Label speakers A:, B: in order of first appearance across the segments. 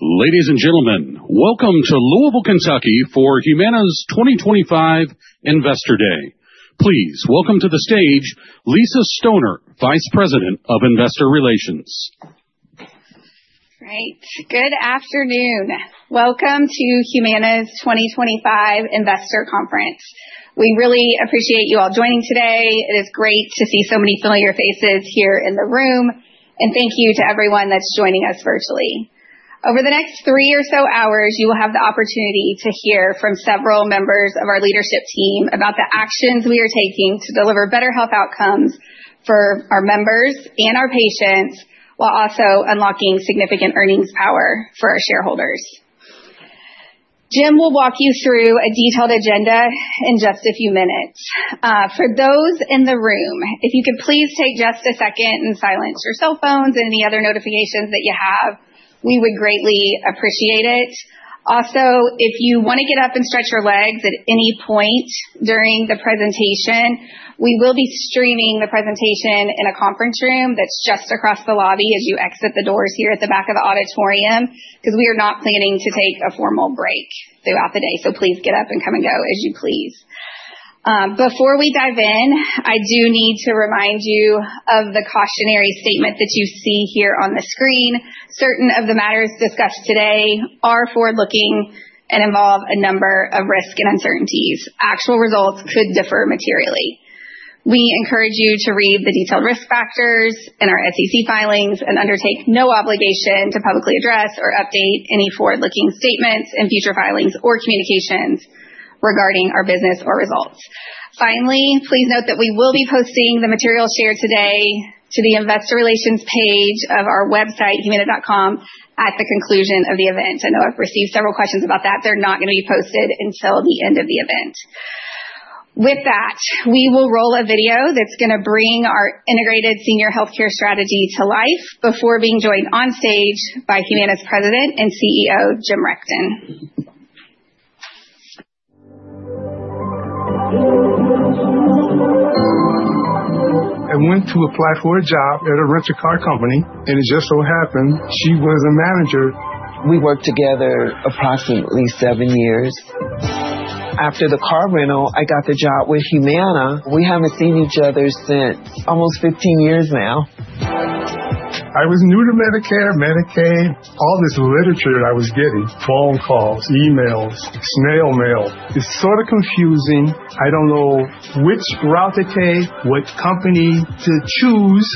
A: Ladies and gentlemen, welcome to Louisville, Kentucky, for Humana's 2025 Investor Day. Please welcome to the stage Lisa Stoner, Vice President of Investor Relations.
B: Great. Good afternoon. Welcome to Humana's 2025 Investor Conference. We really appreciate you all joining today. It is great to see so many familiar faces here in the room. Thank you to everyone that's joining us virtually. Over the next three or so hours, you will have the opportunity to hear from several members of our leadership team about the actions we are taking to deliver better health outcomes for our members and our patients, while also unlocking significant earnings power for our shareholders. Jim will walk you through a detailed agenda in just a few minutes. For those in the room, if you could please take just a second and silence your cell phones and any other notifications that you have, we would greatly appreciate it. Also, if you want to get up and stretch your legs at any point during the presentation, we will be streaming the presentation in a conference room that is just across the lobby as you exit the doors here at the back of the auditorium, because we are not planning to take a formal break throughout the day. Please get up and come and go as you please. Before we dive in, I do need to remind you of the cautionary statement that you see here on the screen. Certain of the matters discussed today are forward-looking and involve a number of risks and uncertainties. Actual results could differ materially. We encourage you to read the detailed risk factors in our SEC filings and undertake no obligation to publicly address or update any forward-looking statements in future filings or communications regarding our business or results. Finally, please note that we will be posting the material shared today to the Investor Relations page of our website, humana.com, at the conclusion of the event. I know I've received several questions about that. They're not going to be posted until the end of the event. With that, we will roll a video that's going to bring our integrated senior healthcare strategy to life before being joined on stage by Humana's President and CEO, Jim Rechtin. I went to apply for a job at a rental car company, and it just so happened she was a manager. We worked together approximately seven years. After the car rental, I got the job with Humana. We have not seen each other since almost 15 years now. I was new to Medicare, Medicaid, all this literature I was getting: phone calls, emails, snail mail. It's sort of confusing. I don't know which route to take, what company to choose.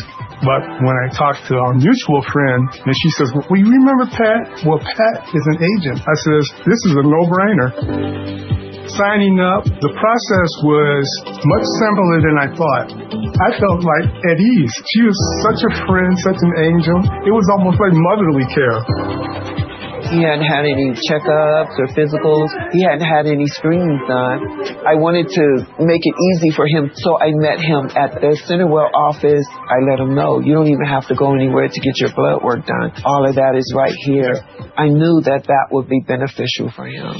B: When I talked to our mutual friend, she says, "You remember Pat?" "Pat is an agent." I said, "This is a no-brainer." Signing up, the process was much simpler than I thought. I felt at ease. She was such a friend, such an angel. It was almost like motherly care. He had not had any checkups or physicals. He had not had any screenings done. I wanted to make it easy for him, so I met him at the CenterWell office. I let him know, "You do not even have to go anywhere to get your blood work done. All of that is right here." I knew that that would be beneficial for him.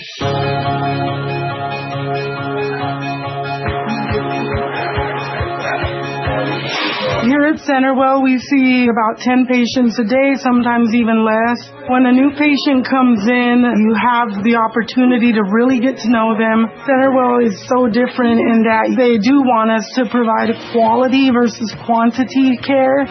B: Here at CenterWell, we see about 10 patients a day, sometimes even less. When a new patient comes in, you have the opportunity to really get to know them. CenterWell is so different in that they do want us to provide quality versus quantity care.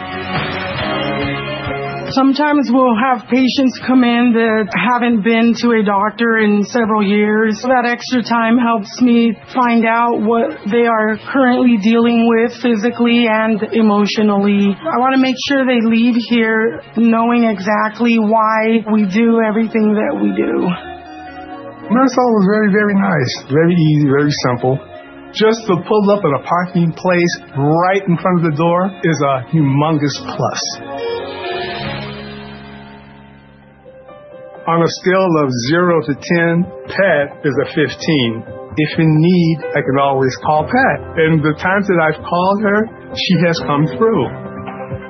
B: Sometimes we will have patients come in that have not been to a doctor in several years. That extra time helps me find out what they are currently dealing with physically and emotionally. I want to make sure they leave here knowing exactly why we do everything that we do. Marisol was very, very nice. Very easy, very simple. Just to pull up at a parking place right in front of the door is a humongous plus. On a scale of 0-10, Pat is a 15. If in need, I can always call Pat. The times that I've called her, she has come through.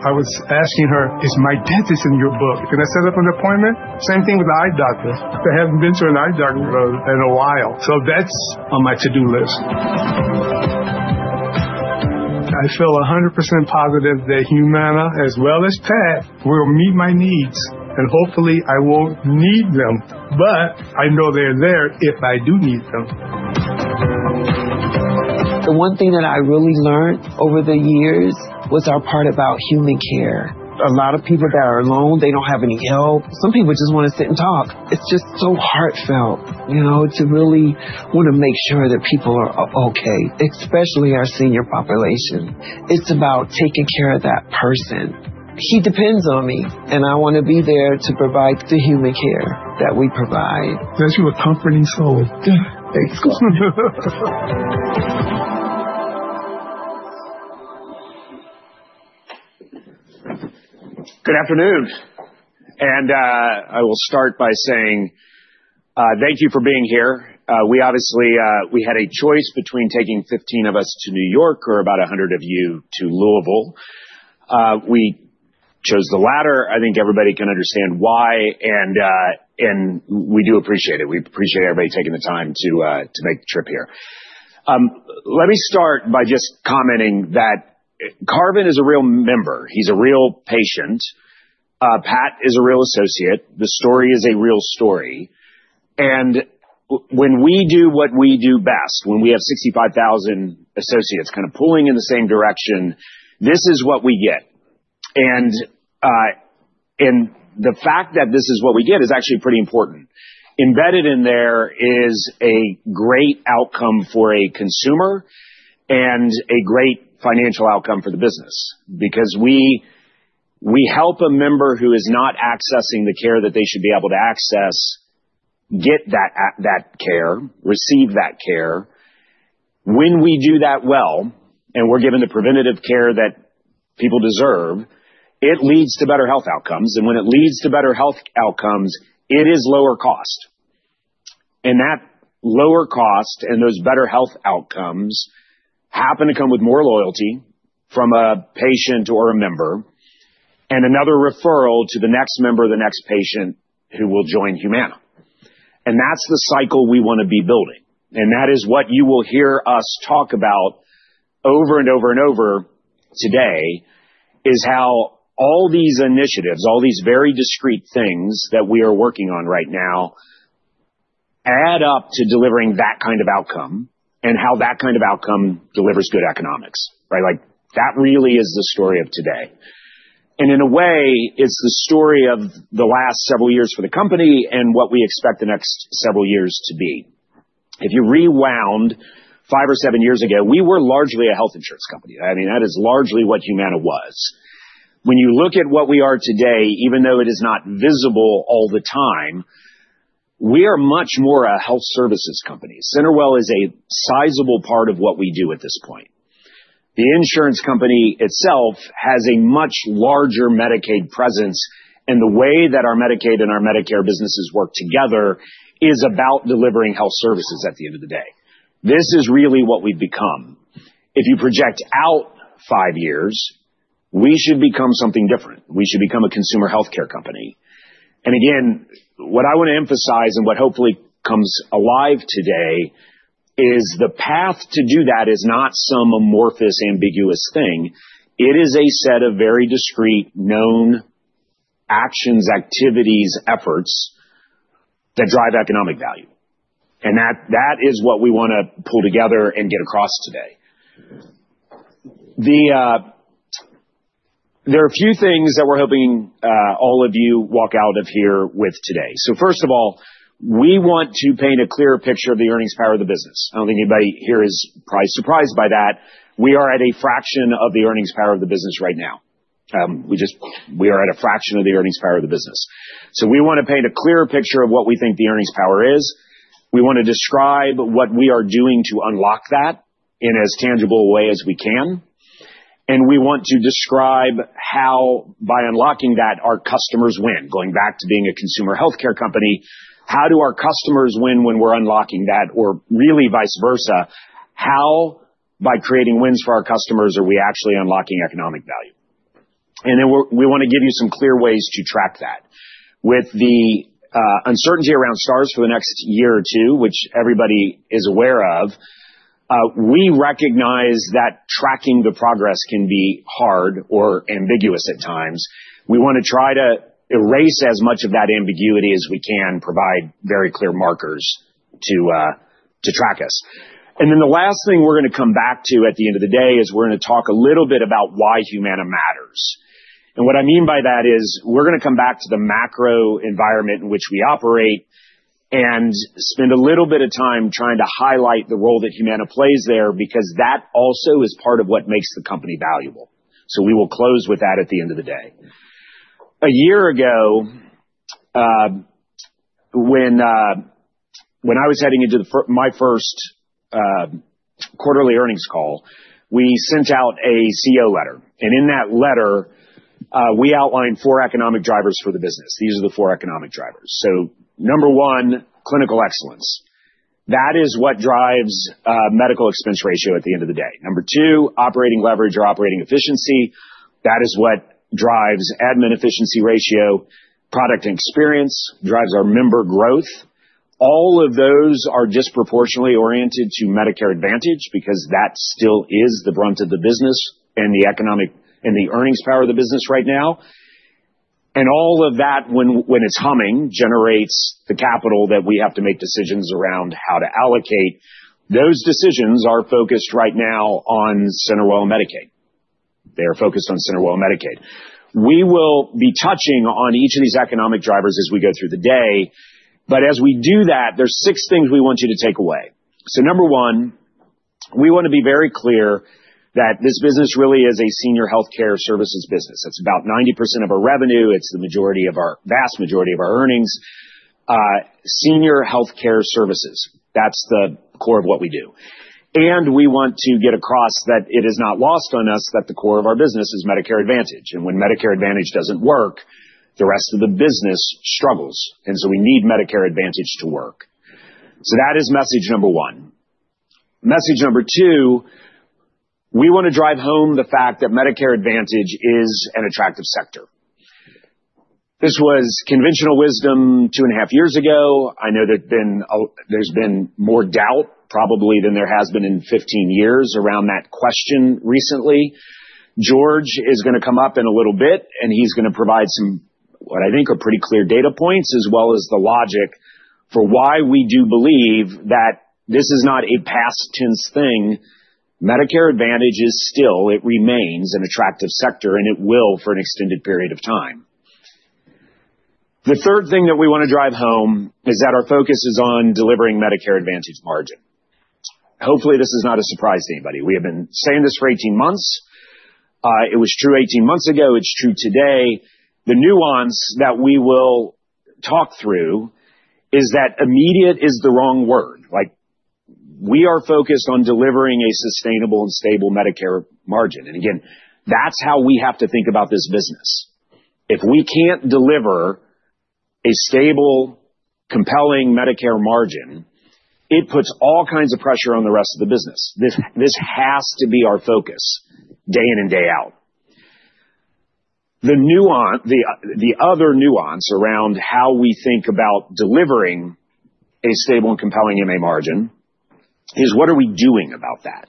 B: I was asking her, "Is my dentist in your book? Can I set up an appointment?" Same thing with the eye doctor. I haven't been to an eye doctor in a while, so that's on my to-do list. I feel 100% positive that Humana, as well as Pat, will meet my needs, and hopefully I won't need them, but I know they're there if I do need them. The one thing that I really learned over the years was our part about human care. A lot of people that are alone, they do not have any help. Some people just want to sit and talk. It is just so heartfelt, you know, to really want to make sure that people are okay, especially our senior population. It is about taking care of that person. He depends on me, and I want to be there to provide the human care that we provide. Thank you for comforting soul.
C: Good afternoon. I will start by saying thank you for being here. We obviously had a choice between taking 15 of us to New York or about 100 of you to Louisville. We chose the latter. I think everybody can understand why, and we do appreciate it. We appreciate everybody taking the time to make the trip here. Let me start by just commenting that Karvin is a real member. He is a real patient. Pat is a real associate. The story is a real story. When we do what we do best, when we have 65,000 associates kind of pulling in the same direction, this is what we get. The fact that this is what we get is actually pretty important. Embedded in there is a great outcome for a consumer and a great financial outcome for the business, because we help a member who is not accessing the care that they should be able to access get that care, receive that care. When we do that well and we're given the preventative care that people deserve, it leads to better health outcomes. When it leads to better health outcomes, it is lower cost. That lower cost and those better health outcomes happen to come with more loyalty from a patient or a member and another referral to the next member, the next patient who will join Humana. That is the cycle we want to be building. That is what you will hear us talk about over and over and over today, how all these initiatives, all these very discrete things that we are working on right now add up to delivering that kind of outcome and how that kind of outcome delivers good economics. Right? That really is the story of today. In a way, it is the story of the last several years for the company and what we expect the next several years to be. If you rewound five or seven years ago, we were largely a health insurance company. I mean, that is largely what Humana was. When you look at what we are today, even though it is not visible all the time, we are much more a health services company. CenterWell is a sizable part of what we do at this point. The insurance company itself has a much larger Medicaid presence, and the way that our Medicaid and our Medicare businesses work together is about delivering health services at the end of the day. This is really what we've become. If you project out five years, we should become something different. We should become a consumer healthcare company. What I want to emphasize and what hopefully comes alive today is the path to do that is not some amorphous, ambiguous thing. It is a set of very discrete, known actions, activities, efforts that drive economic value. That is what we want to pull together and get across today. There are a few things that we're hoping all of you walk out of here with today. First of all, we want to paint a clearer picture of the earnings power of the business. I don't think anybody here is surprised by that. We are at a fraction of the earnings power of the business right now. We are at a fraction of the earnings power of the business. We want to paint a clearer picture of what we think the earnings power is. We want to describe what we are doing to unlock that in as tangible a way as we can. We want to describe how, by unlocking that, our customers win. Going back to being a consumer healthcare company, how do our customers win when we're unlocking that? Or really vice versa, how, by creating wins for our customers, are we actually unlocking economic value? We want to give you some clear ways to track that. With the uncertainty around stars for the next year or two, which everybody is aware of, we recognize that tracking the progress can be hard or ambiguous at times. We want to try to erase as much of that ambiguity as we can, provide very clear markers to track us. The last thing we're going to come back to at the end of the day is we're going to talk a little bit about why Humana matters. What I mean by that is we're going to come back to the macro environment in which we operate and spend a little bit of time trying to highlight the role that Humana plays there, because that also is part of what makes the company valuable. We will close with that at the end of the day. A year ago, when I was heading into my first quarterly earnings call, we sent out a CEO letter. In that letter, we outlined four economic drivers for the business. These are the four economic drivers. Number one, clinical excellence. That is what drives medical expense ratio at the end of the day. Number two, operating leverage or operating efficiency. That is what drives admin efficiency ratio. Product and experience drives our member growth. All of those are disproportionately oriented to Medicare Advantage because that still is the brunt of the business and the earnings power of the business right now. All of that, when it's humming, generates the capital that we have to make decisions around how to allocate. Those decisions are focused right now on CenterWell and Medicaid. They are focused on CenterWell and Medicaid. We will be touching on each of these economic drivers as we go through the day. As we do that, there are six things we want you to take away. Number one, we want to be very clear that this business really is a senior healthcare services business. That is about 90% of our revenue. It is the vast majority of our earnings. Senior healthcare services. That is the core of what we do. We want to get across that it is not lost on us that the core of our business is Medicare Advantage. When Medicare Advantage does not work, the rest of the business struggles. We need Medicare Advantage to work. That is message number one. Message number two, we want to drive home the fact that Medicare Advantage is an attractive sector. This was conventional wisdom two and a half years ago. I know there's been more doubt, probably, than there has been in 15 years around that question recently. George is going to come up in a little bit, and he's going to provide some what I think are pretty clear data points, as well as the logic for why we do believe that this is not a past tense thing. Medicare Advantage is still, it remains an attractive sector, and it will for an extended period of time. The third thing that we want to drive home is that our focus is on delivering Medicare Advantage margin. Hopefully, this is not a surprise to anybody. We have been saying this for 18 months. It was true 18 months ago. It's true today. The nuance that we will talk through is that immediate is the wrong word. We are focused on delivering a sustainable and stable Medicare margin. That is how we have to think about this business. If we can't deliver a stable, compelling Medicare margin, it puts all kinds of pressure on the rest of the business. This has to be our focus day in and day out. The other nuance around how we think about delivering a stable and compelling MA margin is what are we doing about that?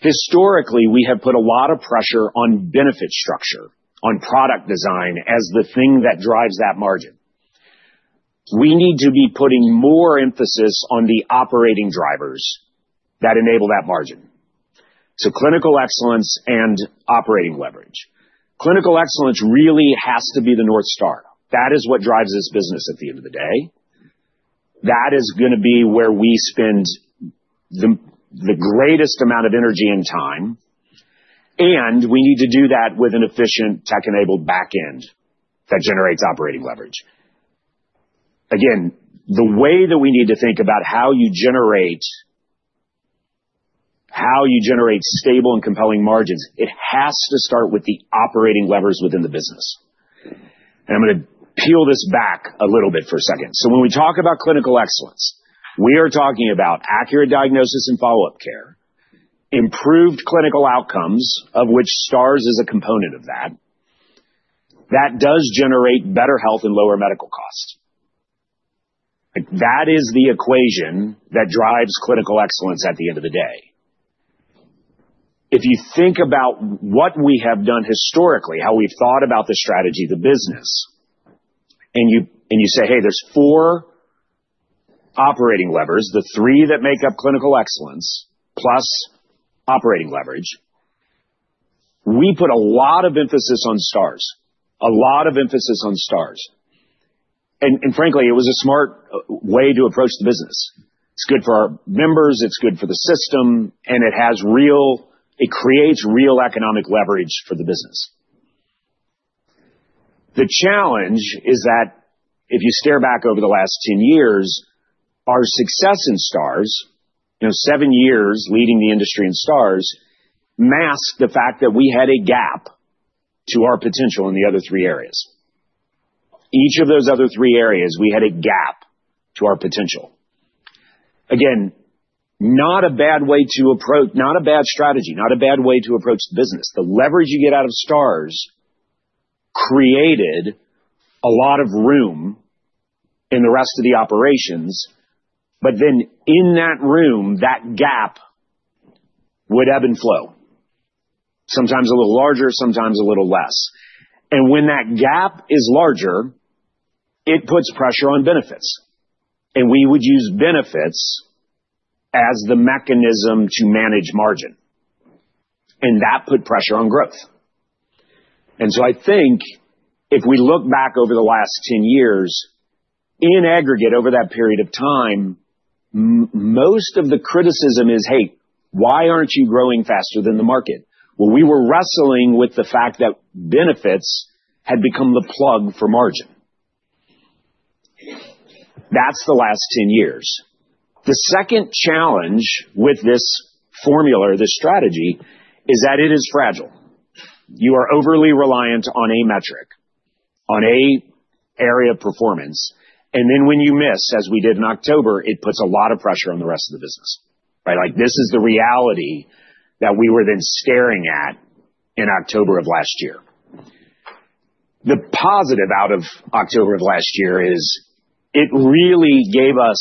C: Historically, we have put a lot of pressure on benefit structure, on product design as the thing that drives that margin. We need to be putting more emphasis on the operating drivers that enable that margin. Clinical excellence and operating leverage. Clinical excellence really has to be the North Star. That is what drives this business at the end of the day. That is going to be where we spend the greatest amount of energy and time. We need to do that with an efficient, tech-enabled backend that generates operating leverage. The way that we need to think about how you generate stable and compelling margins, it has to start with the operating levers within the business. I'm going to peel this back a little bit for a second. When we talk about clinical excellence, we are talking about accurate diagnosis and follow-up care, improved clinical outcomes, of which stars is a component of that. That does generate better health and lower medical cost. That is the equation that drives clinical excellence at the end of the day. If you think about what we have done historically, how we've thought about the strategy, the business, and you say, "Hey, there's four operating levers, the three that make up clinical excellence plus operating leverage," we put a lot of emphasis on stars. A lot of emphasis on stars. Frankly, it was a smart way to approach the business. It's good for our members. It's good for the system. It creates real economic leverage for the business. The challenge is that if you stare back over the last 10 years, our success in stars, seven years leading the industry in stars, masked the fact that we had a gap to our potential in the other three areas. Each of those other three areas, we had a gap to our potential. Again, not a bad way to approach, not a bad strategy, not a bad way to approach the business. The leverage you get out of stars created a lot of room in the rest of the operations. In that room, that gap would ebb and flow, sometimes a little larger, sometimes a little less. When that gap is larger, it puts pressure on benefits. We would use benefits as the mechanism to manage margin. That put pressure on growth. I think if we look back over the last 10 years, in aggregate over that period of time, most of the criticism is, "Hey, why aren't you growing faster than the market?" We were wrestling with the fact that benefits had become the plug for margin. That is the last 10 years. The second challenge with this formula or this strategy is that it is fragile. You are overly reliant on a metric, on an area of performance. When you miss, as we did in October, it puts a lot of pressure on the rest of the business. Right? This is the reality that we were then staring at in October of last year. The positive out of October of last year is it really gave us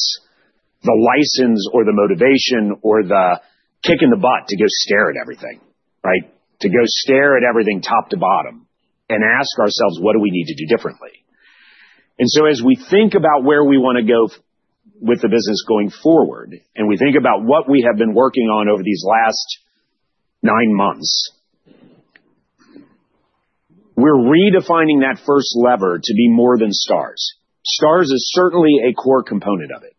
C: the license or the motivation or the kick in the butt to go stare at everything. Right? To go stare at everything top to bottom and ask ourselves, "What do we need to do differently?" As we think about where we want to go with the business going forward and we think about what we have been working on over these last nine months, we're redefining that first lever to be more than stars. stars is certainly a core component of it.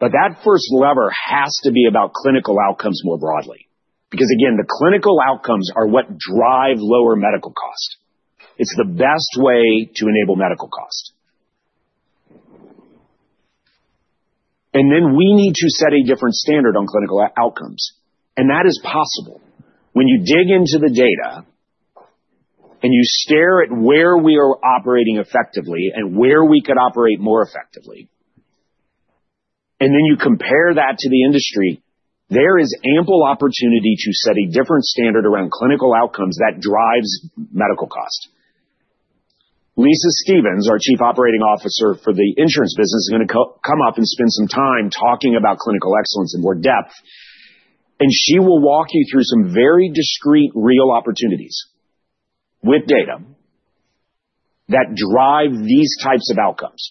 C: That first lever has to be about clinical outcomes more broadly. Because again, the clinical outcomes are what drive lower medical cost. It's the best way to enable medical cost. We need to set a different standard on clinical outcomes. That is possible when you dig into the data and you stare at where we are operating effectively and where we could operate more effectively. When you compare that to the industry, there is ample opportunity to set a different standard around clinical outcomes that drives medical cost. Lisa Stephens, our Chief Operating Officer for the insurance business, is going to come up and spend some time talking about clinical excellence in more depth. She will walk you through some very discreet, real opportunities with data that drive these types of outcomes.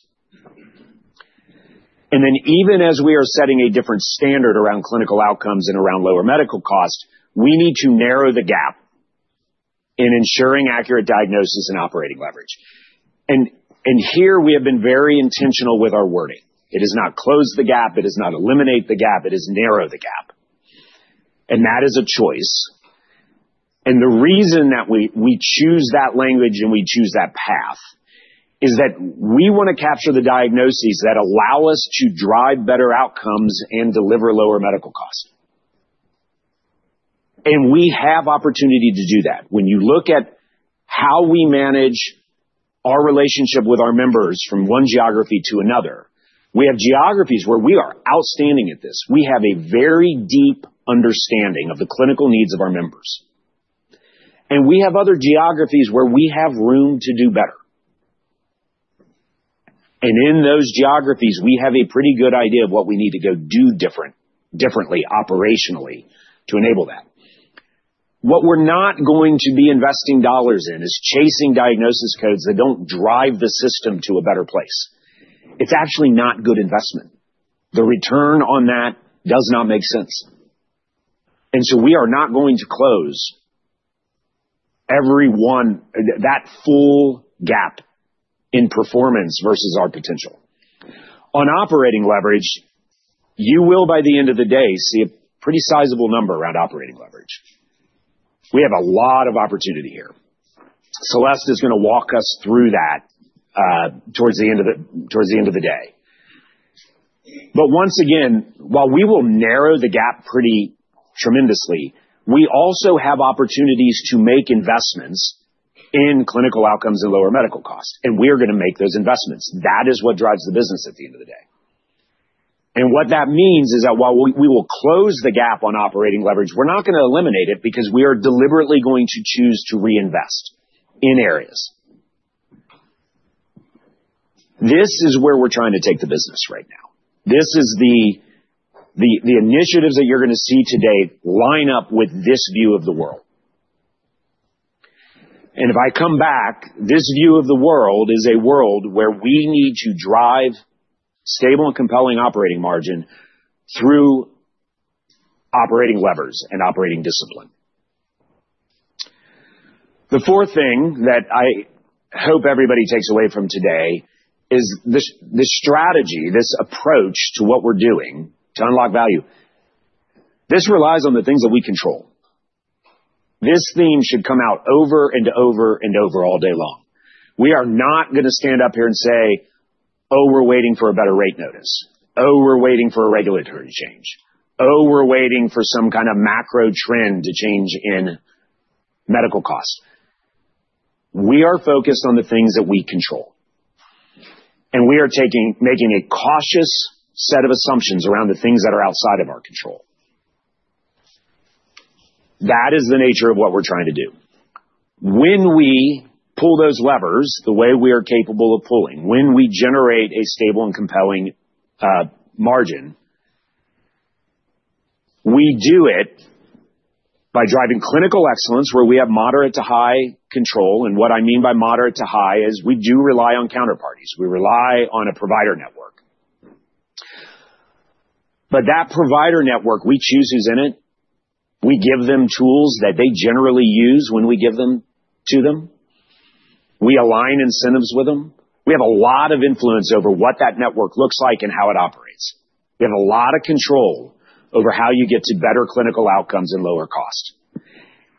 C: Even as we are setting a different standard around clinical outcomes and around lower medical cost, we need to narrow the gap in ensuring accurate diagnosis and operating leverage. Here we have been very intentional with our wording. It does not close the gap. It does not eliminate the gap. It does narrow the gap. That is a choice. The reason that we choose that language and we choose that path is that we want to capture the diagnoses that allow us to drive better outcomes and deliver lower medical cost. We have opportunity to do that. When you look at how we manage our relationship with our members from one geography to another, we have geographies where we are outstanding at this. We have a very deep understanding of the clinical needs of our members. We have other geographies where we have room to do better. In those geographies, we have a pretty good idea of what we need to go do differently, operationally, to enable that. What we are not going to be investing dollars in is chasing diagnosis codes that do not drive the system to a better place. It is actually not good investment. The return on that does not make sense. We are not going to close that full gap in performance versus our potential. On operating leverage, you will, by the end of the day, see a pretty sizable number around operating leverage. We have a lot of opportunity here. Celeste is going to walk us through that towards the end of the day. Once again, while we will narrow the gap pretty tremendously, we also have opportunities to make investments in clinical outcomes and lower medical cost. We are going to make those investments. That is what drives the business at the end of the day. What that means is that while we will close the gap on operating leverage, we're not going to eliminate it because we are deliberately going to choose to reinvest in areas. This is where we're trying to take the business right now. This is the initiatives that you're going to see today line up with this view of the world. If I come back, this view of the world is a world where we need to drive stable and compelling operating margin through operating levers and operating discipline. The fourth thing that I hope everybody takes away from today is this strategy, this approach to what we're doing to unlock value. This relies on the things that we control. This theme should come out over and over and over all day long. We are not going to stand up here and say, "Oh, we're waiting for a better rate notice. Oh, we're waiting for a regulatory change. Oh, we're waiting for some kind of macro trend to change in medical cost." We are focused on the things that we control. We are making a cautious set of assumptions around the things that are outside of our control. That is the nature of what we're trying to do. When we pull those levers the way we are capable of pulling, when we generate a stable and compelling margin, we do it by driving clinical excellence where we have moderate to high control. What I mean by moderate to high is we do rely on counterparties. We rely on a provider network. That provider network, we choose who's in it. We give them tools that they generally use when we give them to them. We align incentives with them. We have a lot of influence over what that network looks like and how it operates. We have a lot of control over how you get to better clinical outcomes and lower cost.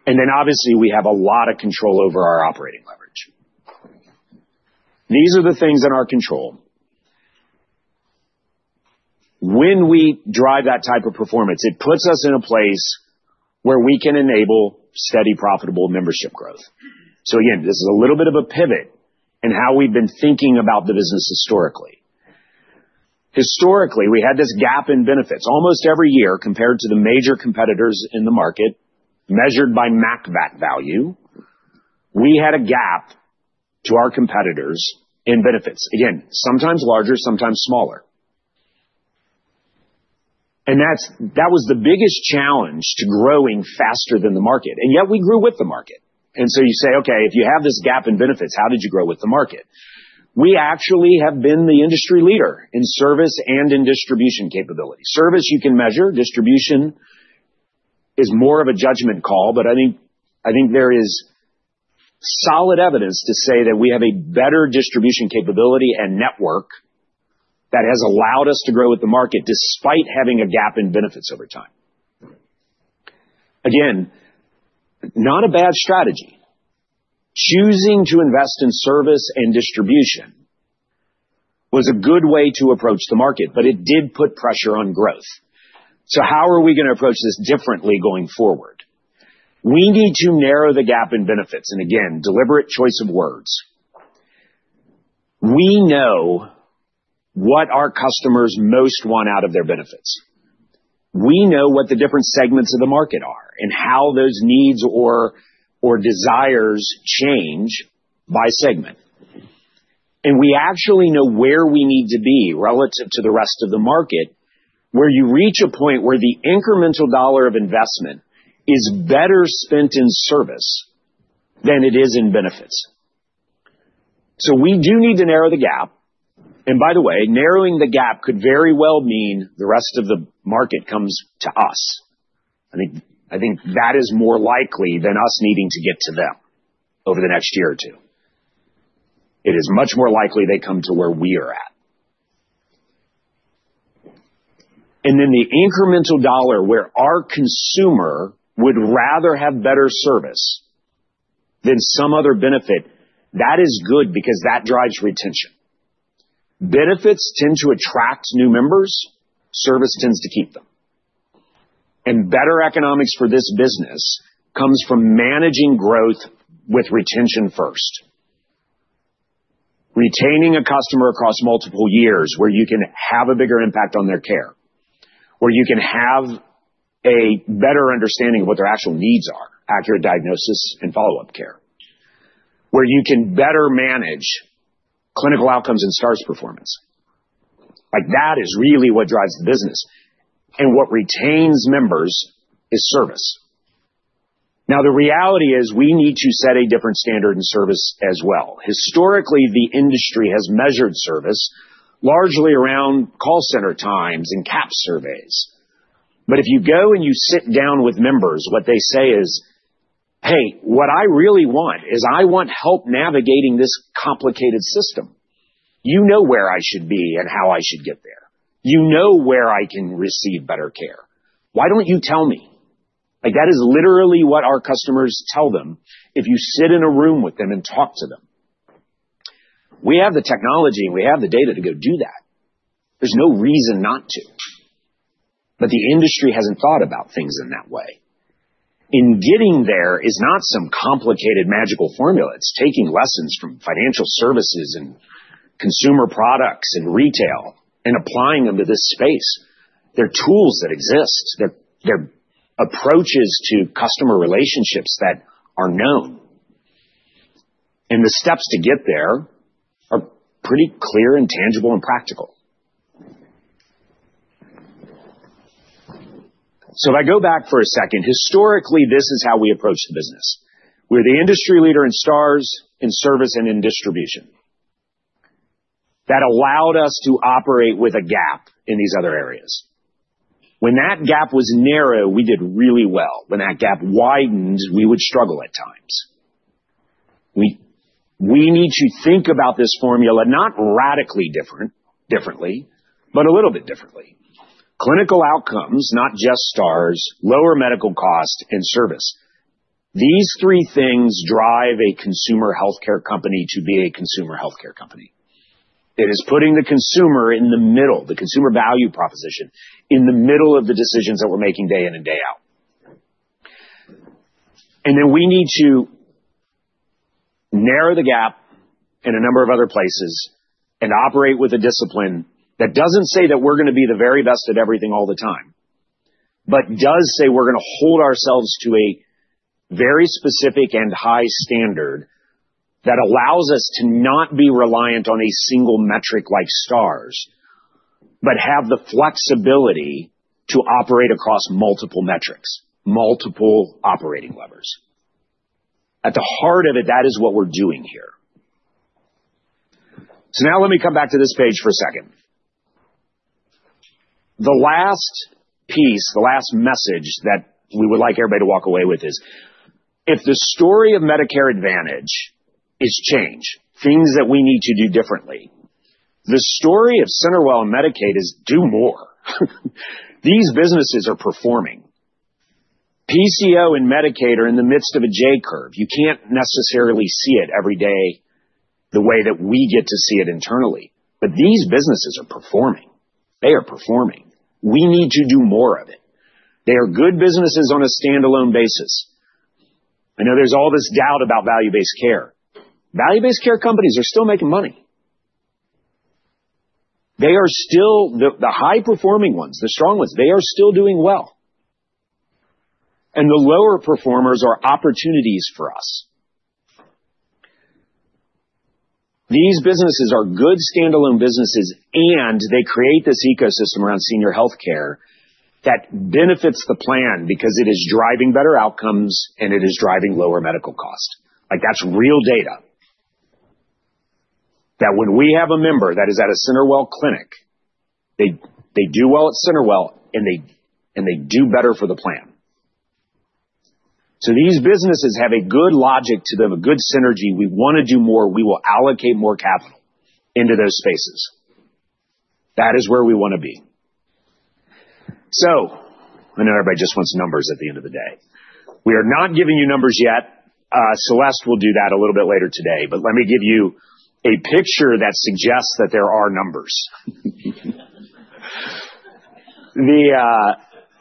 C: We have a lot of control over our operating leverage. These are the things in our control. When we drive that type of performance, it puts us in a place where we can enable steady, profitable membership growth. Again, this is a little bit of a pivot in how we've been thinking about the business historically. Historically, we had this gap in benefits. Almost every year compared to the major competitors in the market, measured by MACVAT value, we had a gap to our competitors in benefits. Sometimes larger, sometimes smaller. That was the biggest challenge to growing faster than the market. Yet we grew with the market. You say, "Okay, if you have this gap in benefits, how did you grow with the market?" We actually have been the industry leader in service and in distribution capability. Service you can measure. Distribution is more of a judgment call. I think there is solid evidence to say that we have a better distribution capability and network that has allowed us to grow with the market despite having a gap in benefits over time. Again, not a bad strategy. Choosing to invest in service and distribution was a good way to approach the market. It did put pressure on growth. How are we going to approach this differently going forward? We need to narrow the gap in benefits. Again, deliberate choice of words. We know what our customers most want out of their benefits. We know what the different segments of the market are and how those needs or desires change by segment. We actually know where we need to be relative to the rest of the market, where you reach a point where the incremental dollar of investment is better spent in service than it is in benefits. We do need to narrow the gap. By the way, narrowing the gap could very well mean the rest of the market comes to us. I think that is more likely than us needing to get to them over the next year or two. It is much more likely they come to where we are at. The incremental dollar where our consumer would rather have better service than some other benefit, that is good because that drives retention. Benefits tend to attract new members. Service tends to keep them. Better economics for this business comes from managing growth with retention first, retaining a customer across multiple years where you can have a bigger impact on their care, where you can have a better understanding of what their actual needs are, accurate diagnosis and follow-up care, where you can better manage clinical outcomes and stars performance. That is really what drives the business. What retains members is service. The reality is we need to set a different standard in service as well. Historically, the industry has measured service largely around call center times and CAPS surveys. If you go and you sit down with members, what they say is, "Hey, what I really want is I want help navigating this complicated system. You know where I should be and how I should get there. You know where I can receive better care. Why don't you tell me?" That is literally what our customers tell them if you sit in a room with them and talk to them. We have the technology. We have the data to go do that. There is no reason not to. The industry has not thought about things in that way. Getting there is not some complicated magical formula. It is taking lessons from financial services and consumer products and retail and applying them to this space. They are tools that exist. They are approaches to customer relationships that are known. The steps to get there are pretty clear and tangible and practical. If I go back for a second, historically, this is how we approach the business. We are the industry leader in stars, in service, and in distribution. That allowed us to operate with a gap in these other areas. When that gap was narrow, we did really well. When that gap widened, we would struggle at times. We need to think about this formula not radically differently, but a little bit differently. Clinical outcomes, not just stars, lower medical cost, and service. These three things drive a consumer healthcare company to be a consumer healthcare company. It is putting the consumer in the middle, the consumer value proposition, in the middle of the decisions that we're making day in and day out. We need to narrow the gap in a number of other places and operate with a discipline that does not say that we are going to be the very best at everything all the time, but does say we are going to hold ourselves to a very specific and high standard that allows us to not be reliant on a single metric like stars, but have the flexibility to operate across multiple metrics, multiple operating levers. At the heart of it, that is what we are doing here. Let me come back to this page for a second. The last piece, the last message that we would like everybody to walk away with is if the story of Medicare Advantage is change, things that we need to do differently, the story of CenterWell and Medicaid is do more. These businesses are performing. PCO and Medicaid are in the midst of a J-curve. You cannot necessarily see it every day the way that we get to see it internally. These businesses are performing. They are performing. We need to do more of it. They are good businesses on a standalone basis. I know there is all this doubt about value-based care. Value-based care companies are still making money. They are still the high-performing ones, the strong ones. They are still doing well. The lower performers are opportunities for us. These businesses are good standalone businesses, and they create this ecosystem around senior healthcare that benefits the plan because it is driving better outcomes, and it is driving lower medical cost. That is real data. When we have a member that is at a CenterWell clinic, they do well at CenterWell, and they do better for the plan. These businesses have a good logic to them, a good synergy. We want to do more. We will allocate more capital into those spaces. That is where we want to be. I know everybody just wants numbers at the end of the day. We are not giving you numbers yet. Celeste will do that a little bit later today. Let me give you a picture that suggests that there are numbers.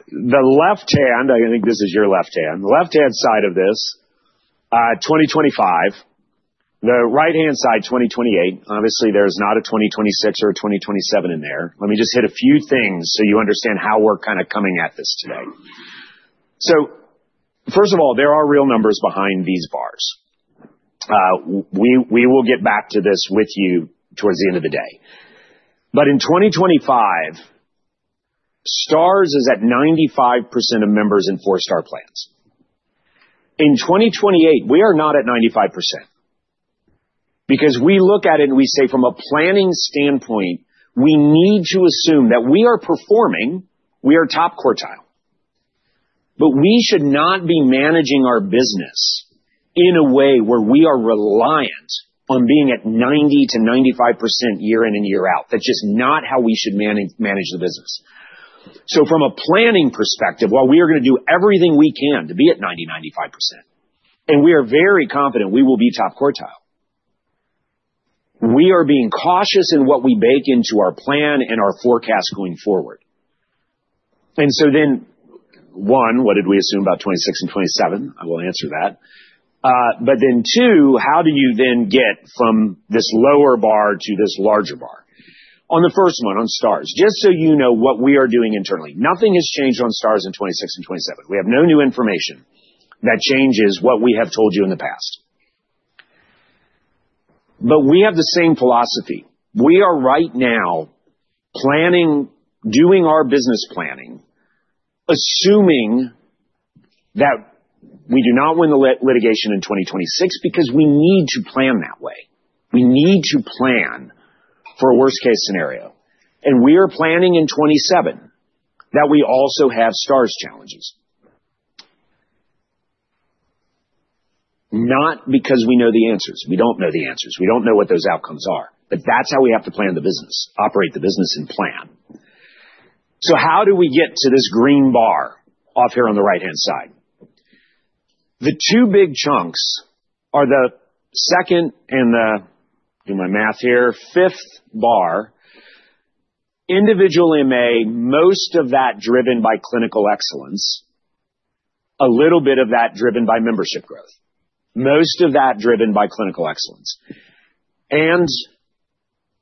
C: The left hand, I think this is your left hand, the left-hand side of this 2025, the right-hand side 2028. Obviously, there is not a 2026 or a 2027 in there. Let me just hit a few things so you understand how we are kind of coming at this today. First of all, there are real numbers behind these bars. We will get back to this with you towards the end of the day. In 2025, stars is at 95% of members in four-star plans. In 2028, we are not at 95% because we look at it and we say from a planning standpoint, we need to assume that we are performing. We are top quartile. We should not be managing our business in a way where we are reliant on being at 90-95% year in and year out. That is just not how we should manage the business. From a planning perspective, while we are going to do everything we can to be at 90%-95%, and we are very confident we will be top quartile, we are being cautious in what we bake into our plan and our forecast going forward. One, what did we assume about 2026 and 2027? I will answer that. How do you then get from this lower bar to this larger bar? On the first one, on stars, just so you know what we are doing internally, nothing has changed on stars in 2026 and 2027. We have no new information that changes what we have told you in the past. We have the same philosophy. We are right now planning, doing our business planning, assuming that we do not win the litigation in 2026 because we need to plan that way. We need to plan for a worst-case scenario. We are planning in 2027 that we also have stars challenges, not because we know the answers. We do not know the answers. We do not know what those outcomes are. That is how we have to plan the business, operate the business, and plan. How do we get to this green bar off here on the right-hand side? The two big chunks are the second and the, do my math here, fifth bar, individually in May, most of that driven by clinical excellence, a little bit of that driven by membership growth, most of that driven by clinical excellence, and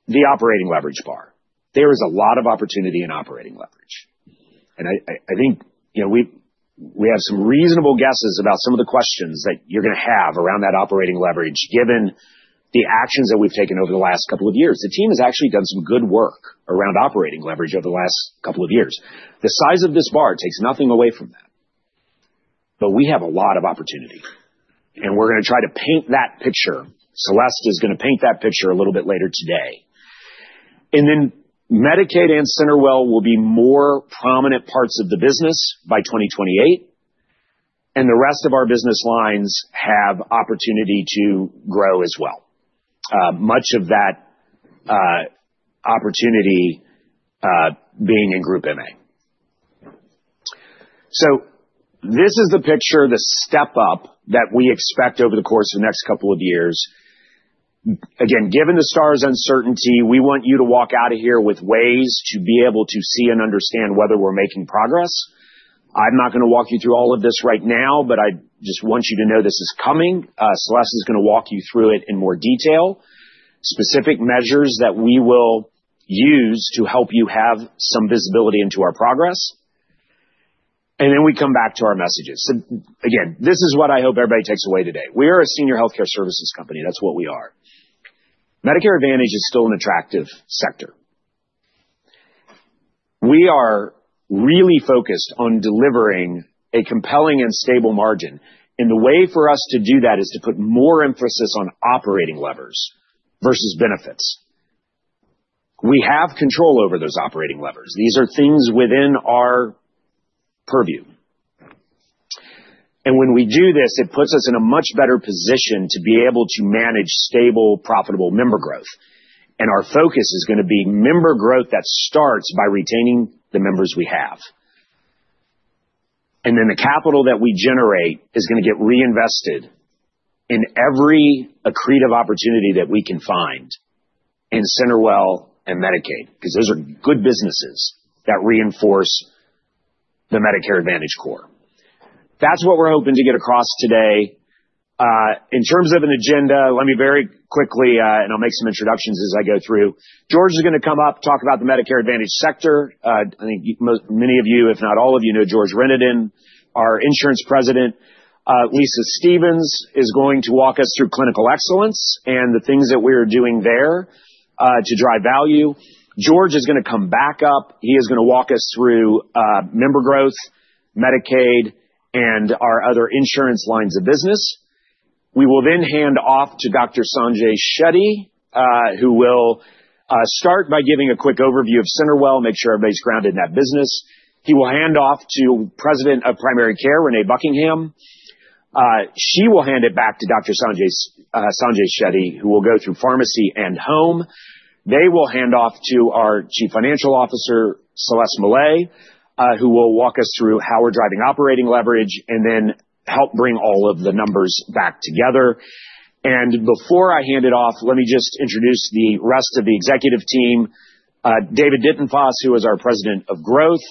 C: the operating leverage bar. There is a lot of opportunity in operating leverage. I think we have some reasonable guesses about some of the questions that you're going to have around that operating leverage given the actions that we've taken over the last couple of years. The team has actually done some good work around operating leverage over the last couple of years. The size of this bar takes nothing away from that. We have a lot of opportunity. We're going to try to paint that picture. Celeste is going to paint that picture a little bit later today. Medicaid and CenterWell will be more prominent parts of the business by 2028. The rest of our business lines have opportunity to grow as well, much of that opportunity being in Group MA. This is the picture, the step-up that we expect over the course of the next couple of years. Given the stars uncertainty, we want you to walk out of here with ways to be able to see and understand whether we're making progress. I'm not going to walk you through all of this right now, but I just want you to know this is coming. Celeste is going to walk you through it in more detail, specific measures that we will use to help you have some visibility into our progress. We come back to our messages. Again, this is what I hope everybody takes away today. We are a senior healthcare services company. That's what we are. Medicare Advantage is still an attractive sector. We are really focused on delivering a compelling and stable margin. The way for us to do that is to put more emphasis on operating levers versus benefits. We have control over those operating levers. These are things within our purview. When we do this, it puts us in a much better position to be able to manage stable, profitable member growth. Our focus is going to be member growth that starts by retaining the members we have. The capital that we generate is going to get reinvested in every accretive opportunity that we can find in CenterWell and Medicaid because those are good businesses that reinforce the Medicare Advantage core. That's what we're hoping to get across today. In terms of an agenda, let me very quickly, and I'll make some introductions as I go through. George is going to come up, talk about the Medicare Advantage sector. I think many of you, if not all of you, know George Renaudin, our Insurance President. Lisa Stephens is going to walk us through clinical excellence and the things that we are doing there to drive value. George is going to come back up. He is going to walk us through member growth, Medicaid, and our other insurance lines of business. We will then hand off to Dr. Sanjay Shetty, who will start by giving a quick overview of CenterWell, make sure everybody's grounded in that business. He will hand off to President of Primary Care, Renee Buckingham. She will hand it back to Dr. Sanjay Shetty, who will go through pharmacy and home. They will hand off to our Chief Financial Officer, Celeste Mellet, who will walk us through how we're driving operating leverage and then help bring all of the numbers back together. Before I hand it off, let me just introduce the rest of the executive team. David Dintenfass, who is our President of Growth,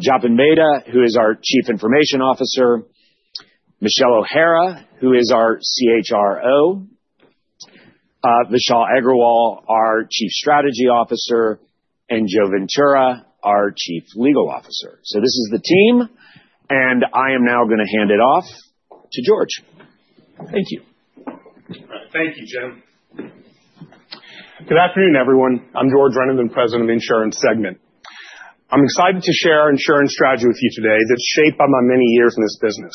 C: Japan Mehta, who is our Chief Information Officer, Michelle O'Hara, who is our CHRO, Vishal Agrawal, our Chief Strategy Officer, and Joe Ventura, our Chief Legal Officer. This is the team. I am now going to hand it off to George. Thank you.
D: Thank you, Jim. Good afternoon, everyone. I'm George Renaudin, President of Insurance Segment. I'm excited to share our insurance strategy with you today that's shaped by my many years in this business.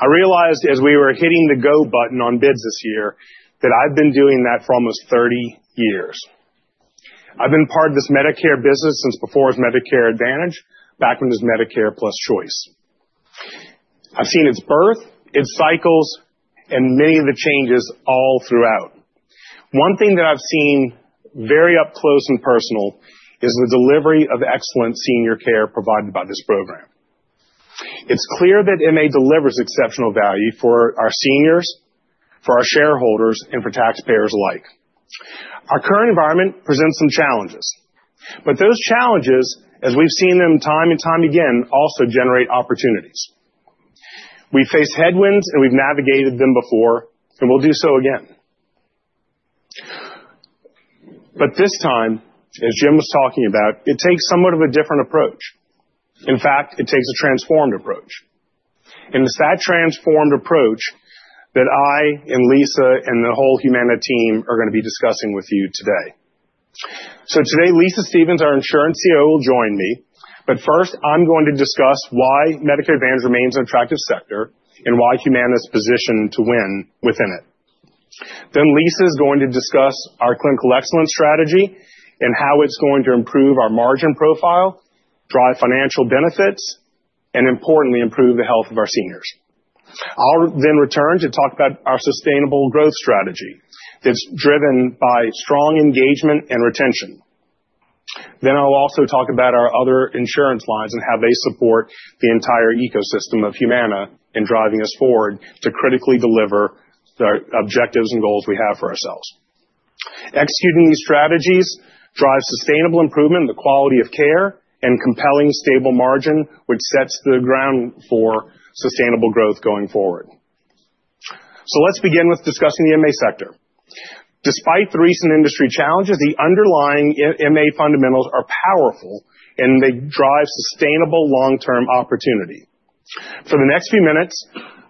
D: I realized as we were hitting the go button on bids this year that I've been doing that for almost 30 years. I've been part of this Medicare business since before it was Medicare Advantage, back when it was Medicare Plus Choice. I've seen its birth, its cycles, and many of the changes all throughout. One thing that I've seen very up close and personal is the delivery of excellent senior care provided by this program. It's clear that MA delivers exceptional value for our seniors, for our shareholders, and for taxpayers alike. Our current environment presents some challenges. Those challenges, as we've seen them time and time again, also generate opportunities. We face headwinds, and we've navigated them before, and we'll do so again. This time, as Jim was talking about, it takes somewhat of a different approach. In fact, it takes a transformed approach. It is that transformed approach that I and Lisa and the whole Humana team are going to be discussing with you today. Today, Lisa Stephens, our Insurance COO, will join me. First, I am going to discuss why Medicare Advantage remains an attractive sector and why Humana is positioned to win within it. Lisa is going to discuss our clinical excellence strategy and how it is going to improve our margin profile, drive financial benefits, and importantly, improve the health of our seniors. I will then return to talk about our sustainable growth strategy that is driven by strong engagement and retention. I will also talk about our other insurance lines and how they support the entire ecosystem of Humana in driving us forward to critically deliver the objectives and goals we have for ourselves. Executing these strategies drives sustainable improvement, the quality of care, and compelling stable margin, which sets the ground for sustainable growth going forward. Let's begin with discussing the MA sector. Despite the recent industry challenges, the underlying MA fundamentals are powerful, and they drive sustainable long-term opportunity. For the next few minutes,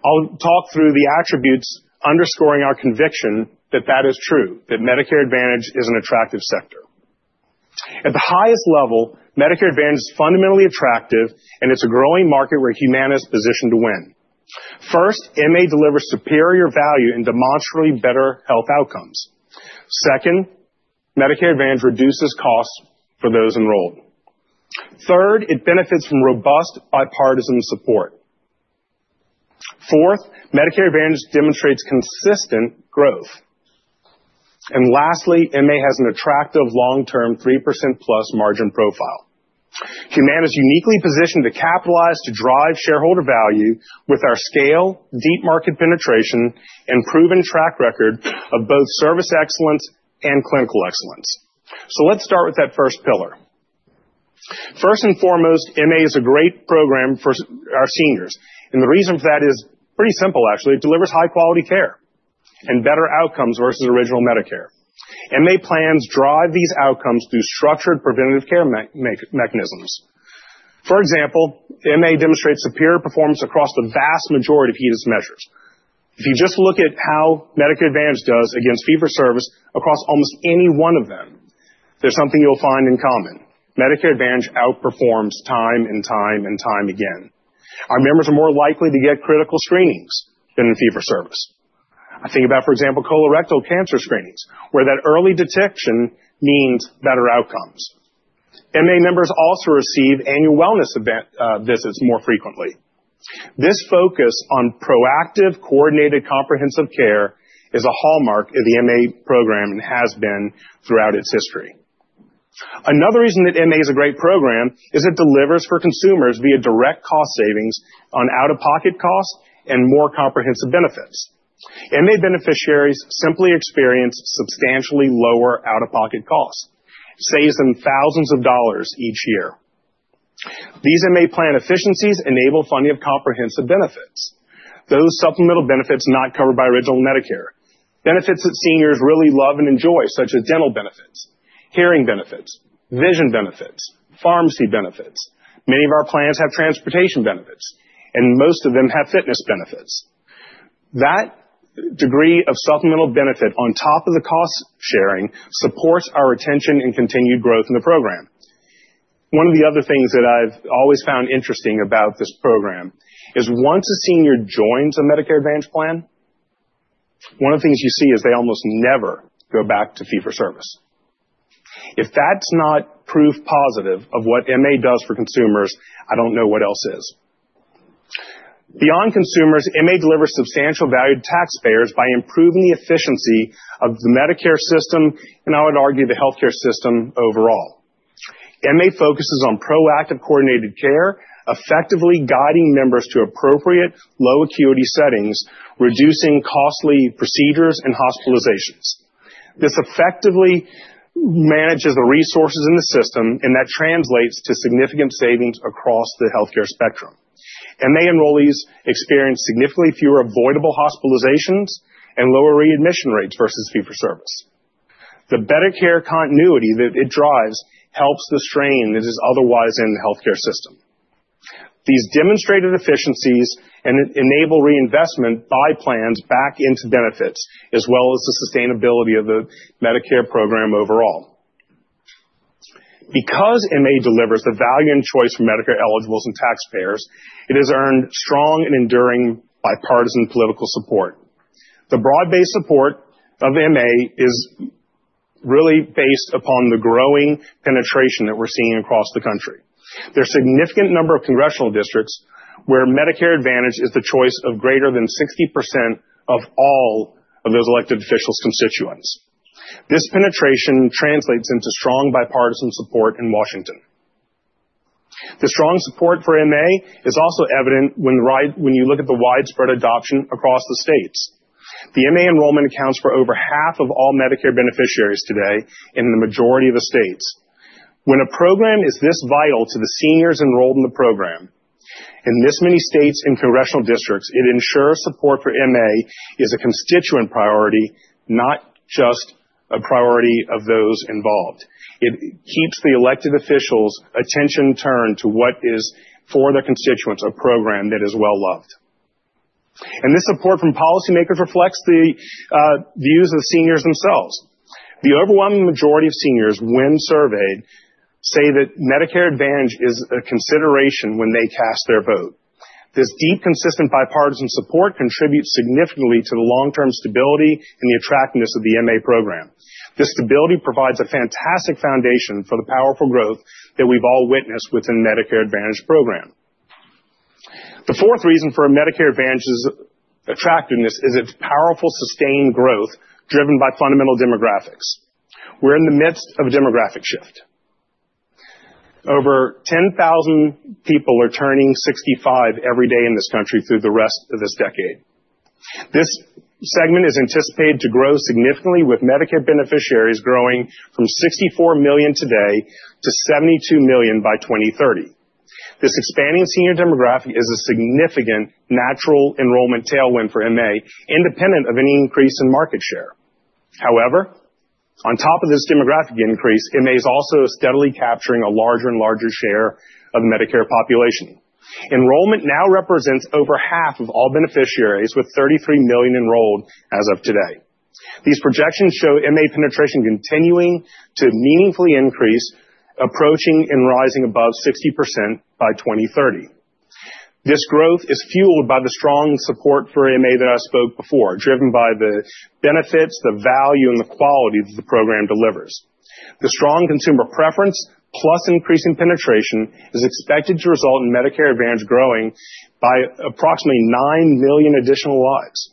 D: I'll talk through the attributes underscoring our conviction that that is true, that Medicare Advantage is an attractive sector. At the highest level, Medicare Advantage is fundamentally attractive, and it's a growing market where Humana is positioned to win. First, MA delivers superior value and demonstrably better health outcomes. Second, Medicare Advantage reduces costs for those enrolled. Third, it benefits from robust bipartisan support. Fourth, Medicare Advantage demonstrates consistent growth. Lastly, MA has an attractive long-term 3%+ margin profile. Humana is uniquely positioned to capitalize to drive shareholder value with our scale, deep market penetration, and proven track record of both service excellence and clinical excellence. Let's start with that first pillar. First and foremost, MA is a great program for our seniors. The reason for that is pretty simple, actually. It delivers high-quality care and better outcomes versus original Medicare. MA plans drive these outcomes through structured preventative care mechanisms. For example, MA demonstrates superior performance across the vast majority of HEDIS measures. If you just look at how Medicare Advantage does against Fee-for-Service across almost any one of them, there's something you'll find in common. Medicare Advantage outperforms time and time and time again. Our members are more likely to get critical screenings than in Fee-for-Service. I think about, for example, colorectal cancer screenings, where that early detection means better outcomes. MA members also receive annual wellness visits more frequently. This focus on proactive, coordinated, comprehensive care is a hallmark of the MA program and has been throughout its history. Another reason that MA is a great program is it delivers for consumers via direct cost savings on out-of-pocket costs and more comprehensive benefits. MA beneficiaries simply experience substantially lower out-of-pocket costs, saves them thousands of dollars each year. These MA plan efficiencies enable funding of comprehensive benefits, those supplemental benefits not covered by original Medicare, benefits that seniors really love and enjoy, such as dental benefits, hearing benefits, vision benefits, pharmacy benefits. Many of our plans have transportation benefits, and most of them have fitness benefits. That degree of supplemental benefit on top of the cost sharing supports our retention and continued growth in the program. One of the other things that I've always found interesting about this program is once a senior joins a Medicare Advantage plan, one of the things you see is they almost never go back to Fee-for-Service. If that's not proof positive of what MA does for consumers, I don't know what else is. Beyond consumers, MA delivers substantial value to taxpayers by improving the efficiency of the Medicare system and, I would argue, the healthcare system overall. MA focuses on proactive, coordinated care, effectively guiding members to appropriate low acuity settings, reducing costly procedures and hospitalizations. This effectively manages the resources in the system, and that translates to significant savings across the healthcare spectrum. MA enrollees experience significantly fewer avoidable hospitalizations and lower readmission rates versus Fee-for-Service. The better care continuity that it drives helps the strain that is otherwise in the healthcare system. These demonstrated efficiencies enable reinvestment by plans back into benefits, as well as the sustainability of the Medicare program overall. Because MA delivers the value and choice for Medicare eligibles and taxpayers, it has earned strong and enduring bipartisan political support. The broad-based support of MA is really based upon the growing penetration that we're seeing across the country. There's a significant number of congressional districts where Medicare Advantage is the choice of greater than 60% of all of those elected officials' constituents. This penetration translates into strong bipartisan support in Washington. The strong support for MA is also evident when you look at the widespread adoption across the states. The MA enrollment accounts for over half of all Medicare beneficiaries today in the majority of the states. When a program is this vital to the seniors enrolled in the program, in this many states and congressional districts, it ensures support for MA is a constituent priority, not just a priority of those involved. It keeps the elected officials' attention turned to what is, for their constituents, a program that is well-loved. This support from policymakers reflects the views of seniors themselves. The overwhelming majority of seniors, when surveyed, say that Medicare Advantage is a consideration when they cast their vote. This deep, consistent bipartisan support contributes significantly to the long-term stability and the attractiveness of the MA program. This stability provides a fantastic foundation for the powerful growth that we've all witnessed within the Medicare Advantage program. The fourth reason for Medicare Advantage's attractiveness is its powerful, sustained growth driven by fundamental demographics. We're in the midst of a demographic shift. Over 10,000 people are turning 65 every day in this country through the rest of this decade. This segment is anticipated to grow significantly, with Medicare beneficiaries growing from 64 million today to 72 million by 2030. This expanding senior demographic is a significant natural enrollment tailwind for MA, independent of any increase in market share. However, on top of this demographic increase, MA is also steadily capturing a larger and larger share of the Medicare population. Enrollment now represents over half of all beneficiaries, with 33 million enrolled as of today. These projections show MA penetration continuing to meaningfully increase, approaching and rising above 60% by 2030. This growth is fueled by the strong support for MA that I spoke before, driven by the benefits, the value, and the quality that the program delivers. The strong consumer preference, plus increasing penetration, is expected to result in Medicare Advantage growing by approximately 9 million additional lives.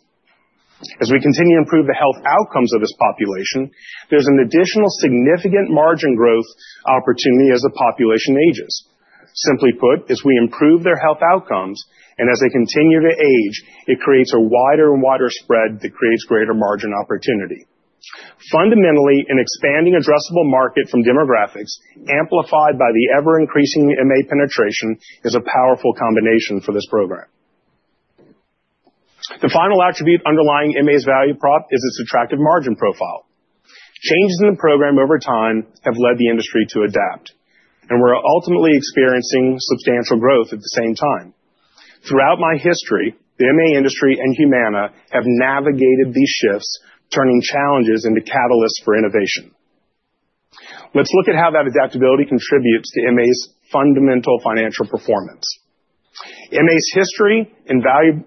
D: As we continue to improve the health outcomes of this population, there is an additional significant margin growth opportunity as the population ages. Simply put, as we improve their health outcomes and as they continue to age, it creates a wider and wider spread that creates greater margin opportunity. Fundamentally, an expanding addressable market from demographics, amplified by the ever-increasing MA penetration, is a powerful combination for this program. The final attribute underlying MA's value prop is its attractive margin profile. Changes in the program over time have led the industry to adapt, and we are ultimately experiencing substantial growth at the same time. Throughout my history, the MA industry and Humana have navigated these shifts, turning challenges into catalysts for innovation. Let's look at how that adaptability contributes to MA's fundamental financial performance. MA's history and value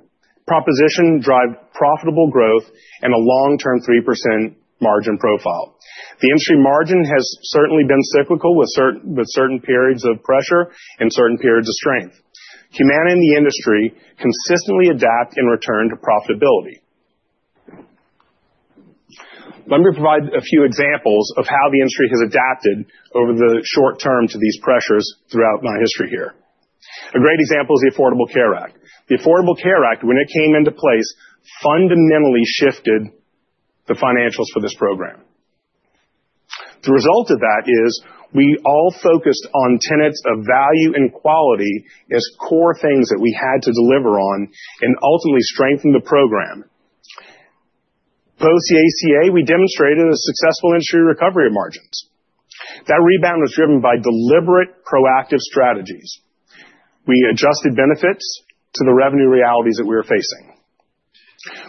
D: proposition drive profitable growth and a long-term 3% margin profile. The industry margin has certainly been cyclical, with certain periods of pressure and certain periods of strength. Humana and the industry consistently adapt and return to profitability. Let me provide a few examples of how the industry has adapted over the short term to these pressures throughout my history here. A great example is the Affordable Care Act. The Affordable Care Act, when it came into place, fundamentally shifted the financials for this program. The result of that is we all focused on tenets of value and quality as core things that we had to deliver on and ultimately strengthen the program. Post the ACA, we demonstrated a successful industry recovery of margins. That rebound was driven by deliberate, proactive strategies. We adjusted benefits to the revenue realities that we were facing.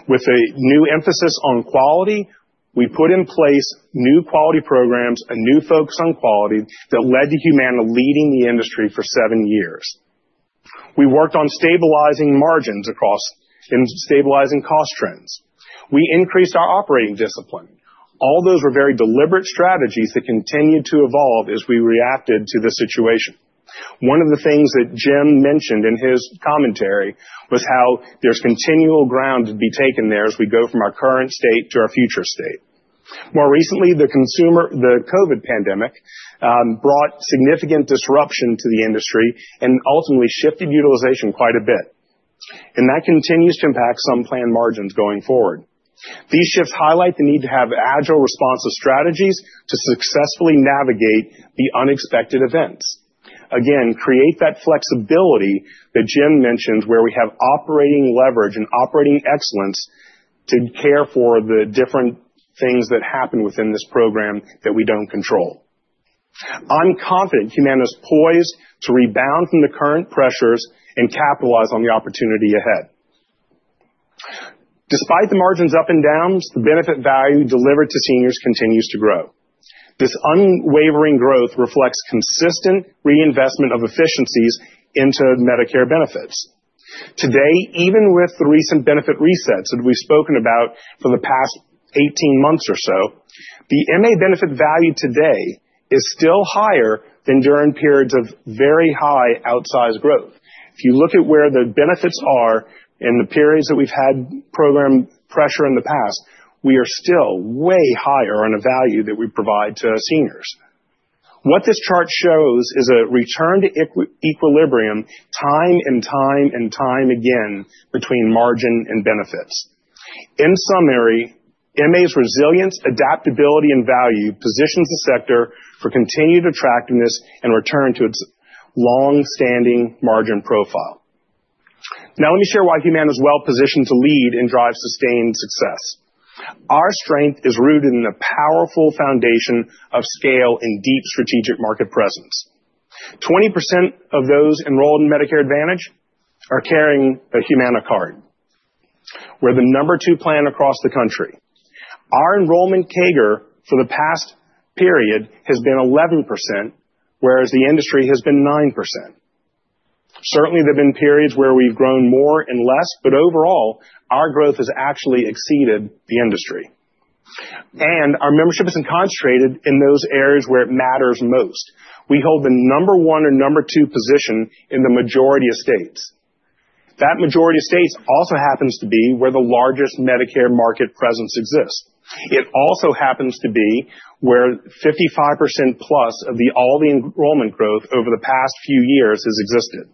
D: With a new emphasis on quality, we put in place new quality programs and new focus on quality that led to Humana leading the industry for seven years. We worked on stabilizing margins and stabilizing cost trends. We increased our operating discipline. All those were very deliberate strategies that continued to evolve as we reacted to the situation. One of the things that Jim mentioned in his commentary was how there's continual ground to be taken there as we go from our current state to our future state. More recently, the COVID pandemic brought significant disruption to the industry and ultimately shifted utilization quite a bit. That continues to impact some planned margins going forward. These shifts highlight the need to have agile, responsive strategies to successfully navigate the unexpected events. Again, create that flexibility that Jim mentioned, where we have operating leverage and operating excellence to care for the different things that happen within this program that we do not control. I am confident Humana is poised to rebound from the current pressures and capitalize on the opportunity ahead. Despite the margins' up and downs, the benefit value delivered to seniors continues to grow. This unwavering growth reflects consistent reinvestment of efficiencies into Medicare benefits. Today, even with the recent benefit resets that we have spoken about for the past 18 months or so, the MA benefit value today is still higher than during periods of very high outsized growth. If you look at where the benefits are in the periods that we have had program pressure in the past, we are still way higher on a value that we provide to seniors. What this chart shows is a return to equilibrium time and time again between margin and benefits. In summary, MA's resilience, adaptability, and value positions the sector for continued attractiveness and return to its long-standing margin profile. Now, let me share why Humana is well-positioned to lead and drive sustained success. Our strength is rooted in a powerful foundation of scale and deep strategic market presence. 20% of those enrolled in Medicare Advantage are carrying a Humana card. We're the number two plan across the country. Our enrollment CAGR for the past period has been 11%, whereas the industry has been 9%. Certainly, there have been periods where we've grown more and less, but overall, our growth has actually exceeded the industry. Our membership is concentrated in those areas where it matters most. We hold the number one or number two position in the majority of states. That majority of states also happens to be where the largest Medicare market presence exists. It also happens to be where 55% plus of all the enrollment growth over the past few years has existed.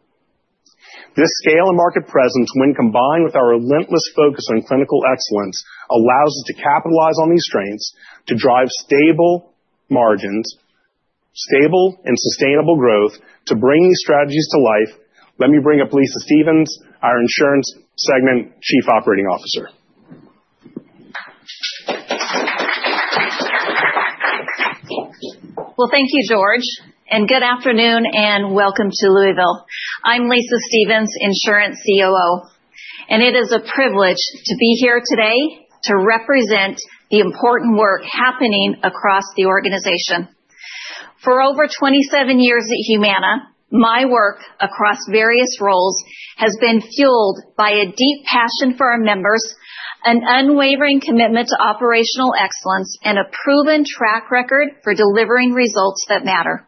D: This scale and market presence, when combined with our relentless focus on clinical excellence, allows us to capitalize on these strengths to drive stable margins, stable and sustainable growth, to bring these strategies to life. Let me bring up Lisa Stephens, our Insurance segment Chief Operating Officer.
E: Thank you, George. Good afternoon and welcome to Louisville. I'm Lisa Stephens, Insurance COO. It is a privilege to be here today to represent the important work happening across the organization. For over 27 years at Humana, my work across various roles has been fueled by a deep passion for our members, an unwavering commitment to operational excellence, and a proven track record for delivering results that matter.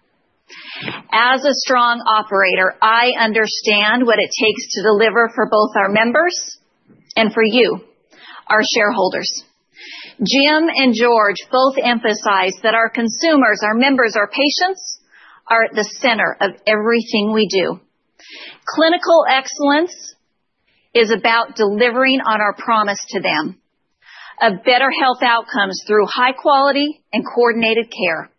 E: As a strong operator, I understand what it takes to deliver for both our members and for you, our shareholders. Jim and George both emphasized that our consumers, our members, our patients are at the center of everything we do. Clinical excellence is about delivering on our promise to them of better health outcomes through high quality and coordinated care.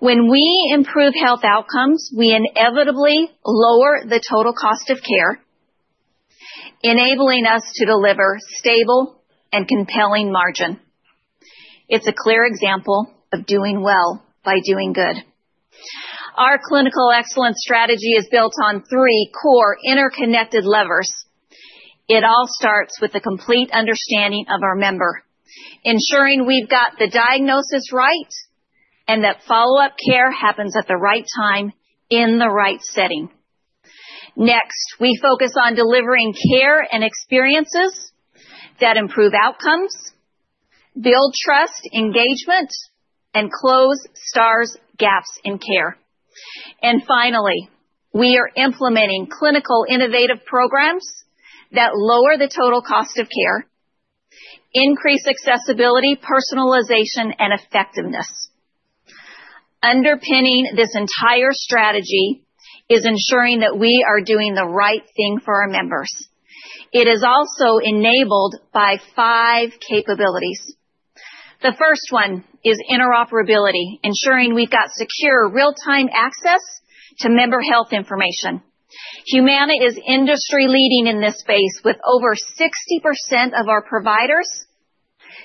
E: When we improve health outcomes, we inevitably lower the total cost of care, enabling us to deliver stable and compelling margin. It is a clear example of doing well by doing good. Our clinical excellence strategy is built on three core interconnected levers. It all starts with the complete understanding of our member, ensuring we have got the diagnosis right and that follow-up care happens at the right time in the right setting. Next, we focus on delivering care and experiences that improve outcomes, build trust, engagement, and close stars gaps in care. Finally, we are implementing clinical innovative programs that lower the total cost of care, increase accessibility, personalization, and effectiveness. Underpinning this entire strategy is ensuring that we are doing the right thing for our members. It is also enabled by five capabilities. The first one is interoperability, ensuring we have got secure real-time access to member health information. Humana is industry-leading in this space, with over 60% of our providers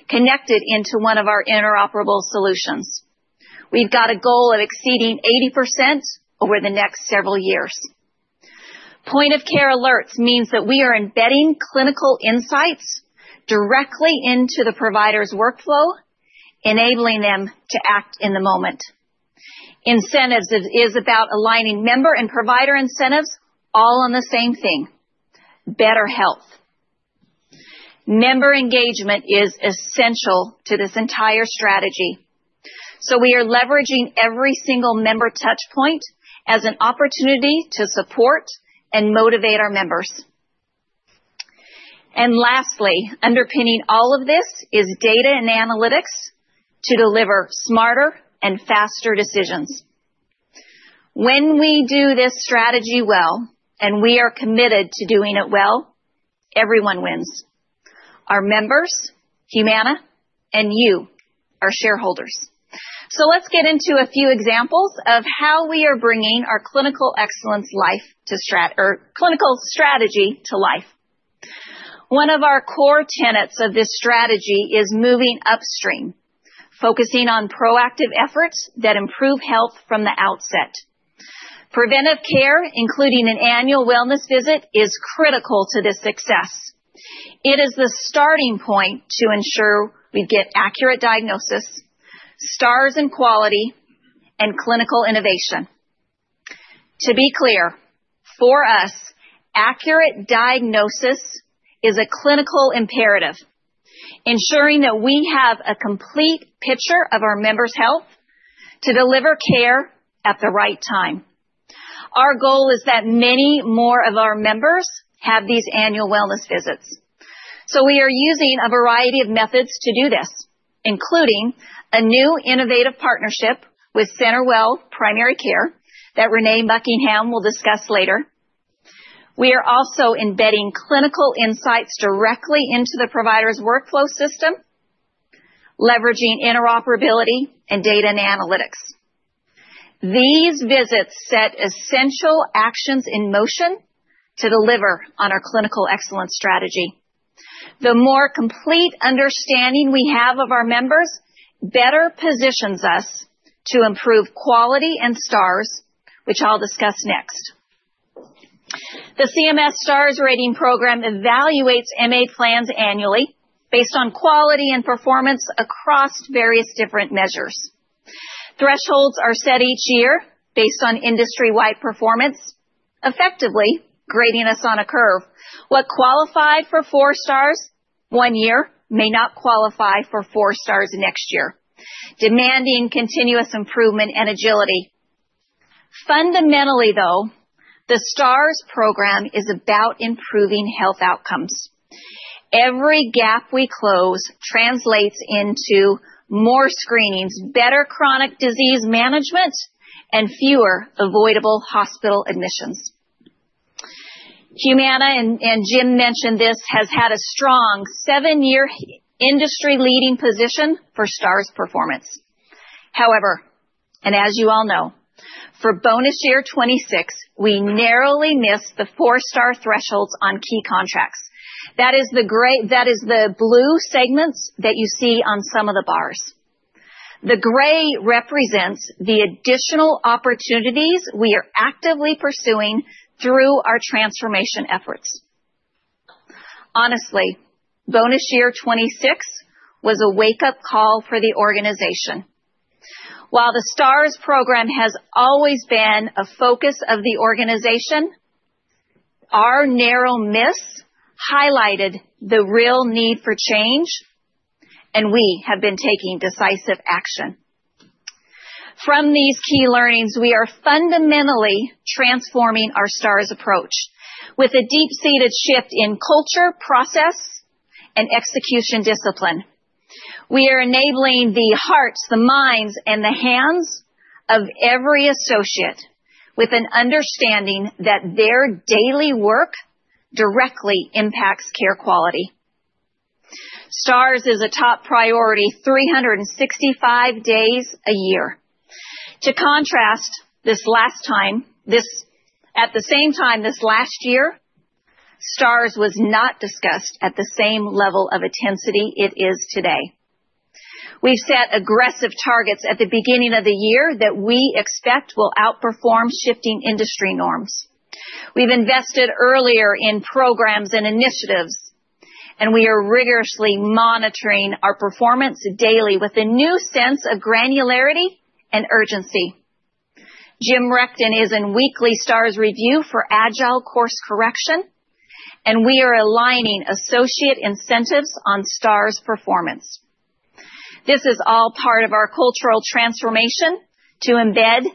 E: connected into one of our interoperable solutions. We've got a goal of exceeding 80% over the next several years. Point of care alerts means that we are embedding clinical insights directly into the provider's workflow, enabling them to act in the moment. Incentives is about aligning member and provider incentives all on the same thing: better health. Member engagement is essential to this entire strategy. We are leveraging every single member touchpoint as an opportunity to support and motivate our members. Lastly, underpinning all of this is data and analytics to deliver smarter and faster decisions. When we do this strategy well, and we are committed to doing it well, everyone wins. Our members, Humana, and you, our shareholders. Let's get into a few examples of how we are bringing our clinical excellence or clinical strategy to life. One of our core tenets of this strategy is moving upstream, focusing on proactive efforts that improve health from the outset. Preventive care, including an annual wellness visit, is critical to this success. It is the starting point to ensure we get accurate diagnosis, stars in quality, and clinical innovation. To be clear, for us, accurate diagnosis is a clinical imperative, ensuring that we have a complete picture of our members' health to deliver care at the right time. Our goal is that many more of our members have these annual wellness visits. We are using a variety of methods to do this, including a new innovative partnership with CenterWell Primary Care that Renee Buckingham will discuss later. We are also embedding clinical insights directly into the provider's workflow system, leveraging interoperability and data and analytics. These visits set essential actions in motion to deliver on our clinical excellence strategy. The more complete understanding we have of our members, better positions us to improve quality and stars, which I'll discuss next. The CMS Stars Rating Program evaluates MA plans annually based on quality and performance across various different measures. Thresholds are set each year based on industry-wide performance, effectively grading us on a curve. What qualified for four stars one year may not qualify for four stars next year, demanding continuous improvement and agility. Fundamentally, though, the Stars Program is about improving health outcomes. Every gap we close translates into more screenings, better chronic disease management, and fewer avoidable hospital admissions. Humana and Jim mentioned this has had a strong seven-year industry-leading position for stars performance. However, and as you all know, for bonus year 2026, we narrowly missed the four-star thresholds on key contracts. That is the blue segments that you see on some of the bars. The gray represents the additional opportunities we are actively pursuing through our transformation efforts. Honestly, bonus year 2026 was a wake-up call for the organization. While the Stars Program has always been a focus of the organization, our narrow miss highlighted the real need for change, and we have been taking decisive action. From these key learnings, we are fundamentally transforming our stars approach with a deep-seated shift in culture, process, and execution discipline. We are enabling the hearts, the minds, and the hands of every associate with an understanding that their daily work directly impacts care quality. Stars is a top priority 365 days a year. To contrast, this last time, at the same time this last year, stars was not discussed at the same level of intensity it is today. We've set aggressive targets at the beginning of the year that we expect will outperform shifting industry norms. We've invested earlier in programs and initiatives, and we are rigorously monitoring our performance daily with a new sense of granularity and urgency. Jim Rechtin is in weekly stars review for agile course correction, and we are aligning associate incentives on stars performance. This is all part of our cultural transformation to embed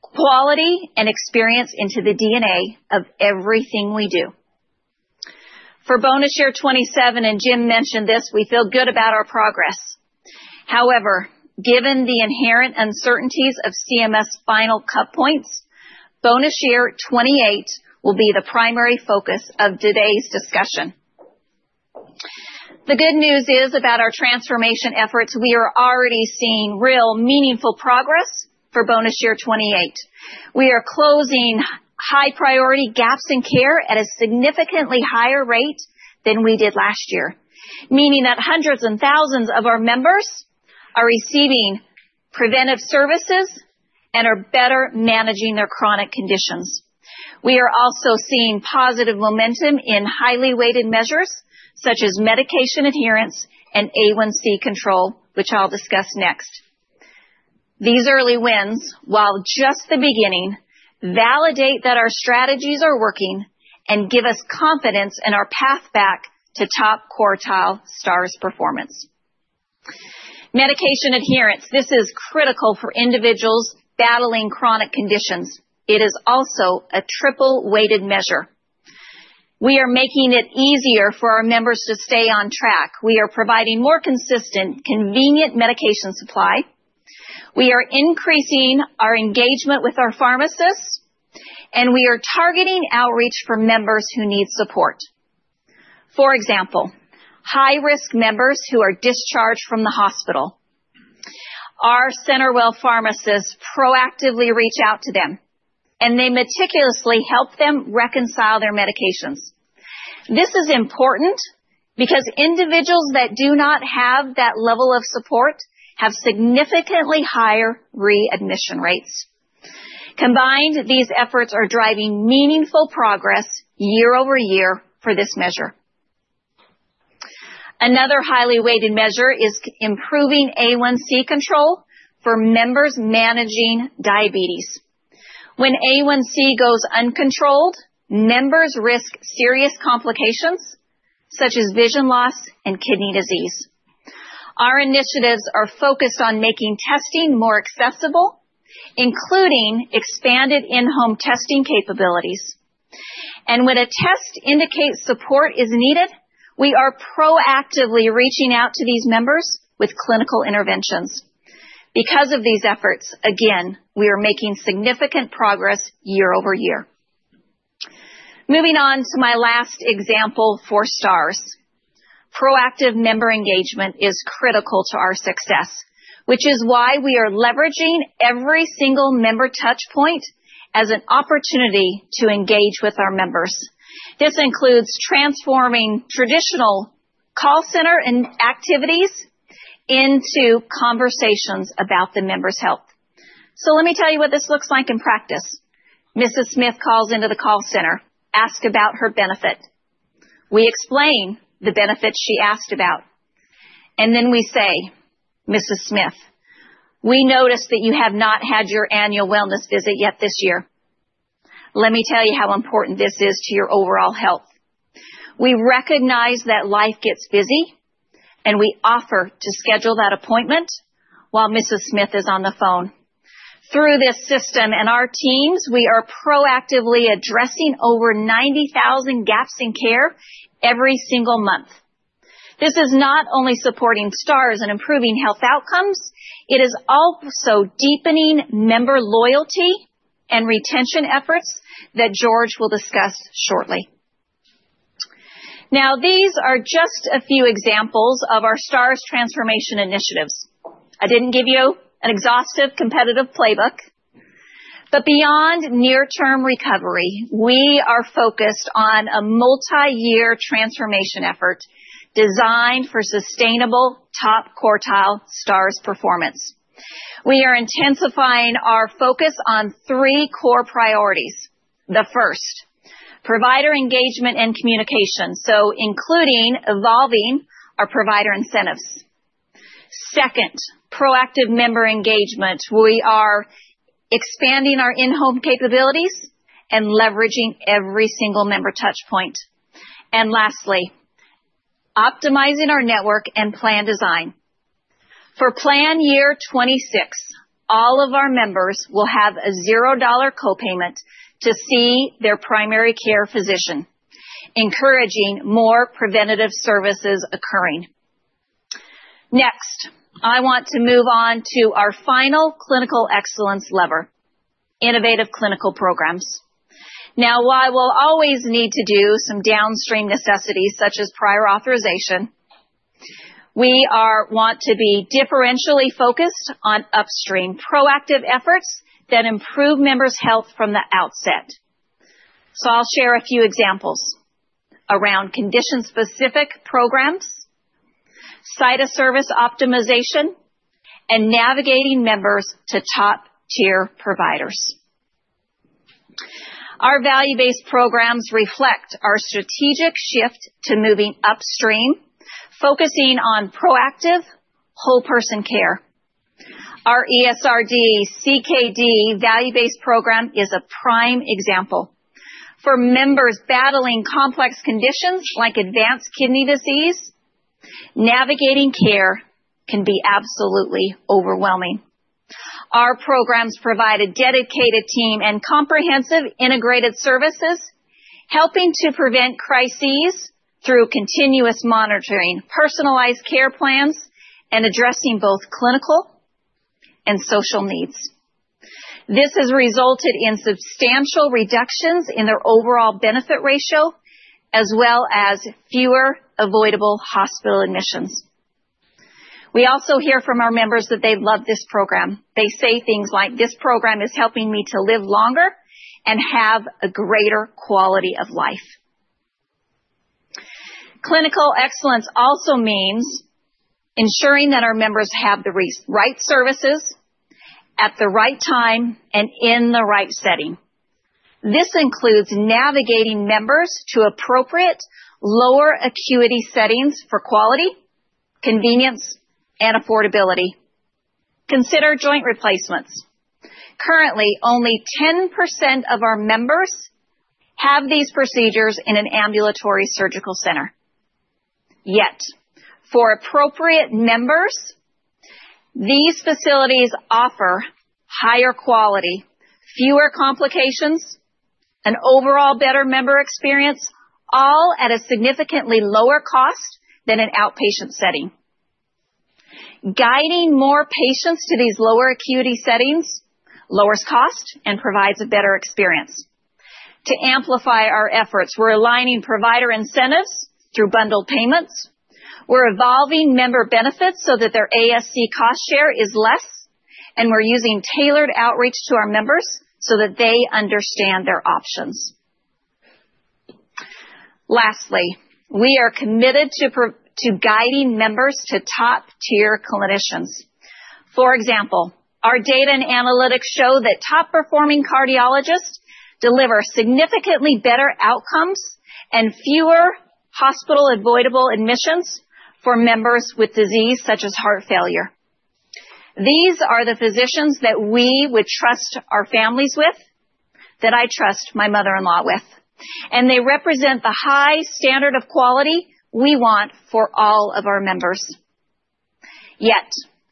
E: quality and experience into the DNA of everything we do. For bonus year 2027, and Jim mentioned this, we feel good about our progress. However, given the inherent uncertainties of CMS final cut points, bonus year 2028 will be the primary focus of today's discussion. The good news is about our transformation efforts. We are already seeing real meaningful progress for bonus year 28. We are closing high-priority gaps in care at a significantly higher rate than we did last year, meaning that hundreds and thousands of our members are receiving preventive services and are better managing their chronic conditions. We are also seeing positive momentum in highly weighted measures such as medication adherence and A1C control, which I'll discuss next. These early wins, while just the beginning, validate that our strategies are working and give us confidence in our path back to top quartile stars performance. Medication adherence, this is critical for individuals battling chronic conditions. It is also a triple-weighted measure. We are making it easier for our members to stay on track. We are providing more consistent, convenient medication supply. We are increasing our engagement with our pharmacists, and we are targeting outreach for members who need support. For example, high-risk members who are discharged from the hospital, our CenterWell pharmacists proactively reach out to them, and they meticulously help them reconcile their medications. This is important because individuals that do not have that level of support have significantly higher readmission rates. Combined, these efforts are driving meaningful progress year over year for this measure. Another highly weighted measure is improving A1C control for members managing diabetes. When A1C goes uncontrolled, members risk serious complications such as vision loss and kidney disease. Our initiatives are focused on making testing more accessible, including expanded in-home testing capabilities. When a test indicates support is needed, we are proactively reaching out to these members with clinical interventions. Because of these efforts, again, we are making significant progress year over year. Moving on to my last example for stars. Proactive member engagement is critical to our success, which is why we are leveraging every single member touchpoint as an opportunity to engage with our members. This includes transforming traditional call center activities into conversations about the members' health. Let me tell you what this looks like in practice. Mrs. Smith calls into the call center, asks about her benefit. We explain the benefits she asked about. We say, "Mrs. Smith, we noticed that you have not had your annual wellness visit yet this year. Let me tell you how important this is to your overall health." We recognize that life gets busy, and we offer to schedule that appointment while Mrs. Smith is on the phone. Through this system and our teams, we are proactively addressing over 90,000 gaps in care every single month. This is not only supporting stars and improving health outcomes, it is also deepening member loyalty and retention efforts that George will discuss shortly. Now, these are just a few examples of our stars transformation initiatives. I did not give you an exhaustive competitive playbook, but beyond near-term recovery, we are focused on a multi-year transformation effort designed for sustainable top quartile stars performance. We are intensifying our focus on three core priorities. The first, provider engagement and communication, so including evolving our provider incentives. Second, proactive member engagement. We are expanding our in-home capabilities and leveraging every single member touchpoint. Lastly, optimizing our network and plan design. For plan year 2026, all of our members will have a zero-dollar co-payment to see their primary care physician, encouraging more preventative services occurring. Next, I want to move on to our final clinical excellence lever, innovative clinical programs. Now, while we'll always need to do some downstream necessities such as prior authorization, we want to be differentially focused on upstream proactive efforts that improve members' health from the outset. I'll share a few examples around condition-specific programs, site-of-service optimization, and navigating members to top-tier providers. Our value-based programs reflect our strategic shift to moving upstream, focusing on proactive whole-person care. Our ESRD CKD value-based program is a prime example. For members battling complex conditions like advanced kidney disease, navigating care can be absolutely overwhelming. Our programs provide a dedicated team and comprehensive integrated services, helping to prevent crises through continuous monitoring, personalized care plans, and addressing both clinical and social needs. This has resulted in substantial reductions in their overall benefit ratio, as well as fewer avoidable hospital admissions. We also hear from our members that they love this program. They say things like, "This program is helping me to live longer and have a greater quality of life." Clinical excellence also means ensuring that our members have the right services at the right time and in the right setting. This includes navigating members to appropriate lower acuity settings for quality, convenience, and affordability. Consider joint replacements. Currently, only 10% of our members have these procedures in an ambulatory surgical center. Yet, for appropriate members, these facilities offer higher quality, fewer complications, and overall better member experience, all at a significantly lower cost than an outpatient setting. Guiding more patients to these lower acuity settings lowers cost and provides a better experience. To amplify our efforts, we're aligning provider incentives through bundled payments. We're evolving member benefits so that their ASC cost share is less, and we're using tailored outreach to our members so that they understand their options. Lastly, we are committed to guiding members to top-tier clinicians. For example, our data and analytics show that top-performing cardiologists deliver significantly better outcomes and fewer hospital-avoidable admissions for members with disease such as heart failure. These are the physicians that we would trust our families with, that I trust my mother-in-law with, and they represent the high standard of quality we want for all of our members. Yet,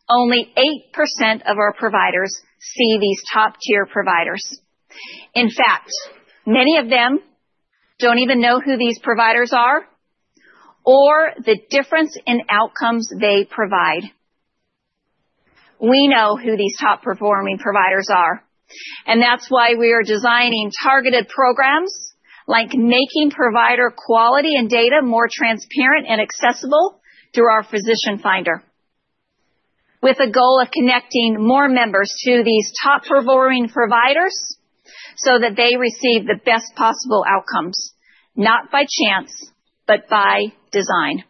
E: only 8% of our providers see these top-tier providers. In fact, many of them do not even know who these providers are or the difference in outcomes they provide. We know who these top-performing providers are, and that's why we are designing targeted programs like making provider quality and data more transparent and accessible through our physician finder, with a goal of connecting more members to these top-performing providers so that they receive the best possible outcomes, not by chance, but by design.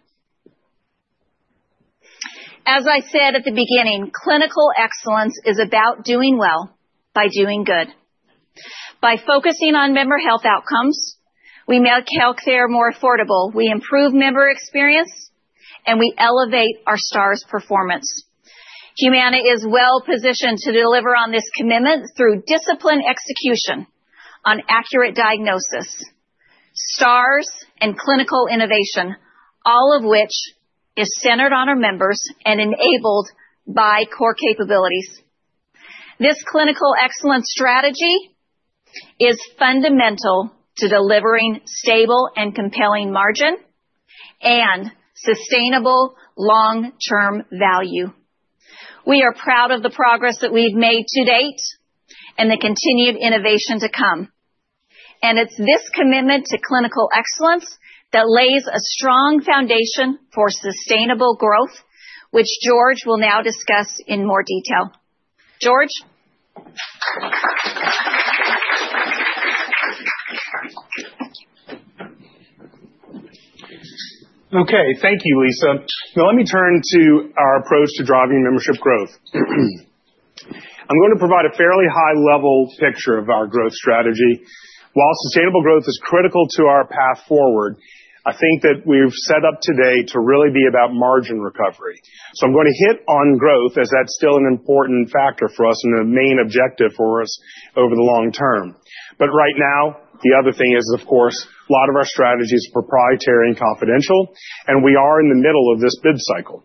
E: As I said at the beginning, clinical excellence is about doing well by doing good. By focusing on member health outcomes, we make healthcare more affordable, we improve member experience, and we elevate our stars performance. Humana is well-positioned to deliver on this commitment through discipline execution on accurate diagnosis, stars and clinical innovation, all of which is centered on our members and enabled by core capabilities. This clinical excellence strategy is fundamental to delivering stable and compelling margin and sustainable long-term value. We are proud of the progress that we've made to date and the continued innovation to come. It is this commitment to clinical excellence that lays a strong foundation for sustainable growth, which George will now discuss in more detail. George.
D: Okay. Thank you, Lisa. Now, let me turn to our approach to driving membership growth. I'm going to provide a fairly high-level picture of our growth strategy. While sustainable growth is critical to our path forward, I think that we've set up today to really be about margin recovery. I'm going to hit on growth as that's still an important factor for us and a main objective for us over the long term. Right now, the other thing is, of course, a lot of our strategy is proprietary and confidential, and we are in the middle of this bid cycle.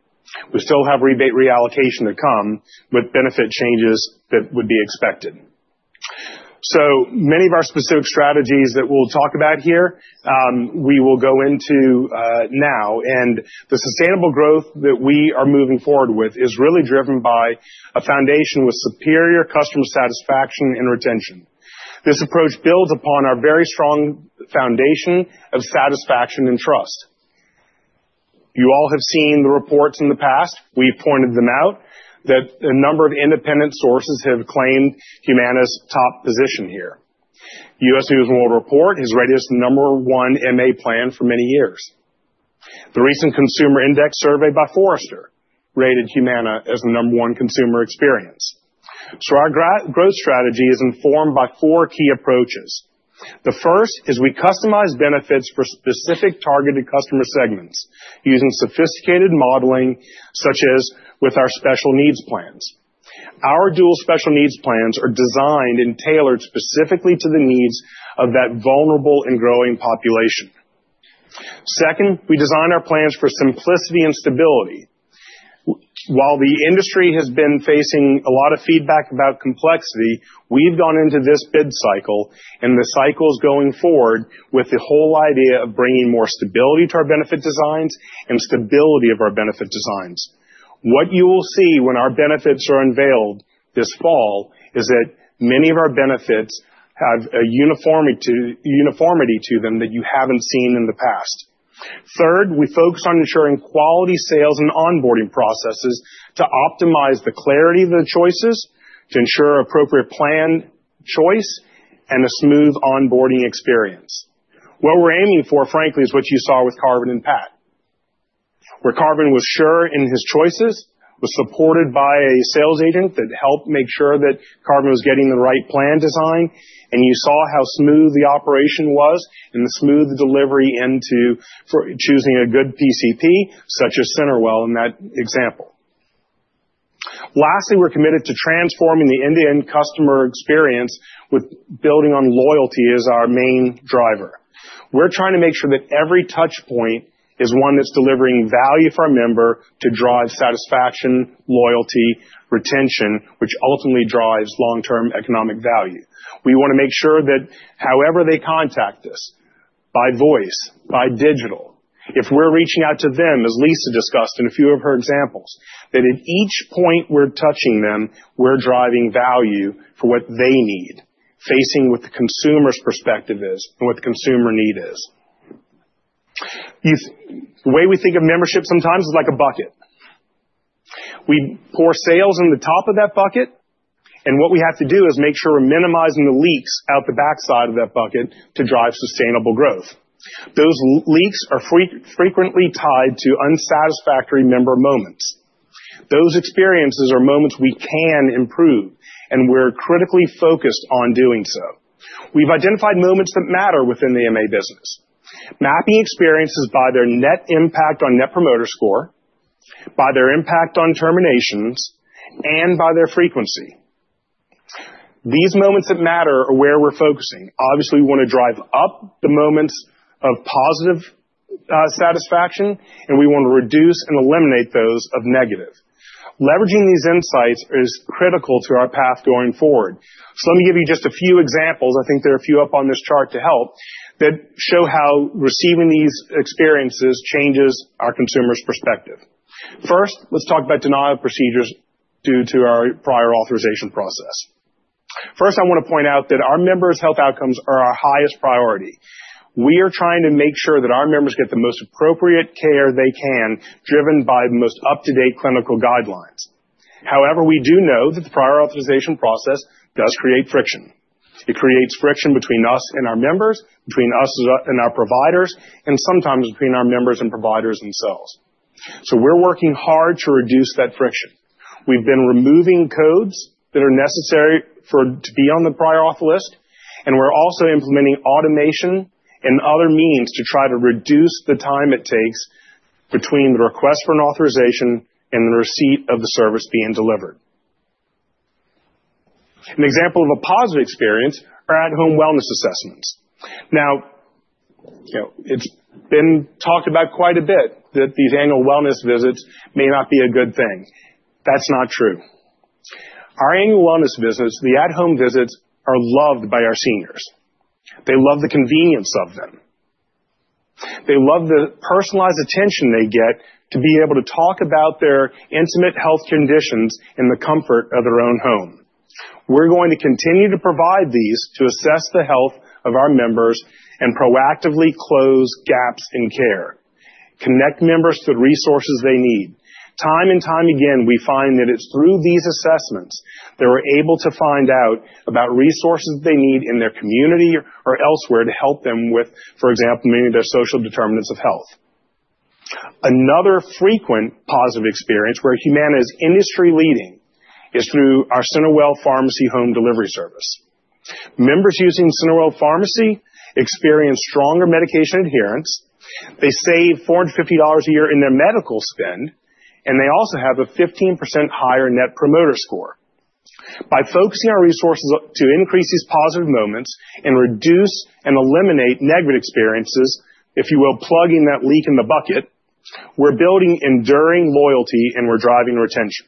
D: We still have rebate reallocation to come with benefit changes that would be expected. Many of our specific strategies that we'll talk about here, we will go into now. The sustainable growth that we are moving forward with is really driven by a foundation with superior customer satisfaction and retention. This approach builds upon our very strong foundation of satisfaction and trust. You all have seen the reports in the past. We've pointed them out that a number of independent sources have claimed Humana's top position here. US News & World Report has rated us the number one MA plan for many years. The recent Consumer Index survey by Forrester rated Humana as the number one consumer experience. Our growth strategy is informed by four key approaches. The first is we customize benefits for specific targeted customer segments using sophisticated modeling such as with our special needs plans. Our dual special needs plans are designed and tailored specifically to the needs of that vulnerable and growing population. Second, we design our plans for simplicity and stability. While the industry has been facing a lot of feedback about complexity, we've gone into this bid cycle, and the cycle is going forward with the whole idea of bringing more stability to our benefit designs and stability of our benefit designs. What you will see when our benefits are unveiled this fall is that many of our benefits have a uniformity to them that you haven't seen in the past. Third, we focus on ensuring quality sales and onboarding processes to optimize the clarity of the choices to ensure appropriate plan choice and a smooth onboarding experience. What we're aiming for, frankly, is what you saw with Karvin and Pat, where Karvin was sure in his choices, was supported by a sales agent that helped make sure that Karvin was getting the right plan design, and you saw how smooth the operation was and the smooth delivery into choosing a good PCP such as CenterWell in that example. Lastly, we're committed to transforming the end-to-end customer experience with building on loyalty as our main driver. We're trying to make sure that every touchpoint is one that's delivering value for our member to drive satisfaction, loyalty, retention, which ultimately drives long-term economic value. We want to make sure that however they contact us, by voice, by digital, if we're reaching out to them, as Lisa discussed in a few of her examples, that at each point we're touching them, we're driving value for what they need, facing what the consumer's perspective is and what the consumer need is. The way we think of membership sometimes is like a bucket. We pour sales in the top of that bucket, and what we have to do is make sure we're minimizing the leaks out the backside of that bucket to drive sustainable growth. Those leaks are frequently tied to unsatisfactory member moments. Those experiences are moments we can improve, and we're critically focused on doing so. We've identified moments that matter within the MA business, mapping experiences by their net impact on net promoter score, by their impact on terminations, and by their frequency. These moments that matter are where we're focusing. Obviously, we want to drive up the moments of positive satisfaction, and we want to reduce and eliminate those of negative. Leveraging these insights is critical to our path going forward. Let me give you just a few examples. I think there are a few up on this chart that show how receiving these experiences changes our consumer's perspective. First, let's talk about denial procedures due to our prior authorization process. First, I want to point out that our members' health outcomes are our highest priority. We are trying to make sure that our members get the most appropriate care they can, driven by the most up-to-date clinical guidelines. However, we do know that the prior authorization process does create friction. It creates friction between us and our members, between us and our providers, and sometimes between our members and providers themselves. We are working hard to reduce that friction. We have been removing codes that are necessary to be on the prior author list, and we are also implementing automation and other means to try to reduce the time it takes between the request for an authorization and the receipt of the service being delivered. An example of a positive experience is at-home wellness assessments. Now, it has been talked about quite a bit that these annual wellness visits may not be a good thing. That is not true. Our annual wellness visits, the at-home visits, are loved by our seniors. They love the convenience of them. They love the personalized attention they get to be able to talk about their intimate health conditions in the comfort of their own home. We're going to continue to provide these to assess the health of our members and proactively close gaps in care, connect members to the resources they need. Time and time again, we find that it's through these assessments they're able to find out about resources they need in their community or elsewhere to help them with, for example, many of their social determinants of health. Another frequent positive experience where Humana is industry-leading is through our CenterWell Pharmacy home delivery service. Members using CenterWell Pharmacy experience stronger medication adherence. They save $450 a year in their medical spend, and they also have a 15% higher net promoter score. By focusing our resources to increase these positive moments and reduce and eliminate negative experiences, if you will, plugging that leak in the bucket, we're building enduring loyalty and we're driving retention.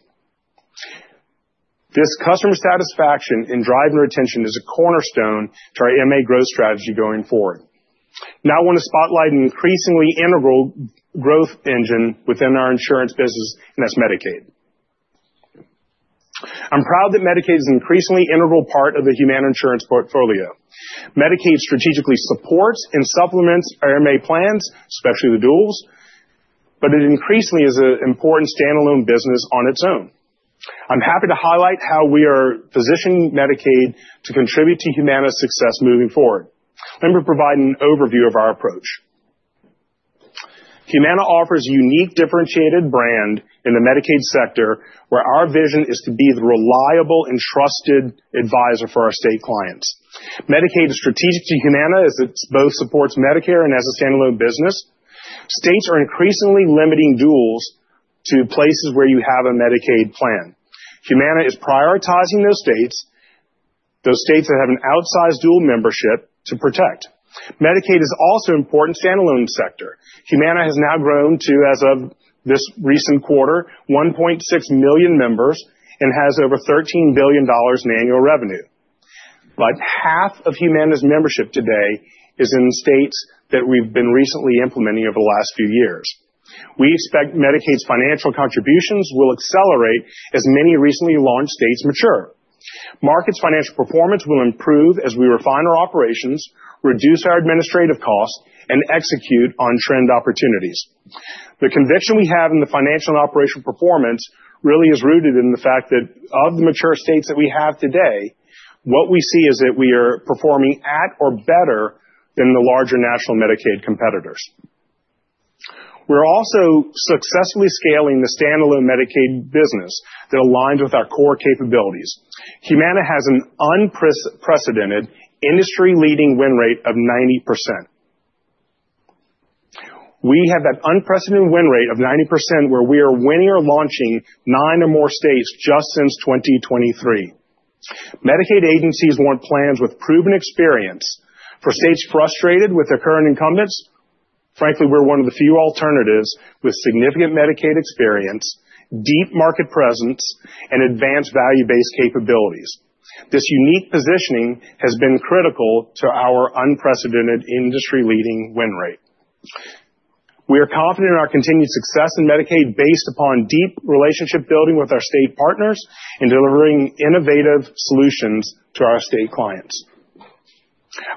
D: This customer satisfaction and driving retention is a cornerstone to our MA growth strategy going forward. Now, I want to spotlight an increasingly integral growth engine within our insurance business, and that's Medicaid. I'm proud that Medicaid is an increasingly integral part of the Humana insurance portfolio. Medicaid strategically supports and supplements our MA plans, especially the duals, but it increasingly is an important standalone business on its own. I'm happy to highlight how we are positioning Medicaid to contribute to Humana's success moving forward. Let me provide an overview of our approach. Humana offers a unique, differentiated brand in the Medicaid sector where our vision is to be the reliable and trusted advisor for our state clients. Medicaid is strategic to Humana as it both supports Medicare and as a standalone business. States are increasingly limiting duals to places where you have a Medicaid plan. Humana is prioritizing those states, those states that have an outsized dual membership to protect. Medicaid is also an important standalone sector. Humana has now grown to, as of this recent quarter, 1.6 million members and has over $13 billion in annual revenue. Half of Humana's membership today is in states that we've been recently implementing over the last few years. We expect Medicaid's financial contributions will accelerate as many recently launched states mature. Market's financial performance will improve as we refine our operations, reduce our administrative costs, and execute on trend opportunities. The conviction we have in the financial and operational performance really is rooted in the fact that of the mature states that we have today, what we see is that we are performing at or better than the larger national Medicaid competitors. We're also successfully scaling the standalone Medicaid business that aligns with our core capabilities. Humana has an unprecedented industry-leading win rate of 90%. We have that unprecedented win rate of 90% where we are winning or launching nine or more states just since 2023. Medicaid agencies want plans with proven experience. For states frustrated with their current incumbents, frankly, we're one of the few alternatives with significant Medicaid experience, deep market presence, and advanced value-based capabilities. This unique positioning has been critical to our unprecedented industry-leading win rate. We are confident in our continued success in Medicaid based upon deep relationship building with our state partners and delivering innovative solutions to our state clients.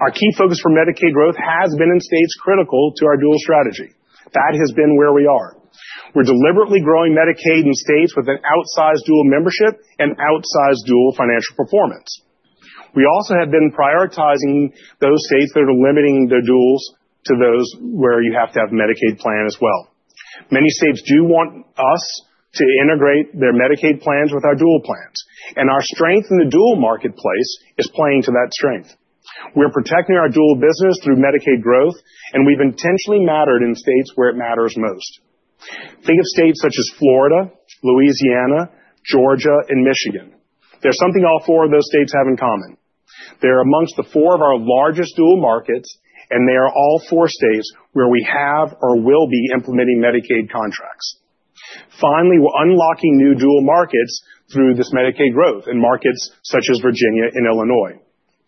D: Our key focus for Medicaid growth has been in states critical to our dual strategy. That has been where we are. We're deliberately growing Medicaid in states with an outsized dual membership and outsized dual financial performance. We also have been prioritizing those states that are limiting their duals to those where you have to have a Medicaid plan as well. Many states do want us to integrate their Medicaid plans with our dual plans, and our strength in the dual marketplace is playing to that strength. We're protecting our dual business through Medicaid growth, and we've intentionally mattered in states where it matters most. Think of states such as Florida, Louisiana, Georgia, and Michigan. There's something all four of those states have in common. They're amongst the four of our largest dual markets, and they are all four states where we have or will be implementing Medicaid contracts. Finally, we're unlocking new dual markets through this Medicaid growth in markets such as Virginia and Illinois.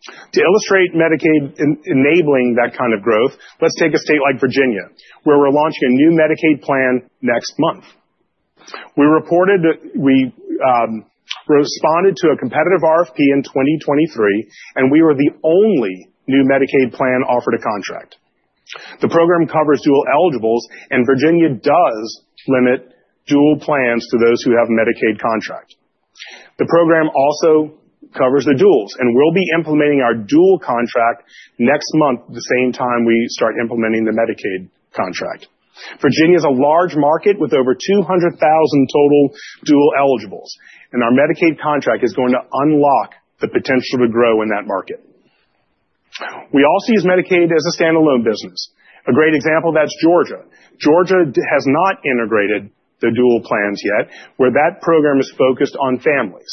D: To illustrate Medicaid enabling that kind of growth, let's take a state like Virginia where we're launching a new Medicaid plan next month. We responded to a competitive RFP in 2023, and we were the only new Medicaid plan offered a contract. The program covers dual eligibles, and Virginia does limit dual plans to those who have a Medicaid contract. The program also covers the duals and will be implementing our dual contract next month, the same time we start implementing the Medicaid contract. Virginia is a large market with over 200,000 total dual eligibles, and our Medicaid contract is going to unlock the potential to grow in that market. We also use Medicaid as a standalone business. A great example of that is Georgia. Georgia has not integrated the dual plans yet where that program is focused on families.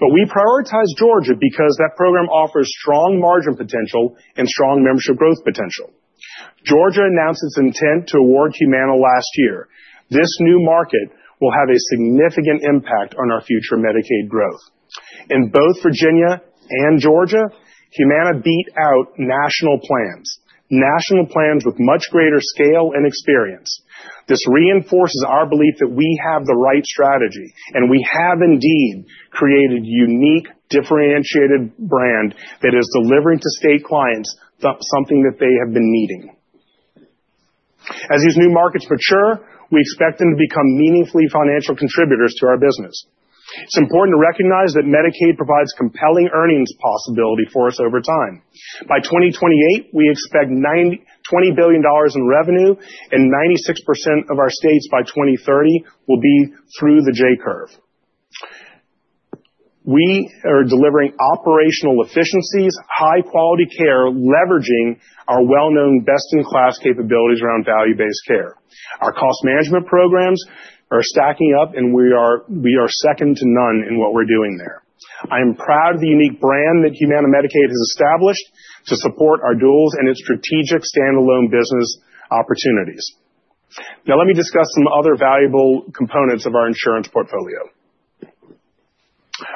D: We prioritize Georgia because that program offers strong margin potential and strong membership growth potential. Georgia announced its intent to award Humana last year. This new market will have a significant impact on our future Medicaid growth. In both Virginia and Georgia, Humana beat out national plans, national plans with much greater scale and experience. This reinforces our belief that we have the right strategy, and we have indeed created a unique, differentiated brand that is delivering to state clients something that they have been needing. As these new markets mature, we expect them to become meaningfully financial contributors to our business. It's important to recognize that Medicaid provides compelling earnings possibility for us over time. By 2028, we expect $20 billion in revenue, and 96% of our states by 2030 will be through the J-curve. We are delivering operational efficiencies, high-quality care, leveraging our well-known best-in-class capabilities around value-based care. Our cost management programs are stacking up, and we are second to none in what we're doing there. I am proud of the unique brand that Humana Medicaid has established to support our duals and its strategic standalone business opportunities. Now, let me discuss some other valuable components of our insurance portfolio.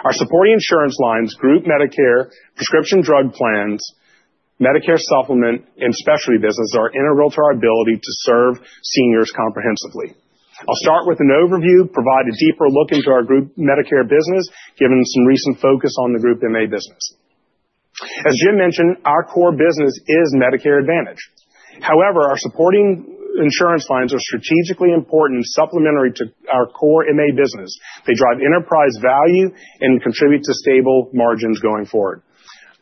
D: Our supporting insurance lines, group Medicare, prescription drug plans, Medicare supplement, and specialty business are integral to our ability to serve seniors comprehensively. I'll start with an overview, provide a deeper look into our group Medicare business, given some recent focus on the group MA business. As Jim mentioned, our core business is Medicare Advantage. However, our supporting insurance lines are strategically important and supplementary to our core MA business. They drive enterprise value and contribute to stable margins going forward.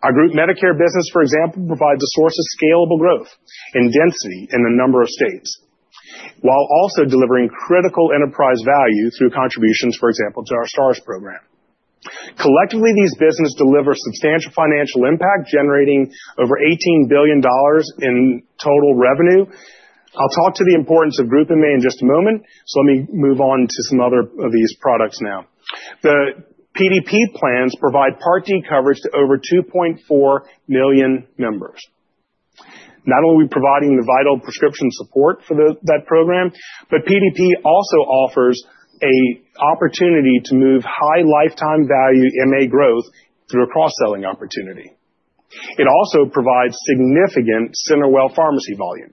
D: Our group Medicare business, for example, provides a source of scalable growth and density in a number of states while also delivering critical enterprise value through contributions, for example, to our Stars Program. Collectively, these businesses deliver substantial financial impact, generating over $18 billion in total revenue. I'll talk to the importance of group MA in just a moment, so let me move on to some other of these products now. The PDP plans provide Part D coverage to over 2.4 million members. Not only are we providing the vital prescription support for that program, but PDP also offers an opportunity to move high lifetime value MA growth through a cross-selling opportunity. It also provides significant CenterWell Pharmacy volume.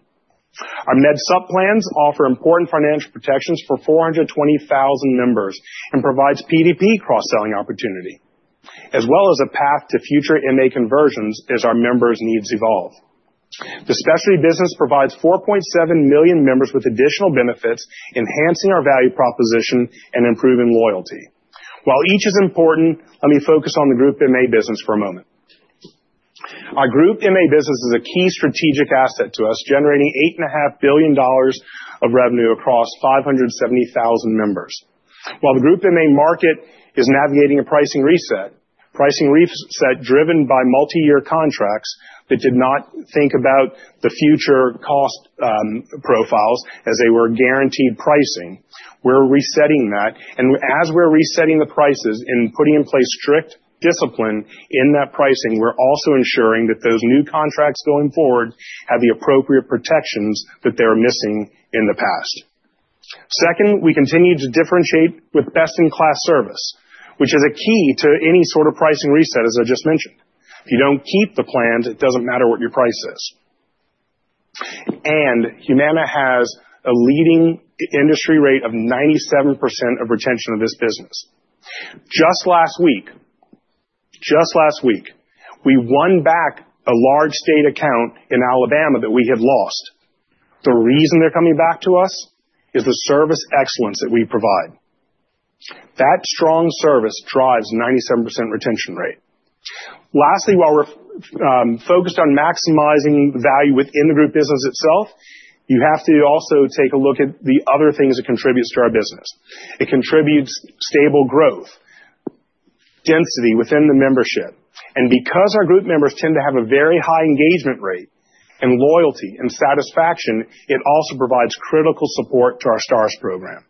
D: Our MedSup plans offer important financial protections for 420,000 members and provide PDP cross-selling opportunity, as well as a path to future MA conversions as our members' needs evolve. The specialty business provides 4.7 million members with additional benefits, enhancing our value proposition and improving loyalty. While each is important, let me focus on the group MA business for a moment. Our group MA business is a key strategic asset to us, generating $8.5 billion of revenue across 570,000 members. While the group MA market is navigating a pricing reset, pricing reset driven by multi-year contracts that did not think about the future cost profiles as they were guaranteed pricing, we're resetting that. As we're resetting the prices and putting in place strict discipline in that pricing, we're also ensuring that those new contracts going forward have the appropriate protections that they were missing in the past. Second, we continue to differentiate with best-in-class service, which is a key to any sort of pricing reset, as I just mentioned. If you don't keep the plan, it doesn't matter what your price is. Humana has a leading industry rate of 97% retention of this business. Just last week, we won back a large state account in Alabama that we had lost. The reason they're coming back to us is the service excellence that we provide. That strong service drives a 97% retention rate. Lastly, while we're focused on maximizing value within the group business itself, you have to also take a look at the other things that contribute to our business. It contributes stable growth, density within the membership. Because our group members tend to have a very high engagement rate and loyalty and satisfaction, it also provides critical support to our Stars Program.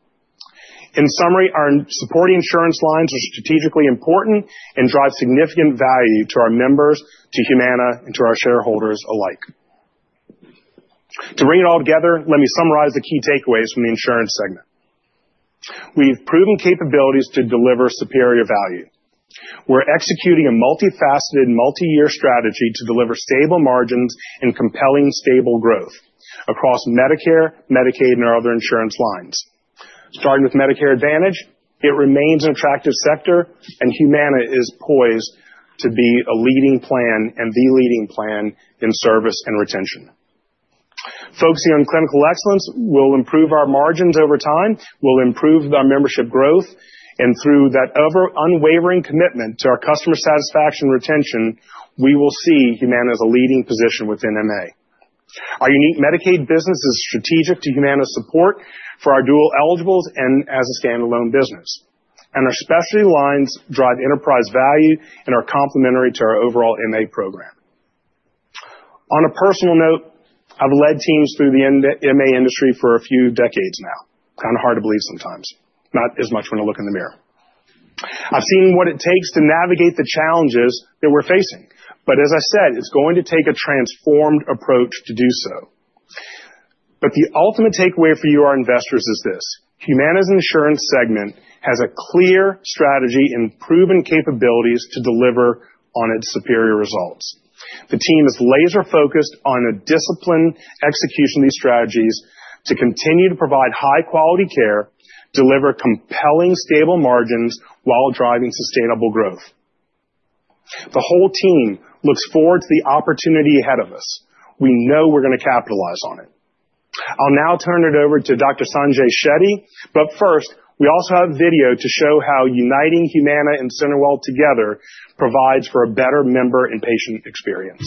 D: In summary, our supporting insurance lines are strategically important and drive significant value to our members, to Humana, and to our shareholders alike. To bring it all together, let me summarize the key takeaways from the insurance segment. We've proven capabilities to deliver superior value. We're executing a multifaceted, multi-year strategy to deliver stable margins and compelling stable growth across Medicare, Medicaid, and our other insurance lines. Starting with Medicare Advantage, it remains an attractive sector, and Humana is poised to be a leading plan and the leading plan in service and retention. Focusing on clinical excellence will improve our margins over time, will improve our membership growth, and through that unwavering commitment to our customer satisfaction and retention, we will see Humana as a leading position within MA. Our unique Medicaid business is strategic to Humana's support for our dual eligibles and as a standalone business. Our specialty lines drive enterprise value and are complementary to our overall MA program. On a personal note, I've led teams through the MA industry for a few decades now. Kind of hard to believe sometimes, not as much when I look in the mirror. I've seen what it takes to navigate the challenges that we're facing. As I said, it's going to take a transformed approach to do so. The ultimate takeaway for you, our investors, is this: Humana's insurance segment has a clear strategy and proven capabilities to deliver on its superior results. The team is laser-focused on a disciplined execution of these strategies to continue to provide high-quality care, deliver compelling, stable margins while driving sustainable growth. The whole team looks forward to the opportunity ahead of us. We know we're going to capitalize on it. I'll now turn it over to Dr. Sanjay Shetty. First, we also have video to show how uniting Humana and CenterWell together provides for a better member and patient experience.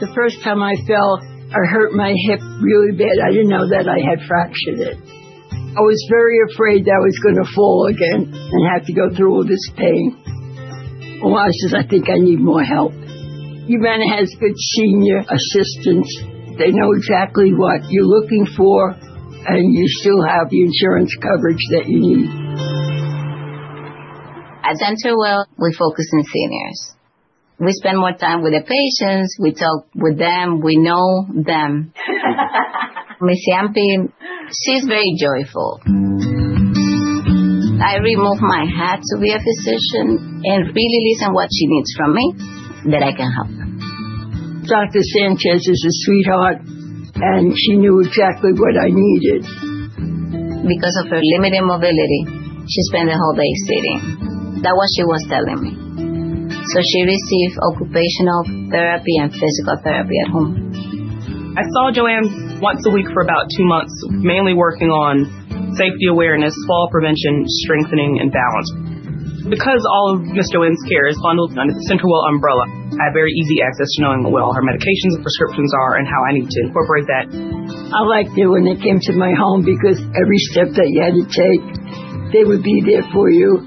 D: The first time I fell or hurt my hip really bad, I did not know that I had fractured it. I was very afraid that I was going to fall again and have to go through all this pain. I said, "I think I need more help." Humana has good senior assistance. They know exactly what you are looking for, and you still have the insurance coverage that you need. At CenterWell, we focus on seniors. We spend more time with the patients. We talk with them. We know them. Miss Yampin, she is very joyful. I removed my hat to be a physician and really listen to what she needs from me, that I can help her. Dr. Sanchez is a sweetheart, and she knew exactly what I needed. Because of her limited mobility, she spent the whole day sitting. That is what she was telling me. She received occupational therapy and physical therapy at home. I saw Joanne once a week for about two months, mainly working on safety awareness, fall prevention, strengthening, and balance. Because all of Ms. Joanne's care is bundled under the CenterWell umbrella, I have very easy access to knowing what all her medications and prescriptions are and how I need to incorporate that. I liked it when they came to my home because every step that you had to take, they would be there for you.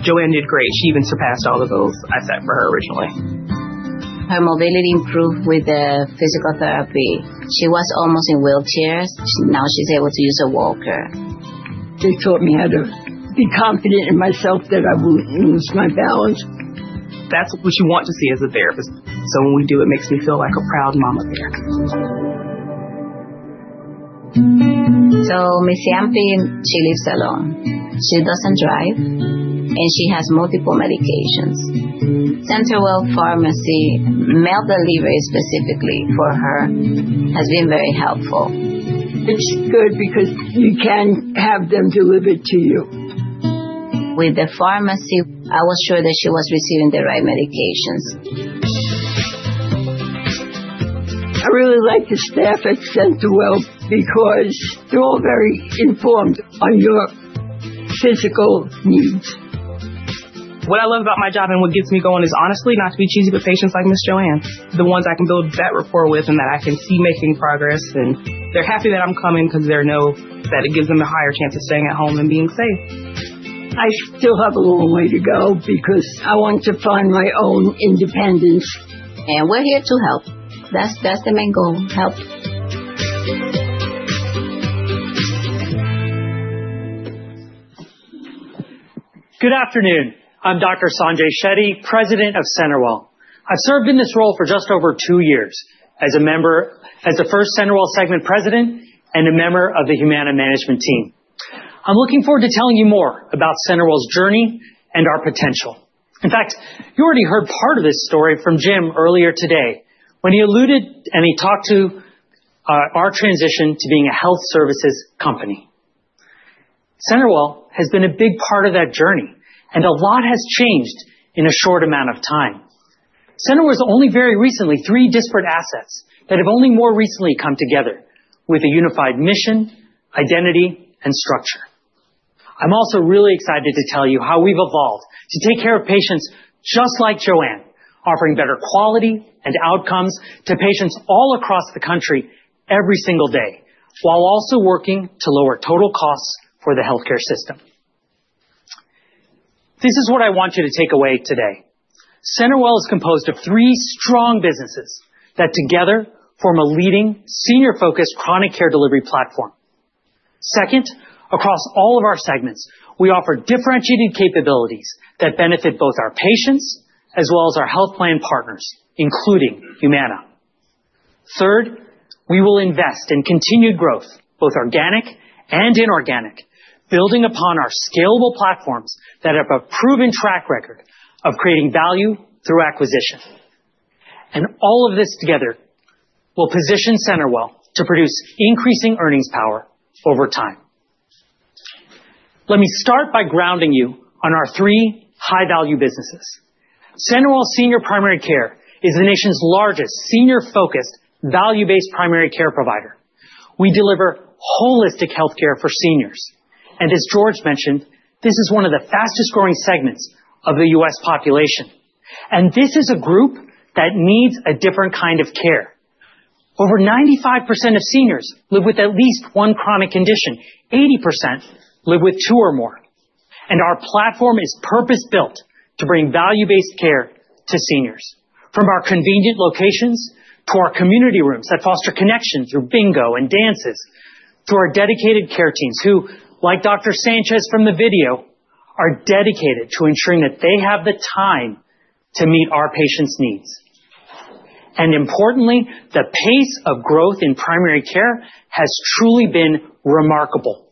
D: Joanne did great. She even surpassed all the goals I set for her originally. Her mobility improved with the physical therapy. She was almost in wheelchairs. Now she is able to use a walker. They taught me how to be confident in myself that I would not lose my balance. That is what you want to see as a therapist. When we do, it makes me feel like a proud mama there. Miss Yampin, she lives alone. She does not drive, and she has multiple medications. CenterWell Pharmacy mail delivery specifically for her has been very helpful. It is good because you can have them deliver it to you. With the pharmacy, I was sure that she was receiving the right medications. I really like the staff at CenterWell because they are all very informed on your physical needs. What I love about my job and what gets me going is, honestly, not to be cheesy, but patients like Ms. Joanne, the ones I can build that rapport with and that I can see making progress. They're happy that I'm coming because they know that it gives them a higher chance of staying at home and being safe. I still have a long way to go because I want to find my own independence. We're here to help. That's the main goal: help.
F: Good afternoon. I'm Dr. Sanjay Shetty, President of CenterWell. I've served in this role for just over two years as the first CenterWell segment president and a member of the Humana management team. I'm looking forward to telling you more about CenterWell's journey and our potential. In fact, you already heard part of this story from Jim earlier today when he alluded and he talked to our transition to being a health services company. CenterWell has been a big part of that journey, and a lot has changed in a short amount of time. CenterWell is only very recently three disparate assets that have only more recently come together with a unified mission, identity, and structure. I'm also really excited to tell you how we've evolved to take care of patients just like Joanne, offering better quality and outcomes to patients all across the country every single day, while also working to lower total costs for the healthcare system. This is what I want you to take away today. CenterWell is composed of three strong businesses that together form a leading senior-focused chronic care delivery platform. Second, across all of our segments, we offer differentiated capabilities that benefit both our patients as well as our health plan partners, including Humana. Third, we will invest in continued growth, both organic and inorganic, building upon our scalable platforms that have a proven track record of creating value through acquisition. All of this together will position CenterWell to produce increasing earnings power over time. Let me start by grounding you on our three high-value businesses. CenterWell Senior Primary Care is the nation's largest senior-focused, value-based primary care provider. We deliver holistic healthcare for seniors. As George mentioned, this is one of the fastest-growing segments of the U.S. population. This is a group that needs a different kind of care. Over 95% of seniors live with at least one chronic condition. 80% live with two or more. Our platform is purpose-built to bring value-based care to seniors, from our convenient locations to our community rooms that foster connection through bingo and dances, to our dedicated care teams who, like Dr. Sanchez from the video, are dedicated to ensuring that they have the time to meet our patients' needs. Importantly, the pace of growth in primary care has truly been remarkable.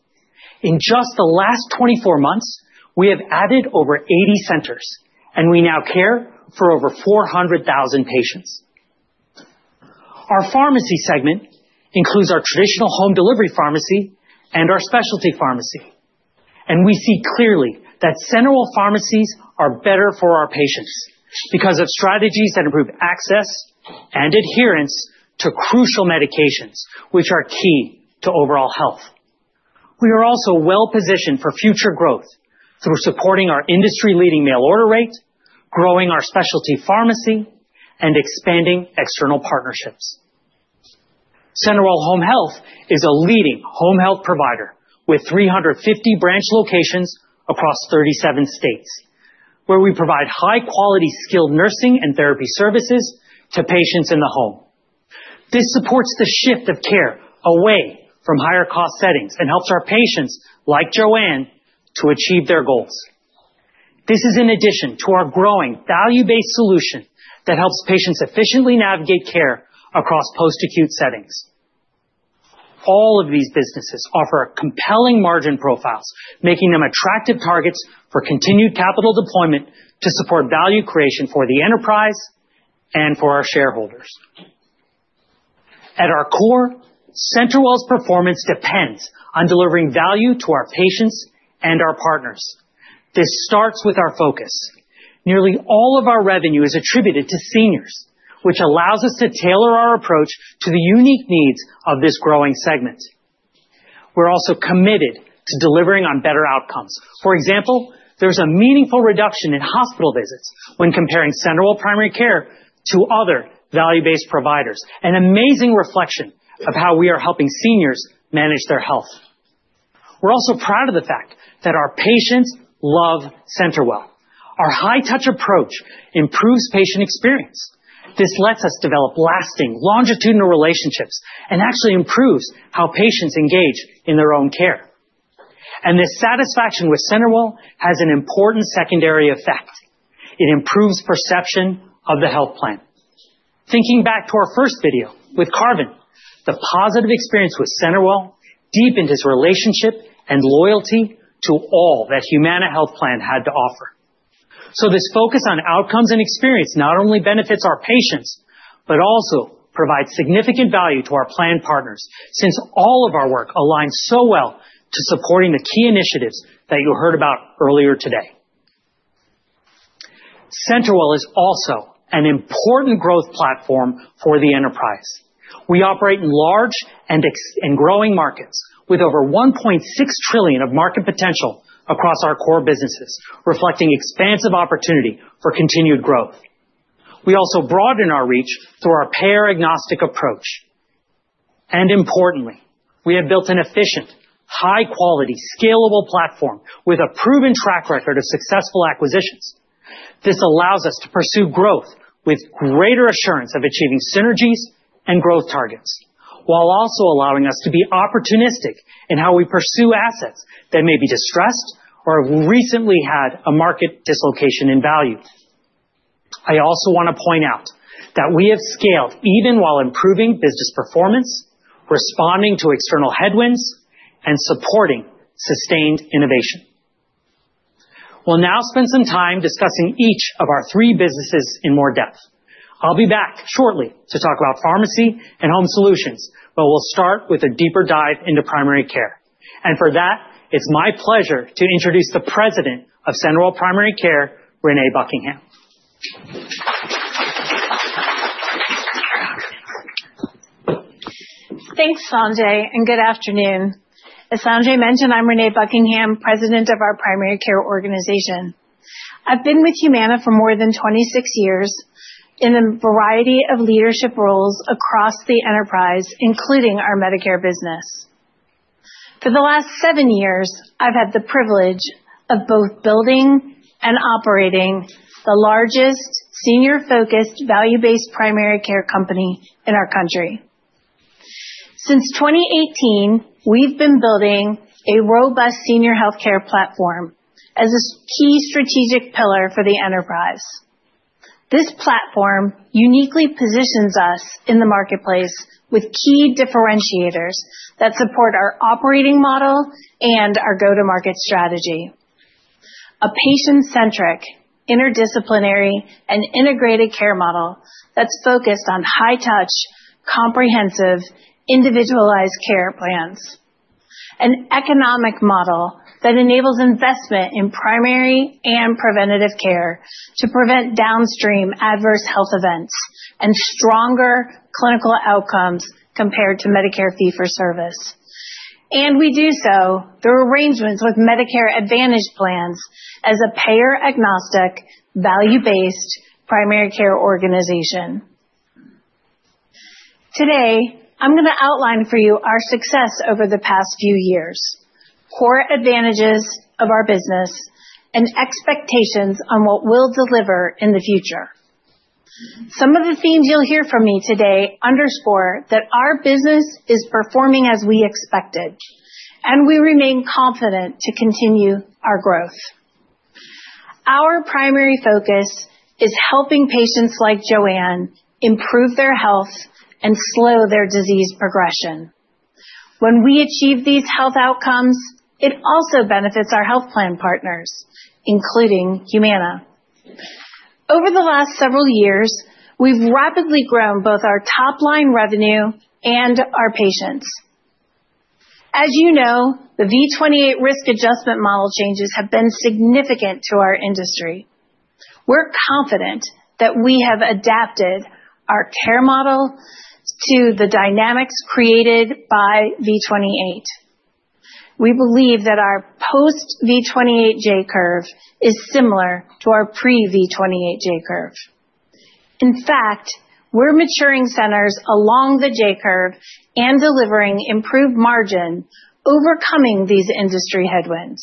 F: In just the last 24 months, we have added over 80 centers, and we now care for over 400,000 patients. Our pharmacy segment includes our traditional home delivery pharmacy and our specialty pharmacy. We see clearly that CenterWell pharmacies are better for our patients because of strategies that improve access and adherence to crucial medications, which are key to overall health. We are also well-positioned for future growth through supporting our industry-leading mail order rate, growing our specialty pharmacy, and expanding external partnerships. CenterWell Home Health is a leading home health provider with 350 branch locations across 37 states, where we provide high-quality, skilled nursing and therapy services to patients in the home. This supports the shift of care away from higher-cost settings and helps our patients, like Joanne, to achieve their goals. This is in addition to our growing value-based solution that helps patients efficiently navigate care across post-acute settings. All of these businesses offer compelling margin profiles, making them attractive targets for continued capital deployment to support value creation for the enterprise and for our shareholders. At our core, CenterWell's performance depends on delivering value to our patients and our partners. This starts with our focus. Nearly all of our revenue is attributed to seniors, which allows us to tailor our approach to the unique needs of this growing segment. We're also committed to delivering on better outcomes. For example, there's a meaningful reduction in hospital visits when comparing CenterWell Primary Care to other value-based providers, an amazing reflection of how we are helping seniors manage their health. We're also proud of the fact that our patients love CenterWell. Our high-touch approach improves patient experience. This lets us develop lasting, longitudinal relationships and actually improves how patients engage in their own care. This satisfaction with CenterWell has an important secondary effect. It improves perception of the health plan. Thinking back to our first video with Karvin, the positive experience with CenterWell deepened his relationship and loyalty to all that Humana Health Plan had to offer. This focus on outcomes and experience not only benefits our patients, but also provides significant value to our plan partners since all of our work aligns so well to supporting the key initiatives that you heard about earlier today. CenterWell is also an important growth platform for the enterprise. We operate in large and growing markets with over $1.6 trillion of market potential across our core businesses, reflecting expansive opportunity for continued growth. We also broaden our reach through our payer-agnostic approach. Importantly, we have built an efficient, high-quality, scalable platform with a proven track record of successful acquisitions. This allows us to pursue growth with greater assurance of achieving synergies and growth targets, while also allowing us to be opportunistic in how we pursue assets that may be distressed or have recently had a market dislocation in value. I also want to point out that we have scaled even while improving business performance, responding to external headwinds, and supporting sustained innovation. We'll now spend some time discussing each of our three businesses in more depth. I'll be back shortly to talk about pharmacy and home solutions, but we'll start with a deeper dive into primary care. For that, it's my pleasure to introduce the President of CenterWell Primary Care, Renee Buckingham.
G: Thanks, Sanjay, and good afternoon. As Sanjay mentioned, I'm Renee Buckingham, President of our primary care organization. I've been with Humana for more than 26 years in a variety of leadership roles across the enterprise, including our Medicare business. For the last seven years, I've had the privilege of both building and operating the largest senior-focused, value-based primary care company in our country. Since 2018, we've been building a robust senior healthcare platform as a key strategic pillar for the enterprise. This platform uniquely positions us in the marketplace with key differentiators that support our operating model and our go-to-market strategy: a patient-centric, interdisciplinary, and integrated care model that's focused on high-touch, comprehensive, individualized care plans. An economic model that enables investment in primary and preventative care to prevent downstream adverse health events and stronger clinical outcomes compared to Medicare fee-for-service. We do so through arrangements with Medicare Advantage plans as a payer-agnostic, value-based primary care organization. Today, I'm going to outline for you our success over the past few years, core advantages of our business, and expectations on what we'll deliver in the future. Some of the themes you'll hear from me today underscore that our business is performing as we expected, and we remain confident to continue our growth. Our primary focus is helping patients like Joanne improve their health and slow their disease progression. When we achieve these health outcomes, it also benefits our health plan partners, including Humana. Over the last several years, we've rapidly grown both our top-line revenue and our patients. As you know, the V28 risk adjustment model changes have been significant to our industry. We're confident that we have adapted our care model to the dynamics created by V28. We believe that our post-v28 J-curve is similar to our pre-v28 J-curve. In fact, we are maturing centers along the J-curve and delivering improved margin, overcoming these industry headwinds.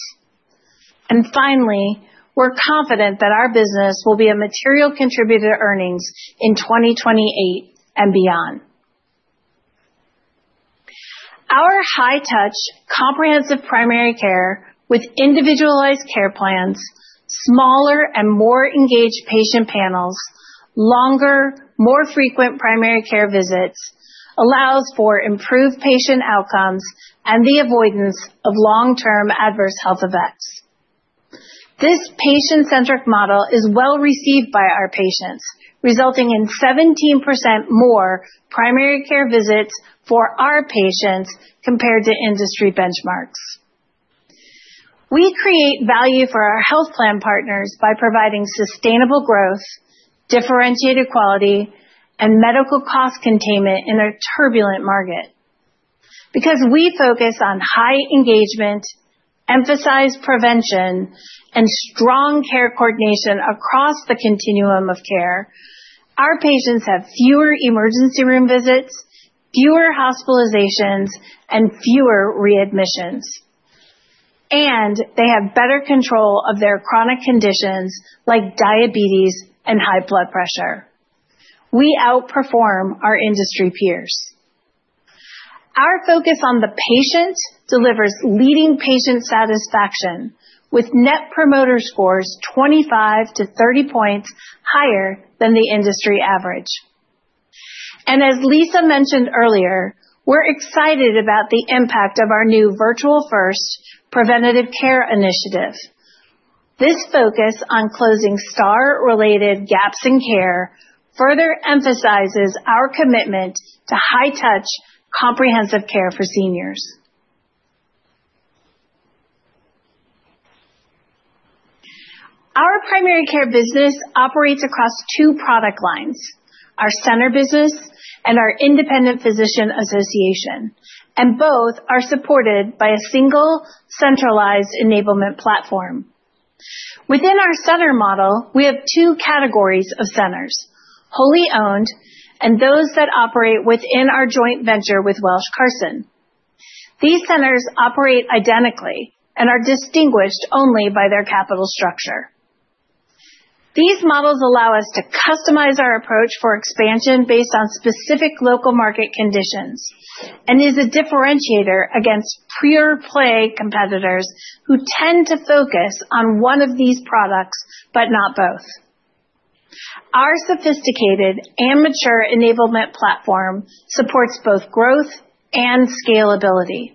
G: Finally, we are confident that our business will be a material contributor to earnings in 2028 and beyond. Our high-touch, comprehensive primary care with individualized care plans, smaller and more engaged patient panels, longer, more frequent primary care visits allows for improved patient outcomes and the avoidance of long-term adverse health effects. This patient-centric model is well-received by our patients, resulting in 17% more primary care visits for our patients compared to industry benchmarks. We create value for our health plan partners by providing sustainable growth, differentiated quality, and medical cost containment in a turbulent market. Because we focus on high engagement, emphasize prevention, and strong care coordination across the continuum of care, our patients have fewer emergency room visits, fewer hospitalizations, and fewer readmissions. They have better control of their chronic conditions like diabetes and high blood pressure. We outperform our industry peers. Our focus on the patient delivers leading patient satisfaction, with net promoter scores 25-30 points higher than the industry average. As Lisa mentioned earlier, we're excited about the impact of our new virtual-first preventative care initiative. This focus on closing star-related gaps in care further emphasizes our commitment to high-touch, comprehensive care for seniors. Our primary care business operates across two product lines: our center business and our independent physician association. Both are supported by a single centralized enablement platform. Within our center model, we have two categories of centers: wholly owned and those that operate within our joint venture with Welsh Carson. These centers operate identically and are distinguished only by their capital structure. These models allow us to customize our approach for expansion based on specific local market conditions and is a differentiator against pure-play competitors who tend to focus on one of these products, but not both. Our sophisticated and mature enablement platform supports both growth and scalability,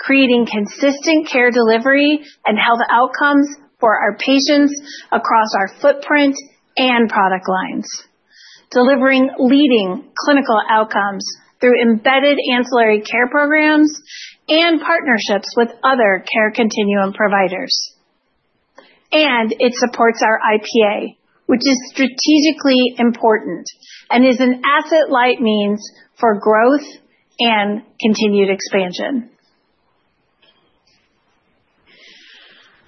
G: creating consistent care delivery and health outcomes for our patients across our footprint and product lines, delivering leading clinical outcomes through embedded ancillary care programs and partnerships with other care continuum providers. It supports our IPA, which is strategically important and is an asset-light means for growth and continued expansion.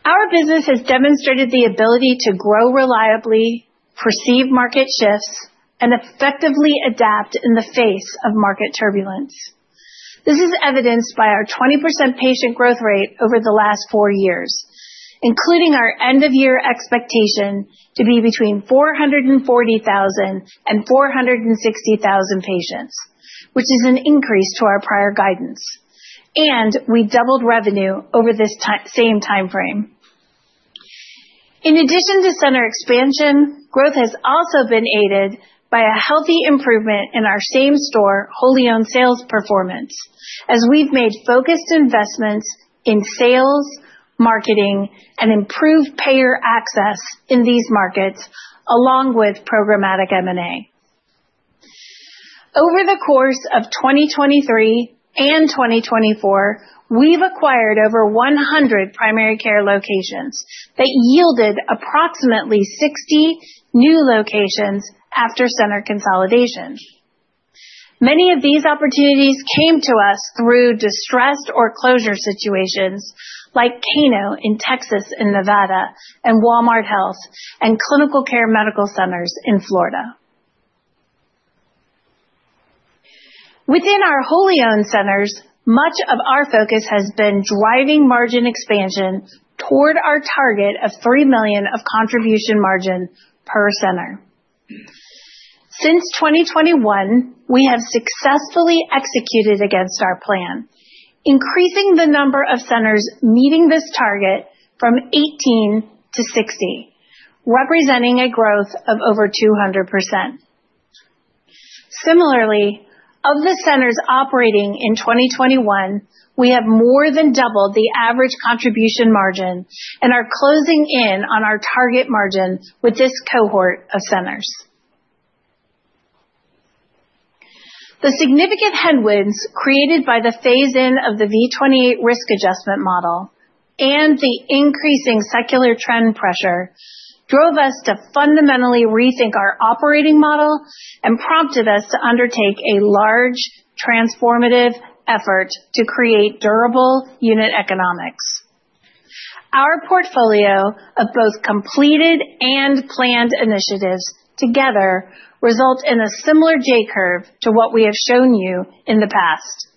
G: Our business has demonstrated the ability to grow reliably, perceive market shifts, and effectively adapt in the face of market turbulence. This is evidenced by our 20% patient growth rate over the last four years, including our end-of-year expectation to be between 440,000 and 460,000 patients, which is an increase to our prior guidance. We doubled revenue over this same timeframe. In addition to center expansion, growth has also been aided by a healthy improvement in our same-store wholly owned sales performance, as we've made focused investments in sales, marketing, and improved payer access in these markets, along with programmatic M&A. Over the course of 2023 and 2024, we've acquired over 100 primary care locations that yielded approximately 60 new locations after center consolidation. Many of these opportunities came to us through distressed or closure situations like Kano in Texas and Nevada and Walmart Health and Clinical Care Medical Centers in Florida. Within our wholly owned centers, much of our focus has been driving margin expansion toward our target of $3 million of contribution margin per center. Since 2021, we have successfully executed against our plan, increasing the number of centers meeting this target from 18 to 60, representing a growth of over 200%. Similarly, of the centers operating in 2021, we have more than doubled the average contribution margin and are closing in on our target margin with this cohort of centers. The significant headwinds created by the phase-in of the V28 risk adjustment model and the increasing secular trend pressure drove us to fundamentally rethink our operating model and prompted us to undertake a large transformative effort to create durable unit economics. Our portfolio of both completed and planned initiatives together results in a similar J-curve to what we have shown you in the past,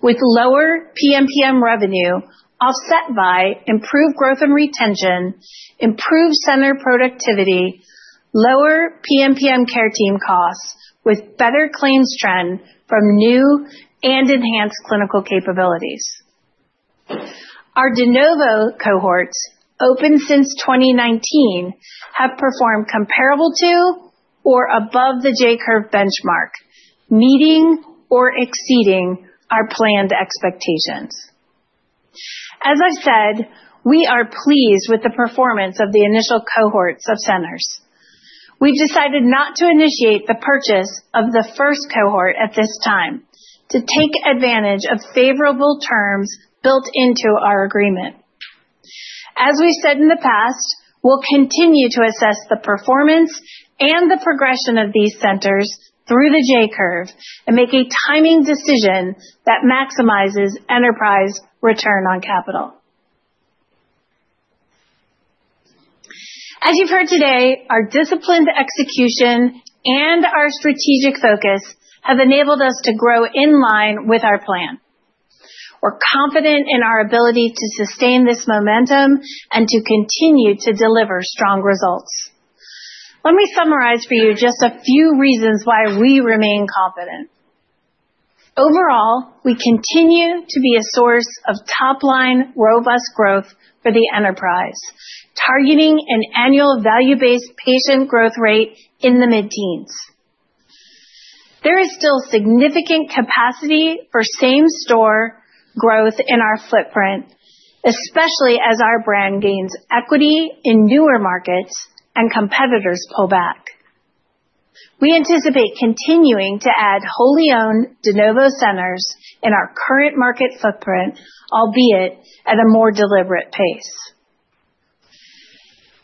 G: with lower PMPM revenue offset by improved growth and retention, improved center productivity, lower PMPM care team costs, with better claims trend from new and enhanced clinical capabilities. Our DeNovo cohorts, open since 2019, have performed comparable to or above the J-curve benchmark, meeting or exceeding our planned expectations. As I've said, we are pleased with the performance of the initial cohorts of centers. We've decided not to initiate the purchase of the first cohort at this time to take advantage of favorable terms built into our agreement. As we've said in the past, we'll continue to assess the performance and the progression of these centers through the J-curve and make a timing decision that maximizes enterprise return on capital. As you've heard today, our disciplined execution and our strategic focus have enabled us to grow in line with our plan. We're confident in our ability to sustain this momentum and to continue to deliver strong results. Let me summarize for you just a few reasons why we remain confident. Overall, we continue to be a source of top-line robust growth for the enterprise, targeting an annual value-based patient growth rate in the mid-teens. There is still significant capacity for same-store growth in our footprint, especially as our brand gains equity in newer markets and competitors pull back. We anticipate continuing to add wholly owned DeNovo centers in our current market footprint, albeit at a more deliberate pace.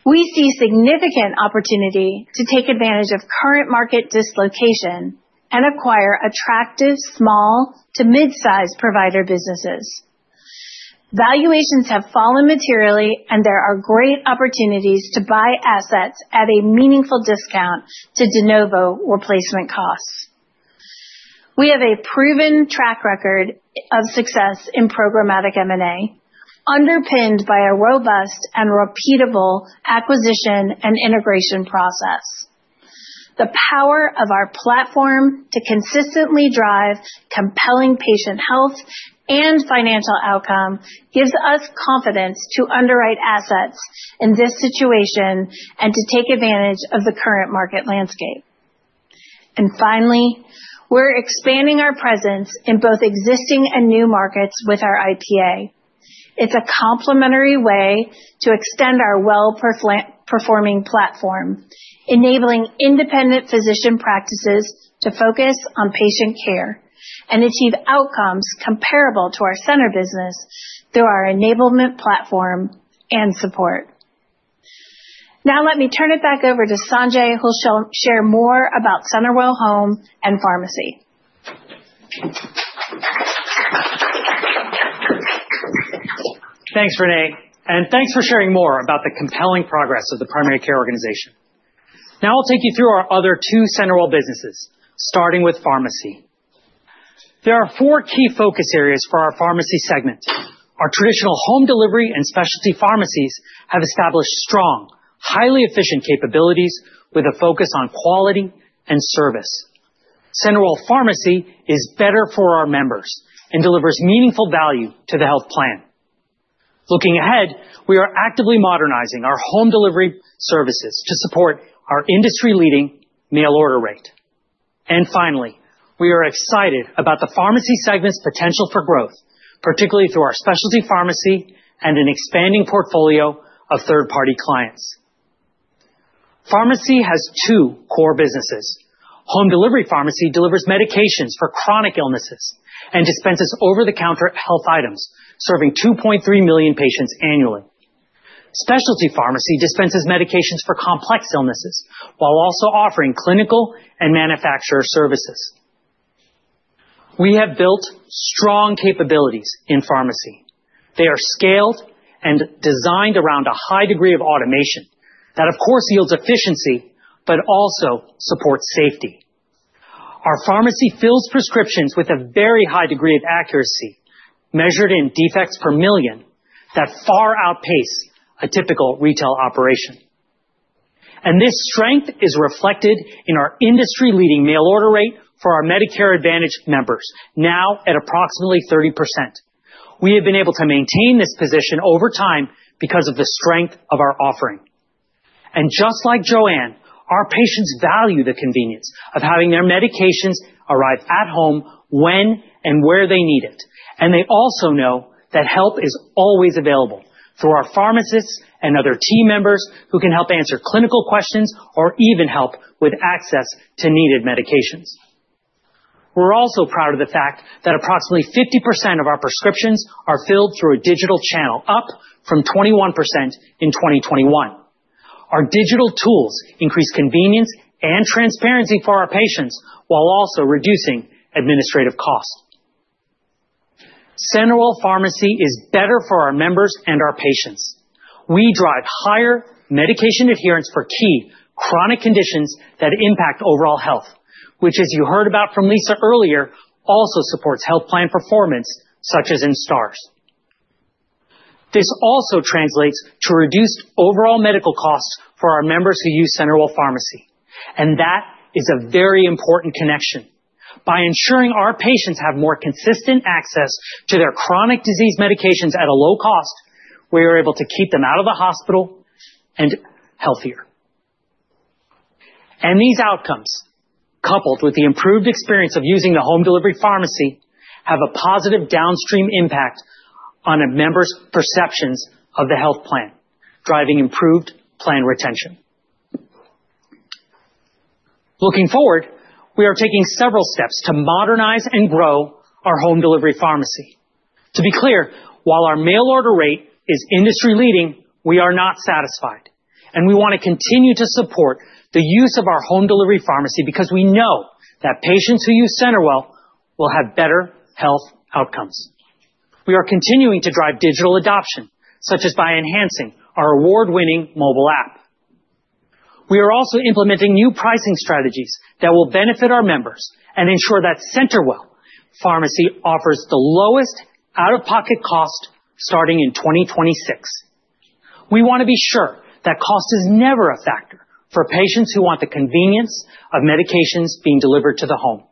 G: We see significant opportunity to take advantage of current market dislocation and acquire attractive small to mid-size provider businesses. Valuations have fallen materially, and there are great opportunities to buy assets at a meaningful discount to DeNovo replacement costs. We have a proven track record of success in programmatic M&A, underpinned by a robust and repeatable acquisition and integration process. The power of our platform to consistently drive compelling patient health and financial outcome gives us confidence to underwrite assets in this situation and to take advantage of the current market landscape. Finally, we're expanding our presence in both existing and new markets with our IPA. It's a complementary way to extend our well-performing platform, enabling independent physician practices to focus on patient care and achieve outcomes comparable to our center business through our enablement platform and support. Now, let me turn it back over to Sanjay, who'll share more about CenterWell Home and Pharmacy.
F: Thanks, Renee. And thanks for sharing more about the compelling progress of the primary care organization. Now, I'll take you through our other two CenterWell businesses, starting with Pharmacy. There are four key focus areas for our pharmacy segment. Our traditional home delivery and specialty pharmacies have established strong, highly efficient capabilities with a focus on quality and service. CenterWell Pharmacy is better for our members and delivers meaningful value to the health plan. Looking ahead, we are actively modernizing our home delivery services to support our industry-leading mail order rate. Finally, we are excited about the pharmacy segment's potential for growth, particularly through our specialty pharmacy and an expanding portfolio of third-party clients. Pharmacy has two core businesses. Home delivery pharmacy delivers medications for chronic illnesses and dispenses over-the-counter health items, serving 2.3 million patients annually. Specialty pharmacy dispenses medications for complex illnesses while also offering clinical and manufacturer services. We have built strong capabilities in pharmacy. They are scaled and designed around a high degree of automation that, of course, yields efficiency, but also supports safety. Our pharmacy fills prescriptions with a very high degree of accuracy measured in defects per million that far outpace a typical retail operation. This strength is reflected in our industry-leading mail order rate for our Medicare Advantage members, now at approximately 30%. We have been able to maintain this position over time because of the strength of our offering. Just like Joanne, our patients value the convenience of having their medications arrive at home when and where they need it. They also know that help is always available through our pharmacists and other team members who can help answer clinical questions or even help with access to needed medications. We are also proud of the fact that approximately 50% of our prescriptions are filled through a digital channel, up from 21% in 2021. Our digital tools increase convenience and transparency for our patients while also reducing administrative costs. CenterWell Pharmacy is better for our members and our patients. We drive higher medication adherence for key chronic conditions that impact overall health, which, as you heard about from Lisa earlier, also supports health plan performance, such as in stars. This also translates to reduced overall medical costs for our members who use CenterWell Pharmacy. That is a very important connection. By ensuring our patients have more consistent access to their chronic disease medications at a low cost, we are able to keep them out of the hospital and healthier. These outcomes, coupled with the improved experience of using the home delivery pharmacy, have a positive downstream impact on a member's perceptions of the health plan, driving improved plan retention. Looking forward, we are taking several steps to modernize and grow our home delivery pharmacy. To be clear, while our mail order rate is industry-leading, we are not satisfied. We want to continue to support the use of our home delivery pharmacy because we know that patients who use CenterWell will have better health outcomes. We are continuing to drive digital adoption, such as by enhancing our award-winning mobile app. We are also implementing new pricing strategies that will benefit our members and ensure that CenterWell Pharmacy offers the lowest out-of-pocket cost starting in 2026. We want to be sure that cost is never a factor for patients who want the convenience of medications being delivered to the home.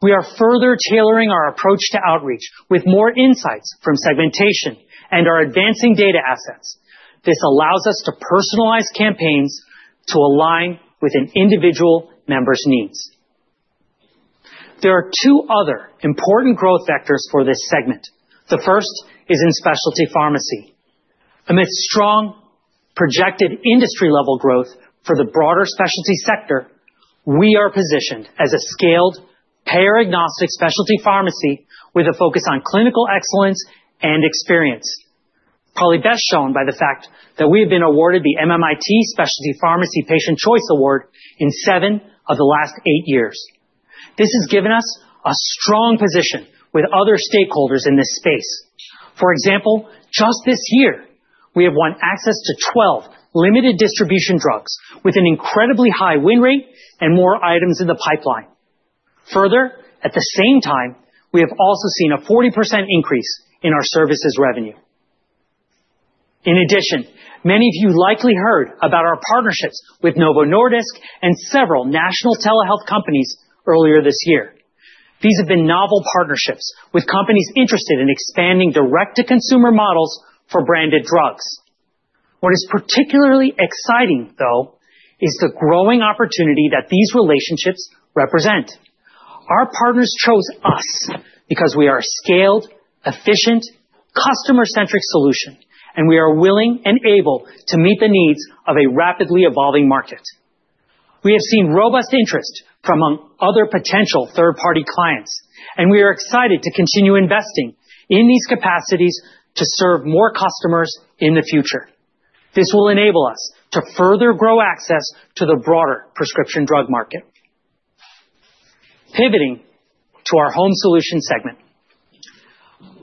F: We are further tailoring our approach to outreach with more insights from segmentation and our advancing data assets. This allows us to personalize campaigns to align with an individual member's needs. There are two other important growth vectors for this segment. The first is in specialty pharmacy. Amidst strong projected industry-level growth for the broader specialty sector, we are positioned as a scaled payer-agnostic specialty pharmacy with a focus on clinical excellence and experience, probably best shown by the fact that we have been awarded the MMIT Specialty Pharmacy Patient Choice Award in seven of the last eight years. This has given us a strong position with other stakeholders in this space. For example, just this year, we have won access to 12 limited distribution drugs with an incredibly high win rate and more items in the pipeline. Further, at the same time, we have also seen a 40% increase in our services revenue. In addition, many of you likely heard about our partnerships with Novo Nordisk and several national telehealth companies earlier this year. These have been novel partnerships with companies interested in expanding direct-to-consumer models for branded drugs. What is particularly exciting, though, is the growing opportunity that these relationships represent. Our partners chose us because we are a scaled, efficient, customer-centric solution, and we are willing and able to meet the needs of a rapidly evolving market. We have seen robust interest from among other potential third-party clients, and we are excited to continue investing in these capacities to serve more customers in the future. This will enable us to further grow access to the broader prescription drug market. Pivoting to our home solutions segment.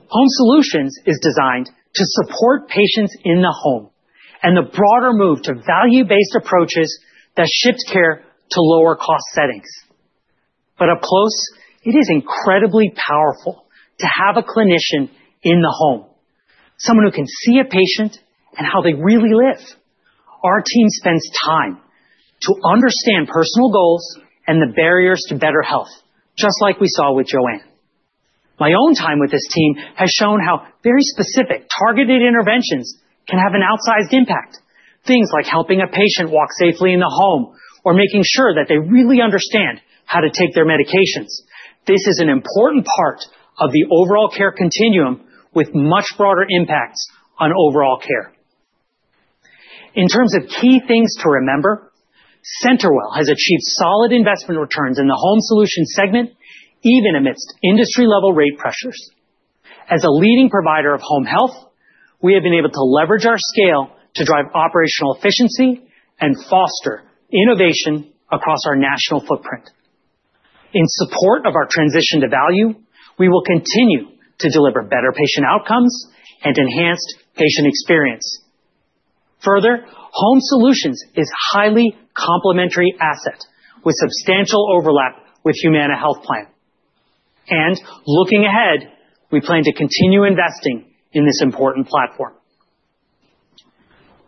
F: Home solutions is designed to support patients in the home and the broader move to value-based approaches that shift care to lower-cost settings. Up close, it is incredibly powerful to have a clinician in the home, someone who can see a patient and how they really live. Our team spends time to understand personal goals and the barriers to better health, just like we saw with Joanne. My own time with this team has shown how very specific targeted interventions can have an outsized impact, things like helping a patient walk safely in the home or making sure that they really understand how to take their medications. This is an important part of the overall care continuum with much broader impacts on overall care. In terms of key things to remember, CenterWell has achieved solid investment returns in the home solutions segment, even amidst industry-level rate pressures. As a leading provider of home health, we have been able to leverage our scale to drive operational efficiency and foster innovation across our national footprint. In support of our transition to value, we will continue to deliver better patient outcomes and enhanced patient experience. Further, home solutions is a highly complementary asset with substantial overlap with Humana Health Plan. Looking ahead, we plan to continue investing in this important platform.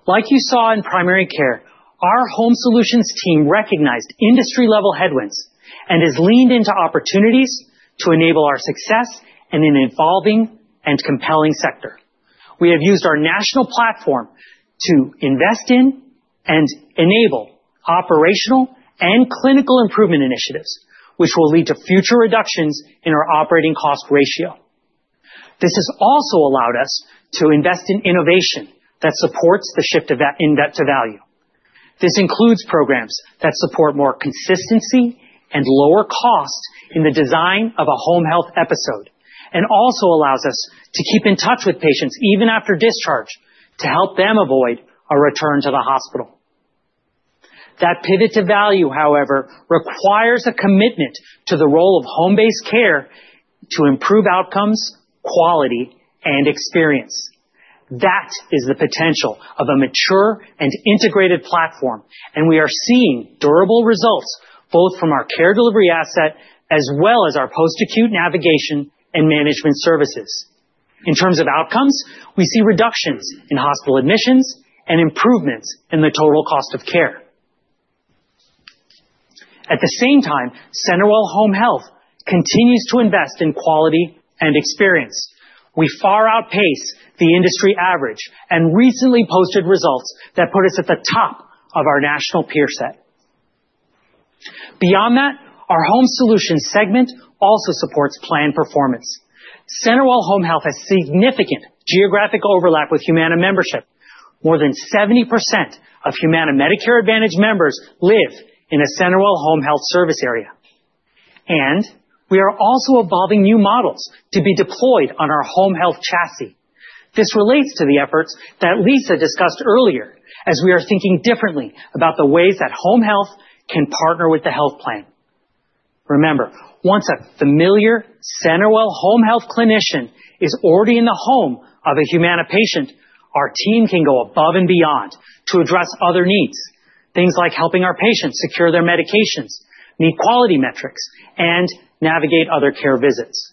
F: Like you saw in primary care, our home solutions team recognized industry-level headwinds and has leaned into opportunities to enable our success in an evolving and compelling sector. We have used our national platform to invest in and enable operational and clinical improvement initiatives, which will lead to future reductions in our operating cost ratio. This has also allowed us to invest in innovation that supports the shift of that to value. This includes programs that support more consistency and lower cost in the design of a home health episode and also allows us to keep in touch with patients even after discharge to help them avoid a return to the hospital. That pivot to value, however, requires a commitment to the role of home-based care to improve outcomes, quality, and experience. That is the potential of a mature and integrated platform, and we are seeing durable results both from our care delivery asset as well as our post-acute navigation and management services. In terms of outcomes, we see reductions in hospital admissions and improvements in the total cost of care. At the same time, CenterWell Home Health continues to invest in quality and experience. We far outpace the industry average and recently posted results that put us at the top of our national peer set. Beyond that, our home solutions segment also supports planned performance. CenterWell Home Health has significant geographic overlap with Humana membership. More than 70% of Humana Medicare Advantage members live in a CenterWell Home Health service area. We are also evolving new models to be deployed on our home health chassis. This relates to the efforts that Lisa discussed earlier as we are thinking differently about the ways that home health can partner with the health plan. Remember, once a familiar CenterWell Home Health clinician is already in the home of a Humana patient, our team can go above and beyond to address other needs, things like helping our patients secure their medications, meet quality metrics, and navigate other care visits.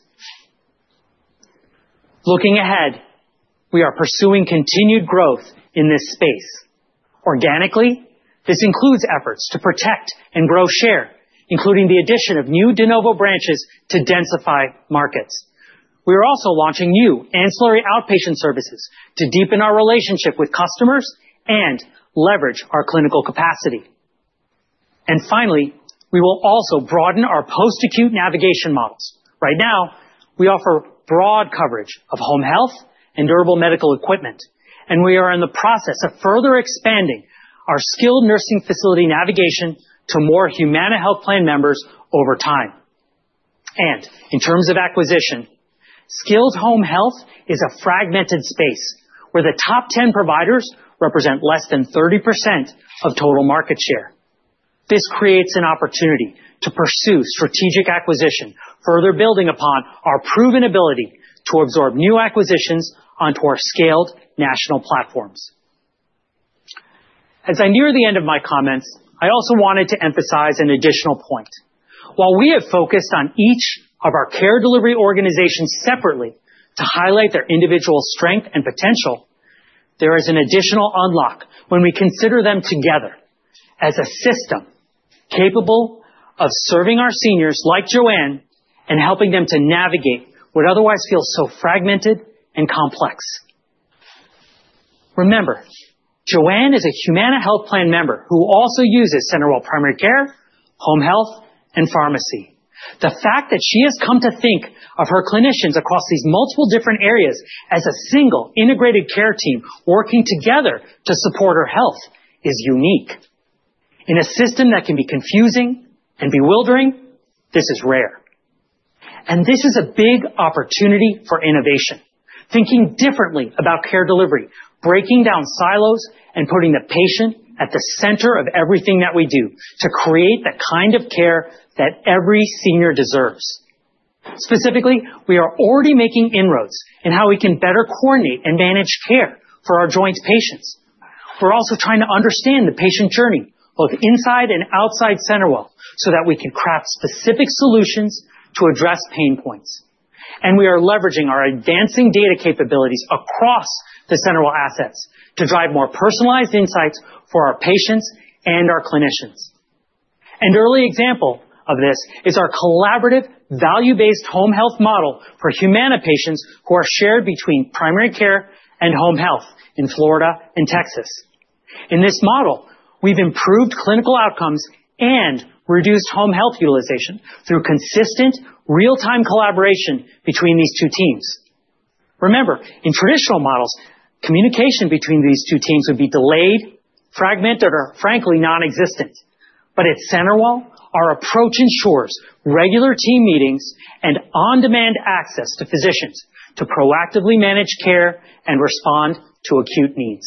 F: Looking ahead, we are pursuing continued growth in this space. Organically, this includes efforts to protect and grow share, including the addition of new de novo branches to densify markets. We are also launching new ancillary outpatient services to deepen our relationship with customers and leverage our clinical capacity. Finally, we will also broaden our post-acute navigation models. Right now, we offer broad coverage of home health and durable medical equipment, and we are in the process of further expanding our skilled nursing facility navigation to more Humana Health Plan members over time. In terms of acquisition, skilled home health is a fragmented space where the top 10 providers represent less than 30% of total market share. This creates an opportunity to pursue strategic acquisition, further building upon our proven ability to absorb new acquisitions onto our scaled national platforms. As I near the end of my comments, I also wanted to emphasize an additional point. While we have focused on each of our care delivery organizations separately to highlight their individual strength and potential, there is an additional unlock when we consider them together as a system capable of serving our seniors like Joanne and helping them to navigate what otherwise feels so fragmented and complex. Remember, Joanne is a Humana Health Plan member who also uses CenterWell Primary Care, Home Health, and Pharmacy. The fact that she has come to think of her clinicians across these multiple different areas as a single integrated care team working together to support her health is unique. In a system that can be confusing and bewildering, this is rare. This is a big opportunity for innovation, thinking differently about care delivery, breaking down silos, and putting the patient at the center of everything that we do to create the kind of care that every senior deserves. Specifically, we are already making inroads in how we can better coordinate and manage care for our joint patients. We're also trying to understand the patient journey both inside and outside CenterWell so that we can craft specific solutions to address pain points. We are leveraging our advancing data capabilities across the CenterWell assets to drive more personalized insights for our patients and our clinicians. An early example of this is our collaborative value-based home health model for Humana patients who are shared between primary care and home health in Florida and Texas. In this model, we've improved clinical outcomes and reduced home health utilization through consistent real-time collaboration between these two teams. Remember, in traditional models, communication between these two teams would be delayed, fragmented, or frankly nonexistent. At CenterWell, our approach ensures regular team meetings and on-demand access to physicians to proactively manage care and respond to acute needs.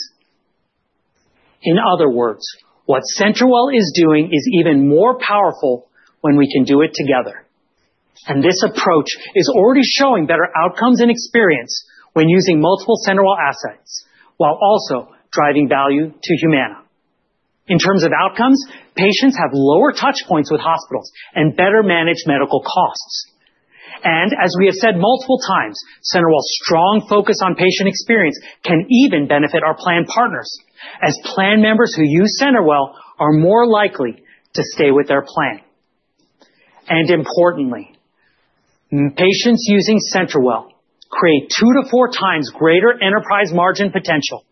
F: In other words, what CenterWell is doing is even more powerful when we can do it together. This approach is already showing better outcomes and experience when using multiple CenterWell assets while also driving value to Humana. In terms of outcomes, patients have lower touch points with hospitals and better managed medical costs. As we have said multiple times, CenterWell's strong focus on patient experience can even benefit our plan partners as plan members who use CenterWell are more likely to stay with their plan. Importantly, patients using CenterWell create two to four times greater enterprise margin potential.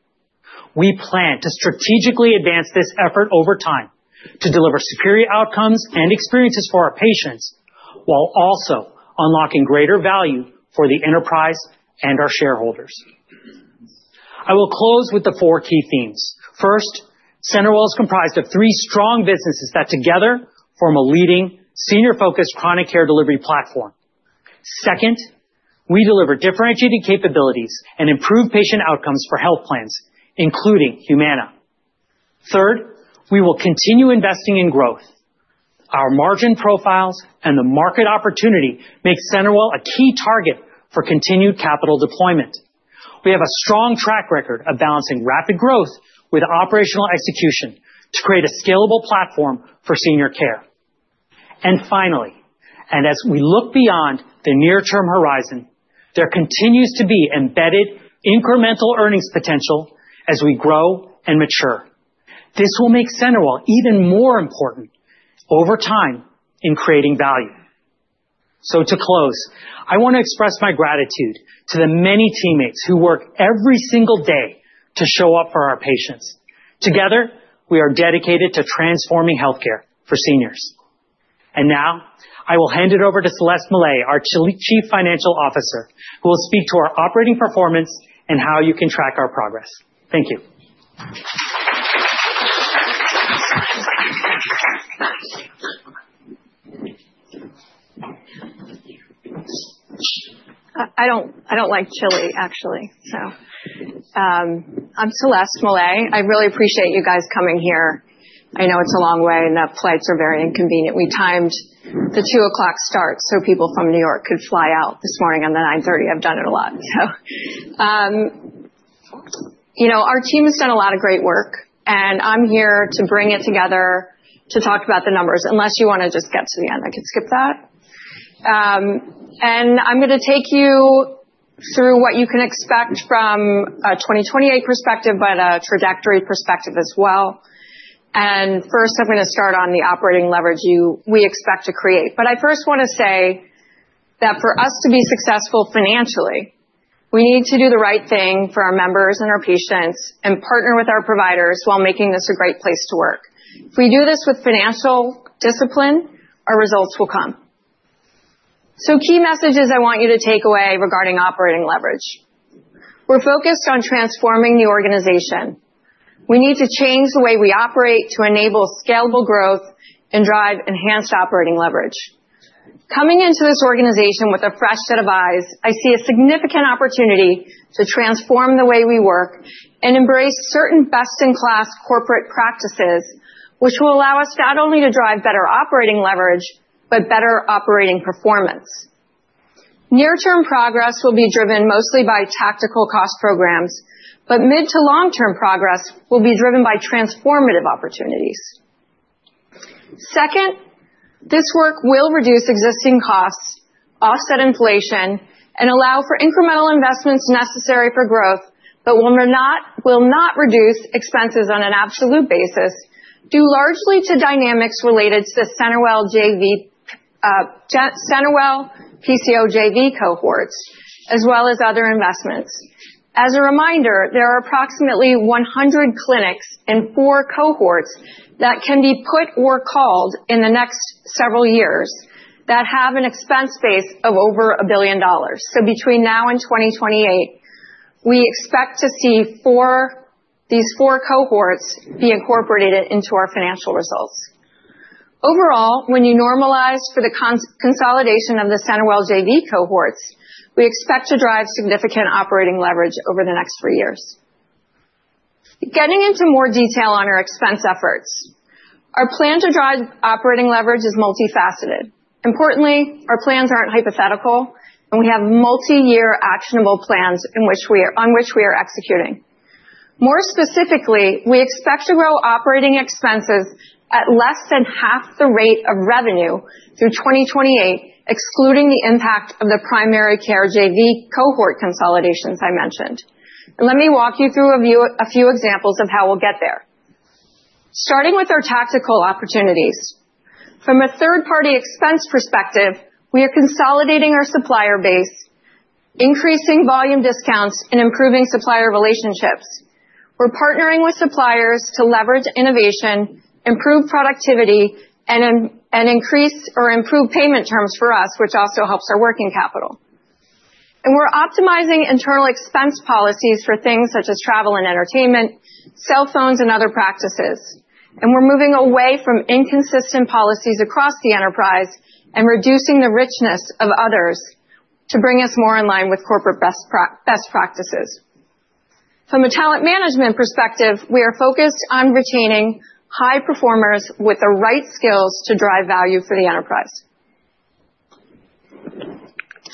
F: We plan to strategically advance this effort over time to deliver superior outcomes and experiences for our patients while also unlocking greater value for the enterprise and our shareholders. I will close with the four key themes. First, CenterWell is comprised of three strong businesses that together form a leading senior-focused chronic care delivery platform. Second, we deliver differentiated capabilities and improved patient outcomes for health plans, including Humana. Third, we will continue investing in growth. Our margin profiles and the market opportunity make CenterWell a key target for continued capital deployment. We have a strong track record of balancing rapid growth with operational execution to create a scalable platform for senior care. Finally, as we look beyond the near-term horizon, there continues to be embedded incremental earnings potential as we grow and mature. This will make CenterWell even more important over time in creating value. To close, I want to express my gratitude to the many teammates who work every single day to show up for our patients. Together, we are dedicated to transforming healthcare for seniors. Now, I will hand it over to Celeste Mellet, our Chief Financial Officer, who will speak to our operating performance and how you can track our progress. Thank you.
H: I don't like chili, actually, so. I'm Celeste Mellet. I really appreciate you guys coming here. I know it's a long way and the flights are very inconvenient. We timed the 2:00 P.M. start so people from New York could fly out this morning on the 9:30. I've done it a lot. Our team has done a lot of great work, and I'm here to bring it together to talk about the numbers. Unless you want to just get to the end, I could skip that. I'm going to take you through what you can expect from a 2028 perspective, but a trajectory perspective as well. First, I'm going to start on the operating leverage we expect to create. I first want to say that for us to be successful financially, we need to do the right thing for our members and our patients and partner with our providers while making this a great place to work. If we do this with financial discipline, our results will come. Key messages I want you to take away regarding operating leverage. We're focused on transforming the organization. We need to change the way we operate to enable scalable growth and drive enhanced operating leverage. Coming into this organization with a fresh set of eyes, I see a significant opportunity to transform the way we work and embrace certain best-in-class corporate practices, which will allow us not only to drive better operating leverage, but better operating performance. Near-term progress will be driven mostly by tactical cost programs, but mid- to long-term progress will be driven by transformative opportunities. Second, this work will reduce existing costs, offset inflation, and allow for incremental investments necessary for growth, but will not reduce expenses on an absolute basis due largely to dynamics related to the CenterWell PCOJV cohorts, as well as other investments. As a reminder, there are approximately 100 clinics in four cohorts that can be put or called in the next several years that have an expense base of over $1 billion. Between now and 2028, we expect to see these four cohorts be incorporated into our financial results. Overall, when you normalize for the consolidation of the CenterWell JV cohorts, we expect to drive significant operating leverage over the next three years. Getting into more detail on our expense efforts, our plan to drive operating leverage is multifaceted. Importantly, our plans aren't hypothetical, and we have multi-year actionable plans on which we are executing. More specifically, we expect to grow operating expenses at less than half the rate of revenue through 2028, excluding the impact of the primary care JV cohort consolidations I mentioned. Let me walk you through a few examples of how we'll get there. Starting with our tactical opportunities, from a third-party expense perspective, we are consolidating our supplier base, increasing volume discounts, and improving supplier relationships. We're partnering with suppliers to leverage innovation, improve productivity, and increase or improve payment terms for us, which also helps our working capital. We're optimizing internal expense policies for things such as travel and entertainment, cell phones, and other practices. We're moving away from inconsistent policies across the enterprise and reducing the richness of others to bring us more in line with corporate best practices. From a talent management perspective, we are focused on retaining high performers with the right skills to drive value for the enterprise.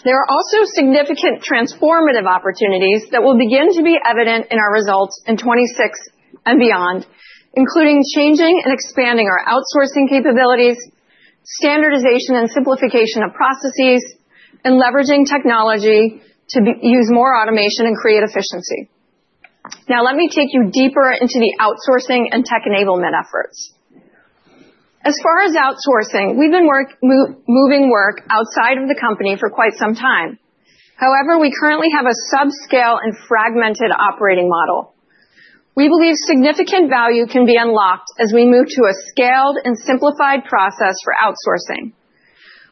H: There are also significant transformative opportunities that will begin to be evident in our results in 2026 and beyond, including changing and expanding our outsourcing capabilities, standardization and simplification of processes, and leveraging technology to use more automation and create efficiency. Now, let me take you deeper into the outsourcing and tech enablement efforts. As far as outsourcing, we've been moving work outside of the company for quite some time. However, we currently have a subscale and fragmented operating model. We believe significant value can be unlocked as we move to a scaled and simplified process for outsourcing.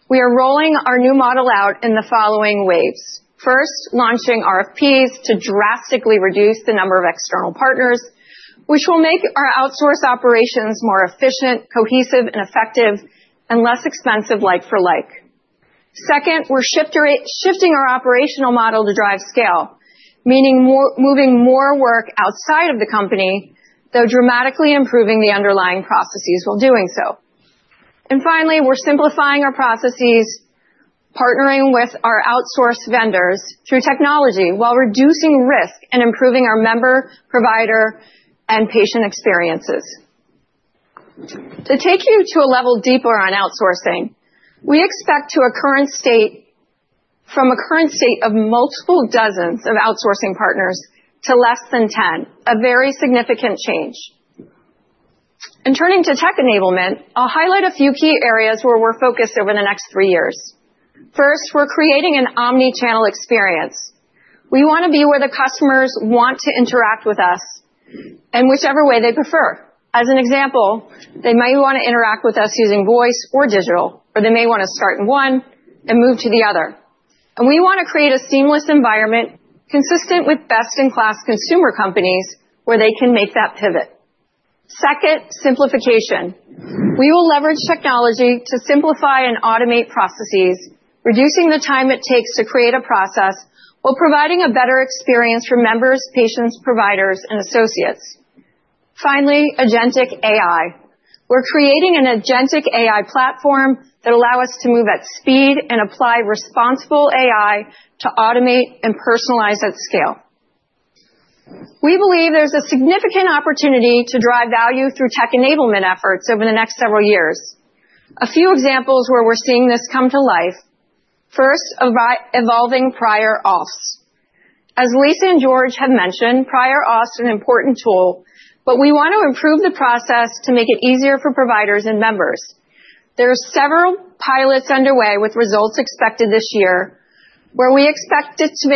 H: We are rolling our new model out in the following waves. First, launching RFPs to drastically reduce the number of external partners, which will make our outsource operations more efficient, cohesive, and effective, and less expensive like-for-like. Second, we're shifting our operational model to drive scale, meaning moving more work outside of the company, though dramatically improving the underlying processes while doing so. Finally, we're simplifying our processes, partnering with our outsourced vendors through technology while reducing risk and improving our member, provider, and patient experiences. To take you to a level deeper on outsourcing, we expect to go from a current state of multiple dozens of outsourcing partners to less than 10, a very significant change. Turning to tech enablement, I'll highlight a few key areas where we're focused over the next three years. First, we're creating an omnichannel experience. We want to be where the customers want to interact with us in whichever way they prefer. As an example, they may want to interact with us using voice or digital, or they may want to start in one and move to the other. We want to create a seamless environment consistent with best-in-class consumer companies where they can make that pivot. Second, simplification. We will leverage technology to simplify and automate processes, reducing the time it takes to create a process while providing a better experience for members, patients, providers, and associates. Finally, agentic AI. We're creating an agentic AI platform that allows us to move at speed and apply responsible AI to automate and personalize at scale. We believe there's a significant opportunity to drive value through tech enablement efforts over the next several years. A few examples where we're seeing this come to life. First, evolving prior auths. As Lisa and George have mentioned, prior auths are an important tool, but we want to improve the process to make it easier for providers and members. There are several pilots underway with results expected this year where we expect it to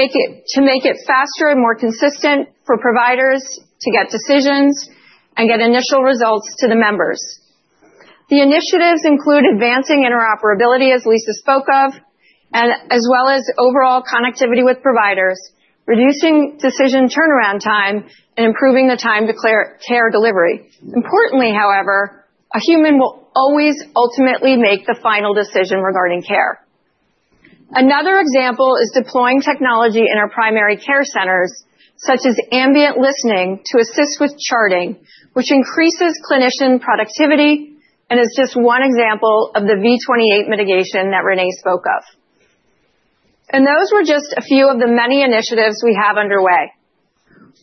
H: make it faster and more consistent for providers to get decisions and get initial results to the members. The initiatives include advancing interoperability, as Lisa spoke of, as well as overall connectivity with providers, reducing decision turnaround time, and improving the time to care delivery. Importantly, however, a human will always ultimately make the final decision regarding care. Another example is deploying technology in our primary care centers, such as ambient listening to assist with charting, which increases clinician productivity and is just one example of the V28 mitigation that Renee spoke of. Those were just a few of the many initiatives we have underway.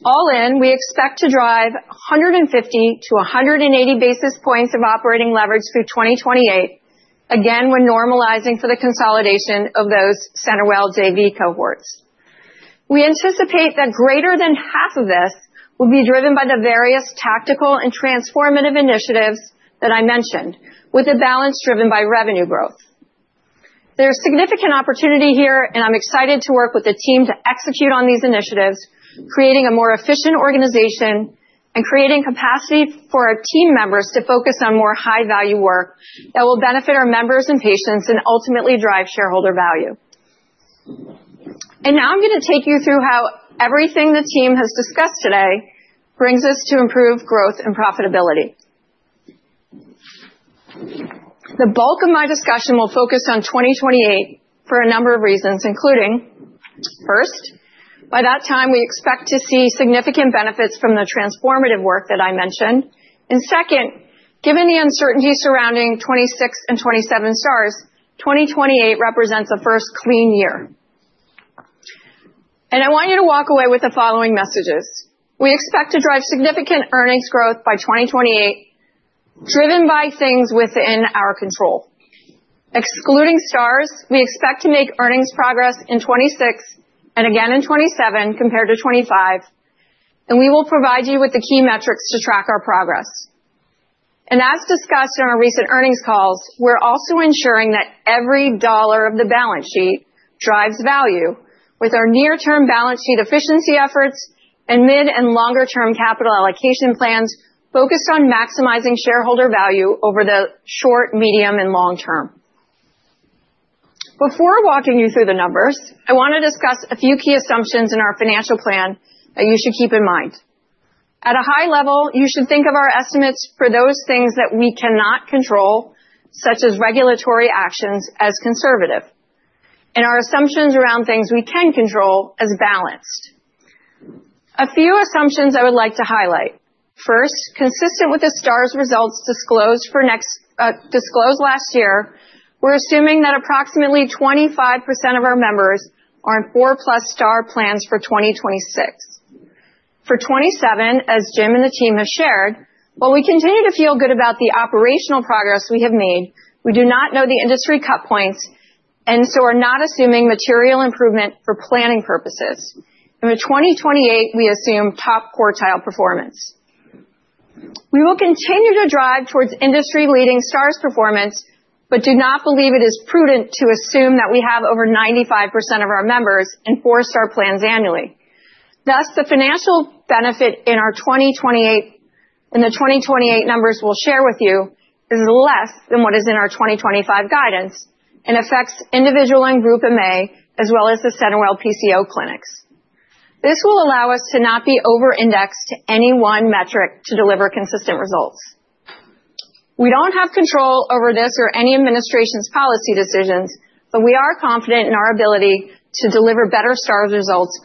H: All in, we expect to drive 150-180 basis points of operating leverage through 2028, again when normalizing for the consolidation of those CenterWell JV cohorts. We anticipate that greater than half of this will be driven by the various tactical and transformative initiatives that I mentioned, with a balance driven by revenue growth. There is significant opportunity here, and I am excited to work with the team to execute on these initiatives, creating a more efficient organization and creating capacity for our team members to focus on more high-value work that will benefit our members and patients and ultimately drive shareholder value. I am going to take you through how everything the team has discussed today brings us to improved growth and profitability. The bulk of my discussion will focus on 2028 for a number of reasons, including first, by that time, we expect to see significant benefits from the transformative work that I mentioned. Second, given the uncertainty surrounding 2026 and 2027 stars, 2028 represents a first clean year. I want you to walk away with the following messages. We expect to drive significant earnings growth by 2028, driven by things within our control. Excluding stars, we expect to make earnings progress in 2026 and again in 2027 compared to 2025, and we will provide you with the key metrics to track our progress. As discussed in our recent earnings calls, we're also ensuring that every dollar of the balance sheet drives value with our near-term balance sheet efficiency efforts and mid and longer-term capital allocation plans focused on maximizing shareholder value over the short, medium, and long term. Before walking you through the numbers, I want to discuss a few key assumptions in our financial plan that you should keep in mind. At a high level, you should think of our estimates for those things that we cannot control, such as regulatory actions, as conservative, and our assumptions around things we can control as balanced. A few assumptions I would like to highlight. First, consistent with the stars results disclosed last year, we're assuming that approximately 25% of our members are in four-plus star plans for 2026. For 2027, as Jim and the team have shared, while we continue to feel good about the operational progress we have made, we do not know the industry cut points, and are not assuming material improvement for planning purposes. For 2028, we assume top quartile performance. We will continue to drive towards industry-leading stars performance, but do not believe it is prudent to assume that we have over 95% of our members in four-star plans annually. Thus, the financial benefit in the 2028 numbers we will share with you is less than what is in our 2025 guidance and affects individual and group MA, as well as the CenterWell PCO clinics. This will allow us to not be over-indexed to any one metric to deliver consistent results. We do not have control over this or any administration's policy decisions, but we are confident in our ability to deliver better stars results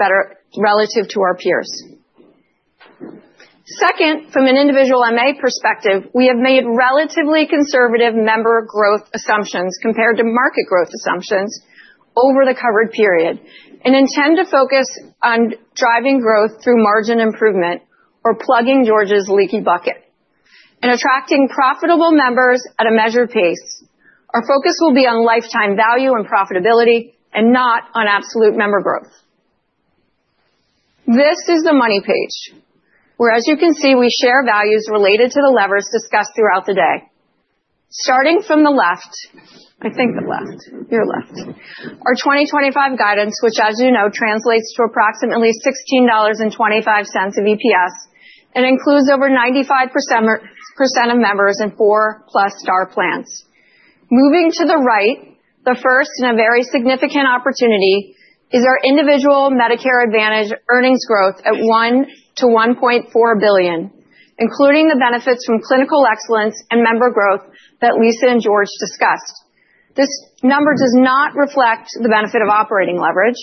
H: relative to our peers. Second, from an individual MA perspective, we have made relatively conservative member growth assumptions compared to market growth assumptions over the covered period and intend to focus on driving growth through margin improvement or plugging George's leaky bucket and attracting profitable members at a measured pace. Our focus will be on lifetime value and profitability and not on absolute member growth. This is the money page, where, as you can see, we share values related to the levers discussed throughout the day. Starting from the left, I think the left, your left, our 2025 guidance, which, as you know, translates to approximately $16.25 of EPS and includes over 95% of members in four-plus star plans. Moving to the right, the first and a very significant opportunity is our individual Medicare Advantage earnings growth at $1 billion-$1.4 billion, including the benefits from clinical excellence and member growth that Lisa and George discussed. This number does not reflect the benefit of operating leverage,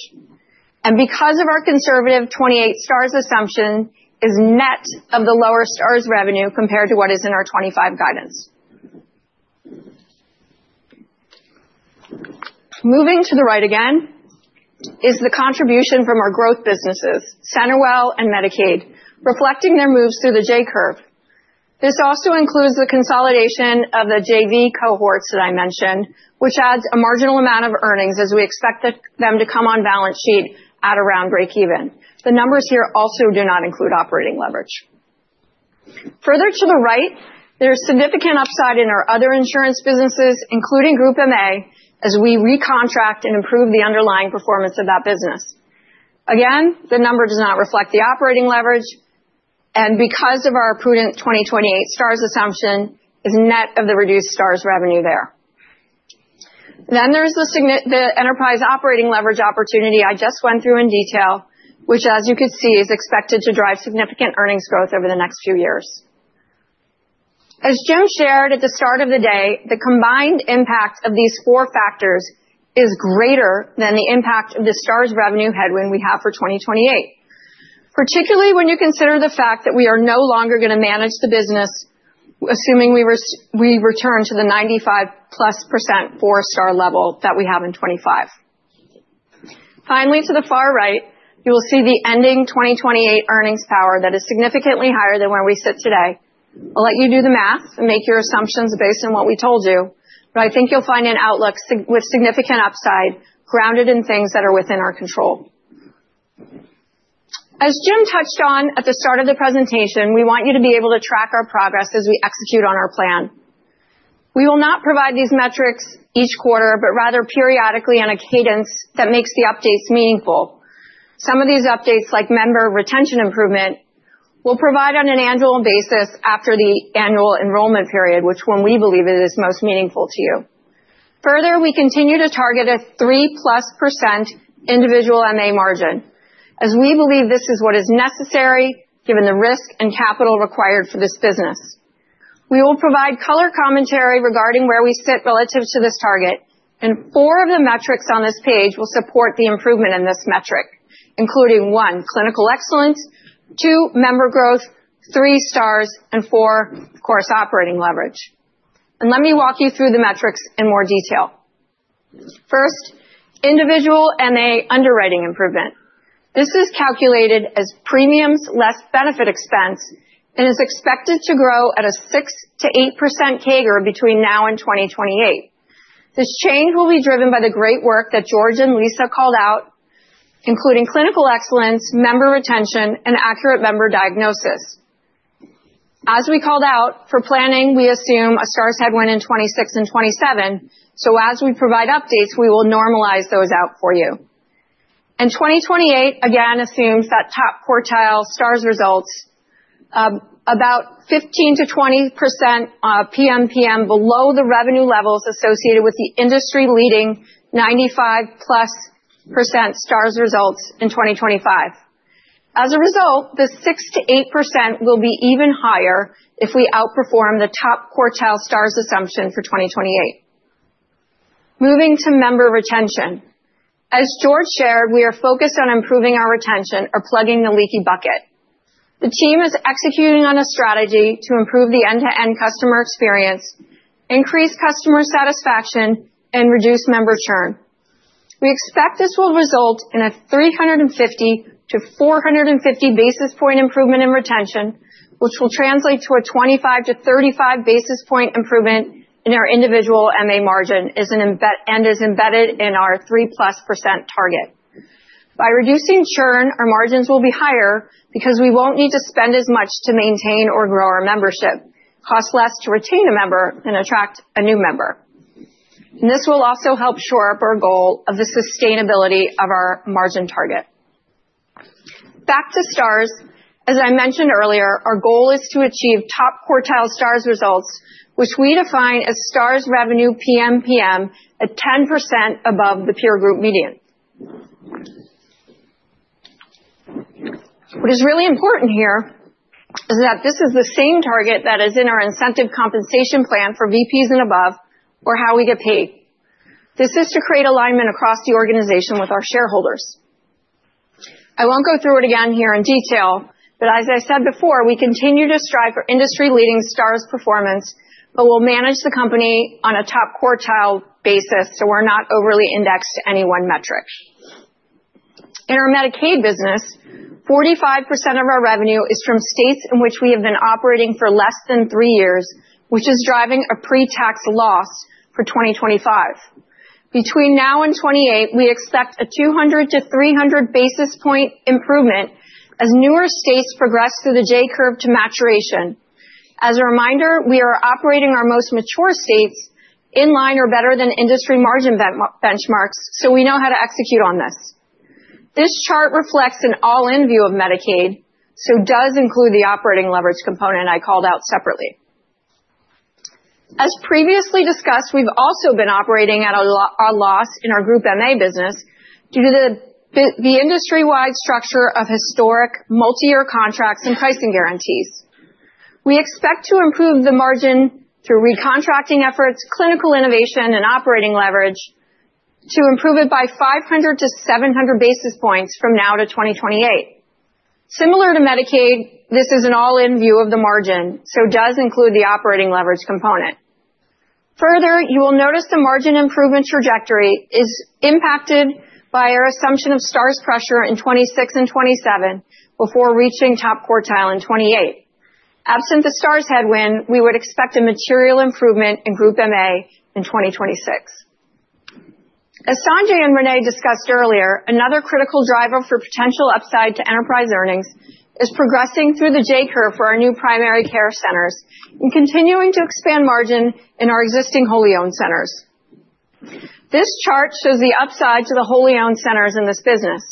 H: and because of our conservative 2028 stars assumption, it is net of the lower stars revenue compared to what is in our 2025 guidance. Moving to the right again is the contribution from our growth businesses, CenterWell and Medicaid, reflecting their moves through the J-curve. This also includes the consolidation of the JV cohorts that I mentioned, which adds a marginal amount of earnings as we expect them to come on balance sheet at around breakeven. The numbers here also do not include operating leverage. Further to the right, there is significant upside in our other insurance businesses, including Group MA, as we recontract and improve the underlying performance of that business. Again, the number does not reflect the operating leverage, and because of our prudent 2028 stars assumption, it is net of the reduced stars revenue there. There is the enterprise operating leverage opportunity I just went through in detail, which, as you can see, is expected to drive significant earnings growth over the next few years. As Jim shared at the start of the day, the combined impact of these four factors is greater than the impact of the stars revenue headwind we have for 2028, particularly when you consider the fact that we are no longer going to manage the business, assuming we return to the 95-plus % four-star level that we have in 2025. Finally, to the far right, you will see the ending 2028 earnings power that is significantly higher than where we sit today. I'll let you do the math and make your assumptions based on what we told you, but I think you'll find an outlook with significant upside grounded in things that are within our control. As Jim touched on at the start of the presentation, we want you to be able to track our progress as we execute on our plan. We will not provide these metrics each quarter, but rather periodically on a cadence that makes the updates meaningful. Some of these updates, like member retention improvement, we will provide on an annual basis after the annual enrollment period, which is when we believe it is most meaningful to you. Further, we continue to target a 3%+ individual MA margin, as we believe this is what is necessary given the risk and capital required for this business. We will provide color commentary regarding where we sit relative to this target, and four of the metrics on this page will support the improvement in this metric, including one, clinical excellence; two, member growth; three, stars; and four, of course, operating leverage. Let me walk you through the metrics in more detail. First, individual MA underwriting improvement. This is calculated as premiums less benefit expense and is expected to grow at a 6%-8% CAGR between now and 2028. This change will be driven by the great work that George and Lisa called out, including clinical excellence, member retention, and accurate member diagnosis. As we called out for planning, we assume a stars headwind in 2026 and 2027, so as we provide updates, we will normalize those out for you. 2028, again, assumes that top quartile stars results, about 15%-20% PMPM below the revenue levels associated with the industry-leading 95% plus stars results in 2025. As a result, the 6%-8% will be even higher if we outperform the top quartile stars assumption for 2028. Moving to member retention. As George shared, we are focused on improving our retention or plugging the leaky bucket. The team is executing on a strategy to improve the end-to-end customer experience, increase customer satisfaction, and reduce member churn. We expect this will result in a 350-450 basis point improvement in retention, which will translate to a 25-35 basis point improvement in our individual MA margin and is embedded in our 3+% target. By reducing churn, our margins will be higher because we won't need to spend as much to maintain or grow our membership, cost less to retain a member, and attract a new member. This will also help shore up our goal of the sustainability of our margin target. Back to stars. As I mentioned earlier, our goal is to achieve top quartile stars results, which we define as stars revenue PMPM at 10% above the peer group median. What is really important here is that this is the same target that is in our incentive compensation plan for VPs and above or how we get paid. This is to create alignment across the organization with our shareholders. I will not go through it again here in detail, but as I said before, we continue to strive for industry-leading stars performance, but we will manage the company on a top quartile basis so we are not overly indexed to any one metric. In our Medicaid business, 45% of our revenue is from states in which we have been operating for less than three years, which is driving a pre-tax loss for 2025. Between now and 2028, we expect a 200-300 basis point improvement as newer states progress through the J-curve to maturation. As a reminder, we are operating our most mature states in line or better than industry margin benchmarks, so we know how to execute on this. This chart reflects an all-in view of Medicaid, so it does include the operating leverage component I called out separately. As previously discussed, we've also been operating at a loss in our Group MA business due to the industry-wide structure of historic multi-year contracts and pricing guarantees. We expect to improve the margin through recontracting efforts, clinical innovation, and operating leverage to improve it by 500-700 basis points from now to 2028. Similar to Medicaid, this is an all-in view of the margin, so it does include the operating leverage component. Further, you will notice the margin improvement trajectory is impacted by our assumption of stars pressure in 2026 and 2027 before reaching top quartile in 2028. Absent the stars headwind, we would expect a material improvement in Group MA in 2026. As Sanjay and Renee discussed earlier, another critical driver for potential upside to enterprise earnings is progressing through the J-curve for our new primary care centers and continuing to expand margin in our existing wholly-owned centers. This chart shows the upside to the wholly-owned centers in this business.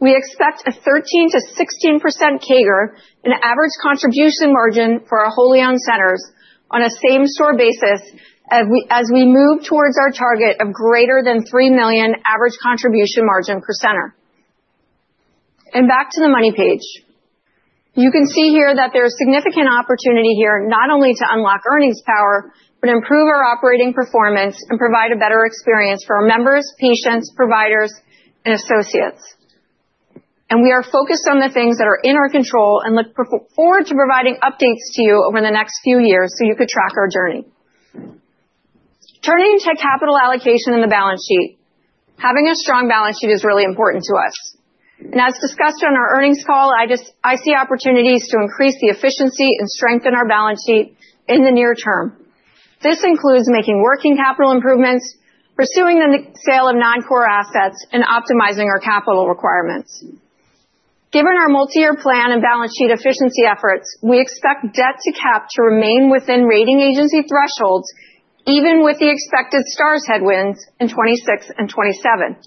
H: We expect a 13%-16% CAGR in average contribution margin for our wholly-owned centers on a same store basis as we move towards our target of greater than $3 million average contribution margin per center. Back to the money page. You can see here that there is significant opportunity here not only to unlock earnings power, but improve our operating performance and provide a better experience for our members, patients, providers, and associates. We are focused on the things that are in our control and look forward to providing updates to you over the next few years so you could track our journey. Turning to capital allocation in the balance sheet, having a strong balance sheet is really important to us. As discussed on our earnings call, I see opportunities to increase the efficiency and strengthen our balance sheet in the near term. This includes making working capital improvements, pursuing the sale of non-core assets, and optimizing our capital requirements. Given our multi-year plan and balance sheet efficiency efforts, we expect debt to cap to remain within rating agency thresholds, even with the expected stars headwinds in 2026 and 2027.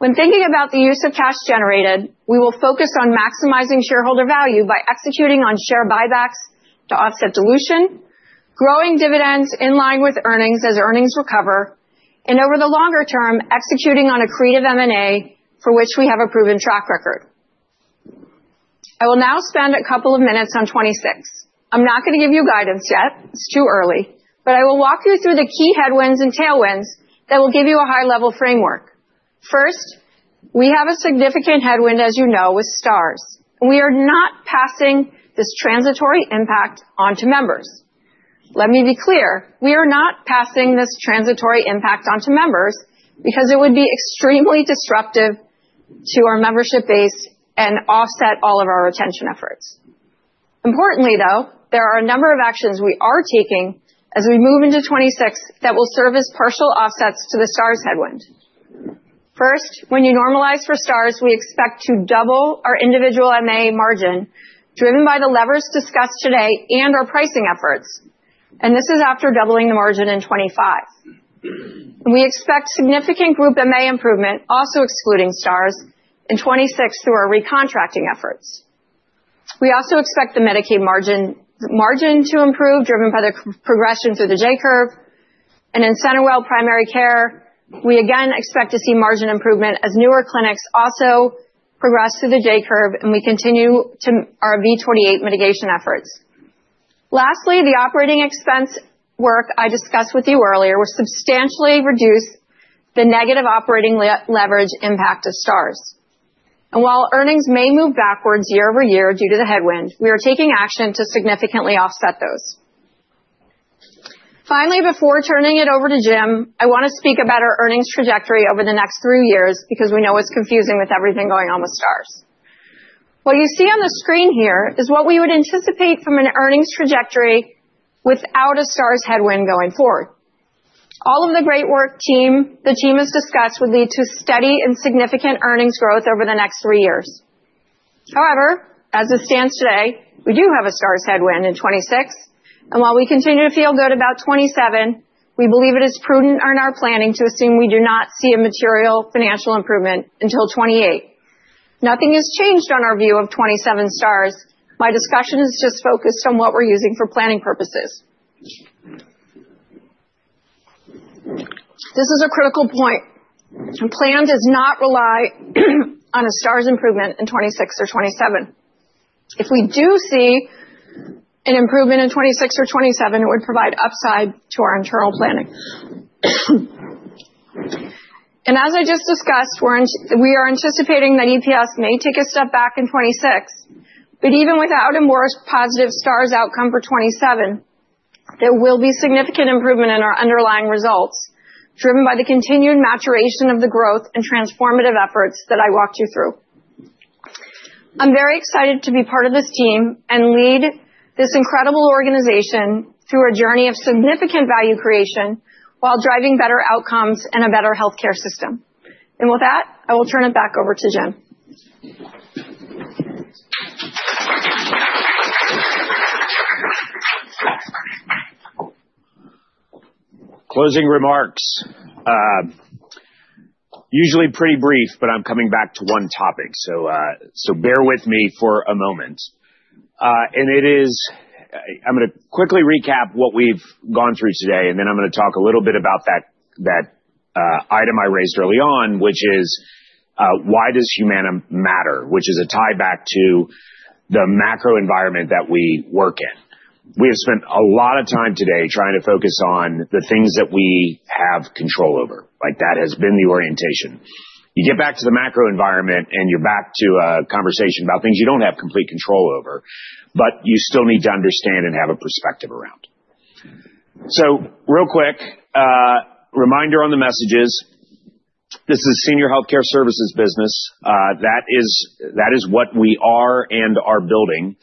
H: When thinking about the use of cash generated, we will focus on maximizing shareholder value by executing on share buybacks to offset dilution, growing dividends in line with earnings as earnings recover, and over the longer term, executing on accretive M&A for which we have a proven track record. I will now spend a couple of minutes on 2026. I'm not going to give you guidance yet. It's too early, but I will walk you through the key headwinds and tailwinds that will give you a high-level framework. First, we have a significant headwind, as you know, with stars, and we are not passing this transitory impact onto members. Let me be clear. We are not passing this transitory impact onto members because it would be extremely disruptive to our membership base and offset all of our retention efforts. Importantly, though, there are a number of actions we are taking as we move into 2026 that will serve as partial offsets to the stars headwind. First, when you normalize for stars, we expect to double our individual MA margin driven by the levers discussed today and our pricing efforts. This is after doubling the margin in 2025. We expect significant Group MA improvement, also excluding stars, in 2026 through our recontracting efforts. We also expect the Medicaid margin to improve driven by the progression through the J-curve. In CenterWell Primary Care, we again expect to see margin improvement as newer clinics also progress through the J-curve and we continue our V28 mitigation efforts. Lastly, the operating expense work I discussed with you earlier will substantially reduce the negative operating leverage impact of stars. While earnings may move backwards year over year due to the headwind, we are taking action to significantly offset those. Finally, before turning it over to Jim, I want to speak about our earnings trajectory over the next three years because we know it is confusing with everything going on with stars. What you see on the screen here is what we would anticipate from an earnings trajectory without a stars headwind going forward. All of the great work the team has discussed would lead to steady and significant earnings growth over the next three years. However, as it stands today, we do have a stars headwind in 2026. While we continue to feel good about 2027, we believe it is prudent in our planning to assume we do not see a material financial improvement until 2028. Nothing has changed on our view of 2027 stars. My discussion is just focused on what we're using for planning purposes. This is a critical point. Plan does not rely on a stars improvement in 2026 or 2027. If we do see an improvement in 2026 or 2027, it would provide upside to our internal planning. As I just discussed, we are anticipating that EPS may take a step back in 2026, but even without a more positive stars outcome for 2027, there will be significant improvement in our underlying results driven by the continued maturation of the growth and transformative efforts that I walked you through. I am very excited to be part of this team and lead this incredible organization through a journey of significant value creation while driving better outcomes and a better healthcare system. With that, I will turn it back over to Jim.
C: Closing remarks. Usually pretty brief, but I'm coming back to one topic, so bear with me for a moment. I'm going to quickly recap what we've gone through today, and then I'm going to talk a little bit about that item I raised early on, which is why does Humana matter, which is a tie back to the macro environment that we work in. We have spent a lot of time today trying to focus on the things that we have control over. That has been the orientation. You get back to the macro environment, and you're back to a conversation about things you don't have complete control over, but you still need to understand and have a perspective around. Real quick, reminder on the messages. This is a senior healthcare services business. That is what we are and are building.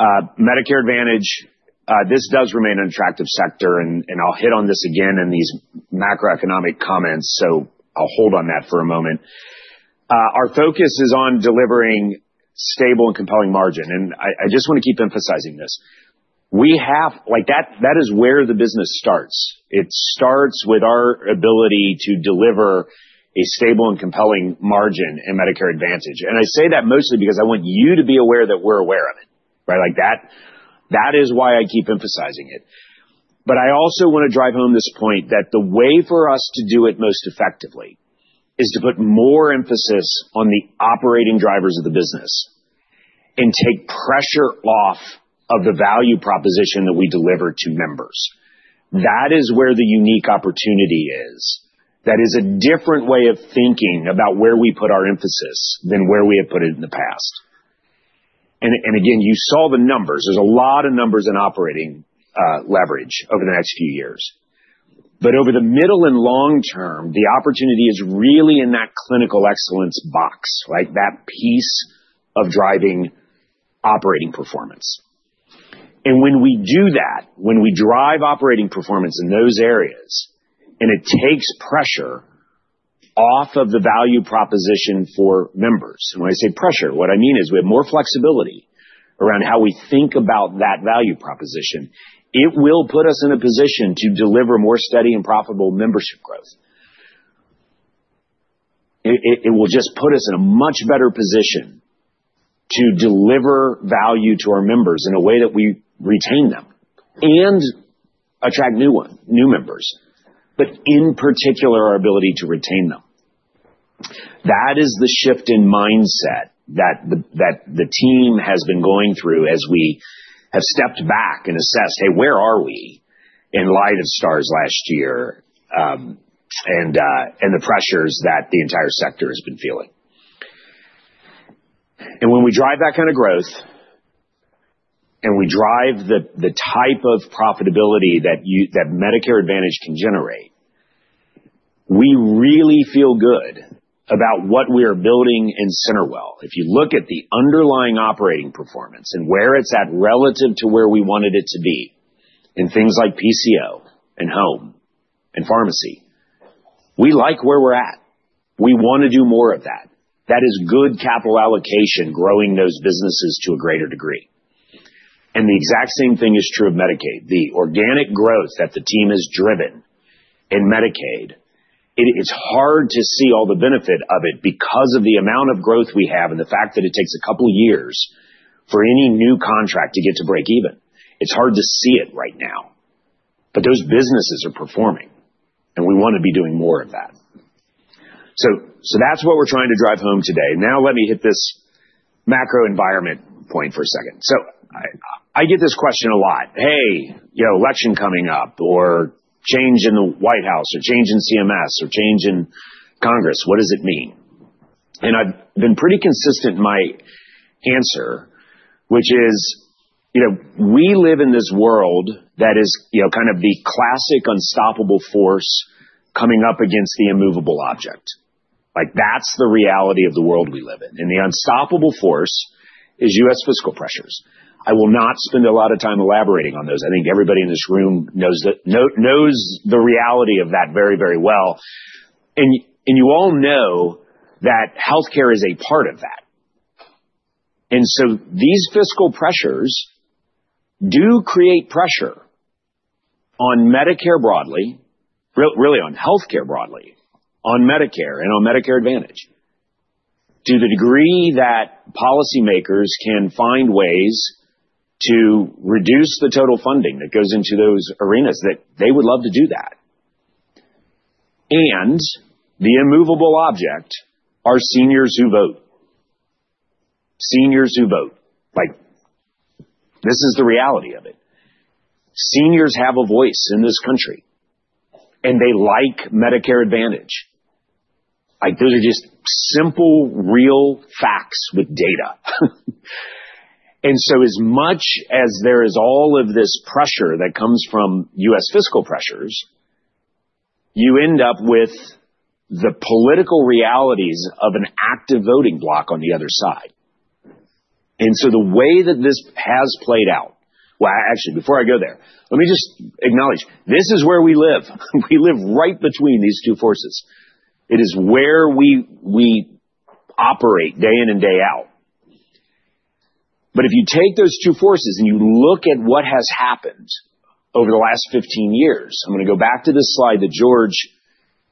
C: Medicare Advantage, this does remain an attractive sector, and I'll hit on this again in these macroeconomic comments, so I'll hold on that for a moment. Our focus is on delivering stable and compelling margin, and I just want to keep emphasizing this. That is where the business starts. It starts with our ability to deliver a stable and compelling margin in Medicare Advantage. I say that mostly because I want you to be aware that we're aware of it. That is why I keep emphasizing it. I also want to drive home this point that the way for us to do it most effectively is to put more emphasis on the operating drivers of the business and take pressure off of the value proposition that we deliver to members. That is where the unique opportunity is. That is a different way of thinking about where we put our emphasis than where we have put it in the past. Again, you saw the numbers. There is a lot of numbers in operating leverage over the next few years. Over the middle and long term, the opportunity is really in that clinical excellence box, that piece of driving operating performance. When we do that, when we drive operating performance in those areas, it takes pressure off of the value proposition for members. When I say pressure, what I mean is we have more flexibility around how we think about that value proposition. It will put us in a position to deliver more steady and profitable membership growth. It will just put us in a much better position to deliver value to our members in a way that we retain them and attract new members, but in particular, our ability to retain them. That is the shift in mindset that the team has been going through as we have stepped back and assessed, "Hey, where are we in light of stars last year and the pressures that the entire sector has been feeling?" When we drive that kind of growth and we drive the type of profitability that Medicare Advantage can generate, we really feel good about what we are building in CenterWell. If you look at the underlying operating performance and where it's at relative to where we wanted it to be in things like PCO and home and pharmacy, we like where we're at. We want to do more of that. That is good capital allocation, growing those businesses to a greater degree. The exact same thing is true of Medicaid. The organic growth that the team has driven in Medicaid, it's hard to see all the benefit of it because of the amount of growth we have and the fact that it takes a couple of years for any new contract to get to break even. It's hard to see it right now, but those businesses are performing, and we want to be doing more of that. That is what we're trying to drive home today. Now, let me hit this macro environment point for a second. I get this question a lot. Hey, election coming up or change in the White House or change in CMS or change in Congress, what does it mean?" I have been pretty consistent in my answer, which is we live in this world that is kind of the classic unstoppable force coming up against the immovable object. That is the reality of the world we live in. The unstoppable force is U.S. fiscal pressures. I will not spend a lot of time elaborating on those. I think everybody in this room knows the reality of that very, very well. You all know that healthcare is a part of that. These fiscal pressures do create pressure on Medicare broadly, really on healthcare broadly, on Medicare and on Medicare Advantage to the degree that policymakers can find ways to reduce the total funding that goes into those arenas that they would love to do that. The immovable object are seniors who vote. Seniors who vote. This is the reality of it. Seniors have a voice in this country, and they like Medicare Advantage. Those are just simple, real facts with data. As much as there is all of this pressure that comes from U.S. fiscal pressures, you end up with the political realities of an active voting block on the other side. The way that this has played out, actually, before I go there, let me just acknowledge, this is where we live. We live right between these two forces. It is where we operate day in and day out. If you take those two forces and you look at what has happened over the last 15 years, I'm going to go back to this slide that George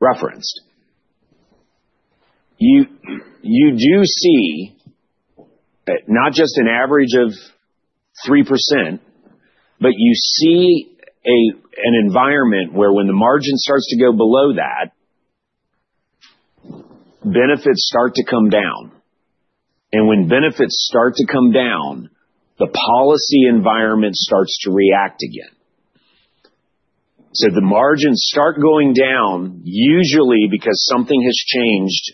C: referenced. You do see not just an average of 3%, but you see an environment where when the margin starts to go below that, benefits start to come down. When benefits start to come down, the policy environment starts to react again. The margins start going down usually because something has changed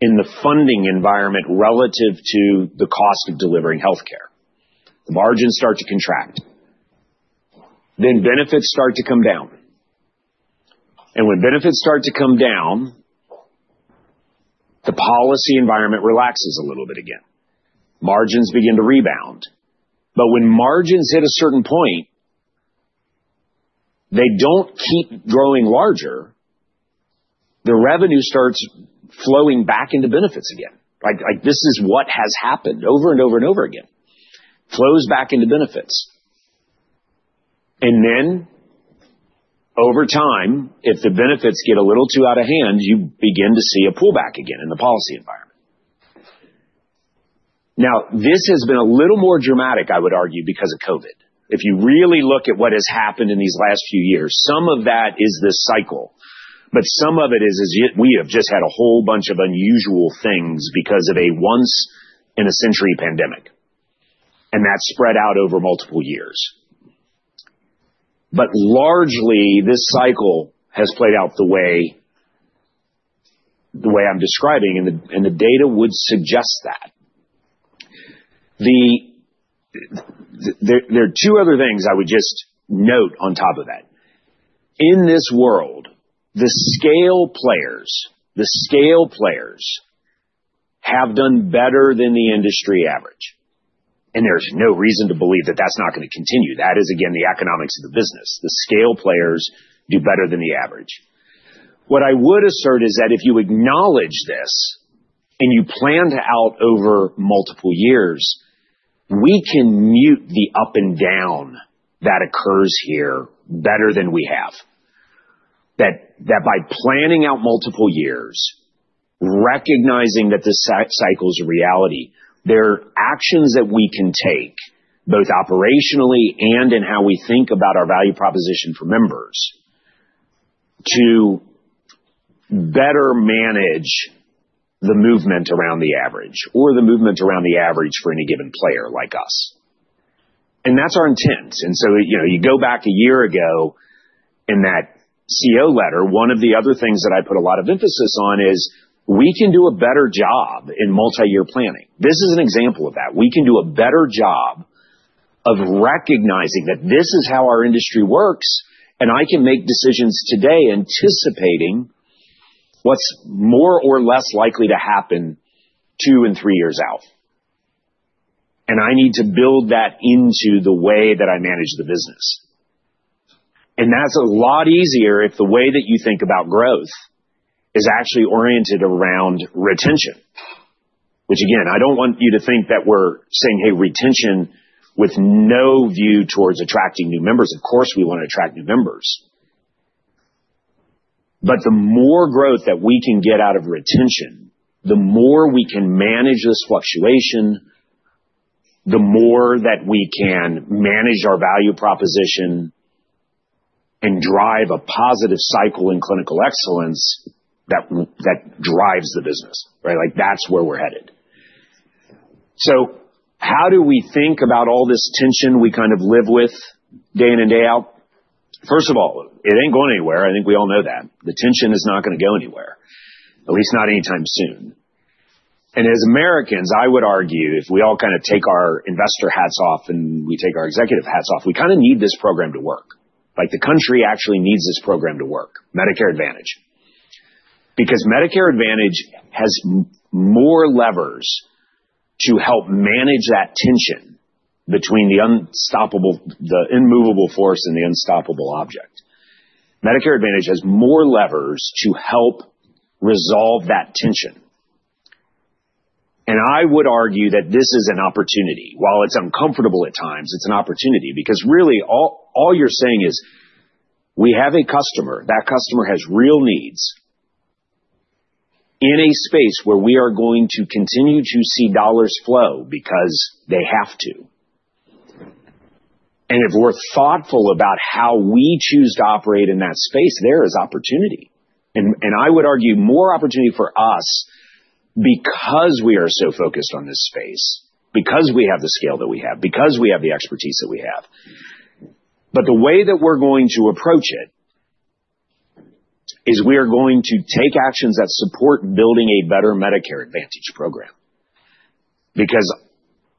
C: in the funding environment relative to the cost of delivering healthcare. The margins start to contract. Then benefits start to come down. When benefits start to come down, the policy environment relaxes a little bit again. Margins begin to rebound. When margins hit a certain point, they do not keep growing larger. The revenue starts flowing back into benefits again. This is what has happened over and over and over again. Flows back into benefits. Over time, if the benefits get a little too out of hand, you begin to see a pullback again in the policy environment. Now, this has been a little more dramatic, I would argue, because of COVID. If you really look at what has happened in these last few years, some of that is this cycle, but some of it is we have just had a whole bunch of unusual things because of a once-in-a-century pandemic, and that spread out over multiple years. Largely, this cycle has played out the way I'm describing, and the data would suggest that. There are two other things I would just note on top of that. In this world, the scale players have done better than the industry average. There's no reason to believe that that's not going to continue. That is, again, the economics of the business. The scale players do better than the average. What I would assert is that if you acknowledge this and you planned out over multiple years, we can mute the up and down that occurs here better than we have. That by planning out multiple years, recognizing that the cycle is a reality, there are actions that we can take both operationally and in how we think about our value proposition for members to better manage the movement around the average or the movement around the average for any given player like us. That is our intent. You go back a year ago in that CEO letter, one of the other things that I put a lot of emphasis on is we can do a better job in multi-year planning. This is an example of that. We can do a better job of recognizing that this is how our industry works, and I can make decisions today anticipating what's more or less likely to happen two and three years out. I need to build that into the way that I manage the business. That is a lot easier if the way that you think about growth is actually oriented around retention, which, again, I do not want you to think that we are saying, "Hey, retention with no view towards attracting new members." Of course, we want to attract new members. The more growth that we can get out of retention, the more we can manage this fluctuation, the more that we can manage our value proposition and drive a positive cycle in clinical excellence that drives the business. That is where we are headed. How do we think about all this tension we kind of live with day in and day out? First of all, it ain't going anywhere. I think we all know that. The tension is not going to go anywhere, at least not anytime soon. As Americans, I would argue, if we all kind of take our investor hats off and we take our executive hats off, we kind of need this program to work. The country actually needs this program to work, Medicare Advantage, because Medicare Advantage has more levers to help manage that tension between the immovable force and the unstoppable object. Medicare Advantage has more levers to help resolve that tension. I would argue that this is an opportunity. While it's uncomfortable at times, it's an opportunity because really all you're saying is we have a customer. That customer has real needs in a space where we are going to continue to see dollars flow because they have to. If we're thoughtful about how we choose to operate in that space, there is opportunity. I would argue more opportunity for us because we are so focused on this space, because we have the scale that we have, because we have the expertise that we have. The way that we're going to approach it is we are going to take actions that support building a better Medicare Advantage program because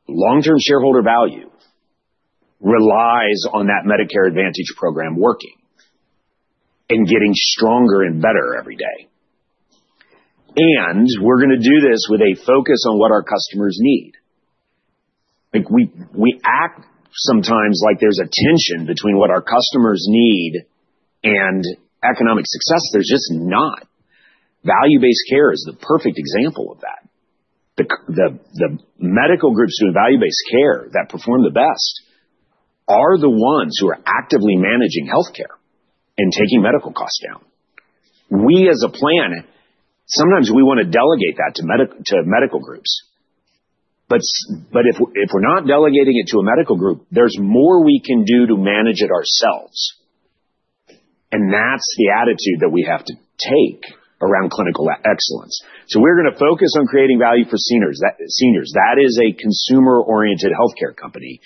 C: long-term shareholder value relies on that Medicare Advantage program working and getting stronger and better every day. We're going to do this with a focus on what our customers need. We act sometimes like there's a tension between what our customers need and economic success. There's just not. Value-based care is the perfect example of that. The medical groups doing value-based care that perform the best are the ones who are actively managing healthcare and taking medical costs down. We as a plan, sometimes we want to delegate that to medical groups. If we're not delegating it to a medical group, there's more we can do to manage it ourselves. That is the attitude that we have to take around clinical excellence. We're going to focus on creating value for seniors. That is a consumer-oriented healthcare company.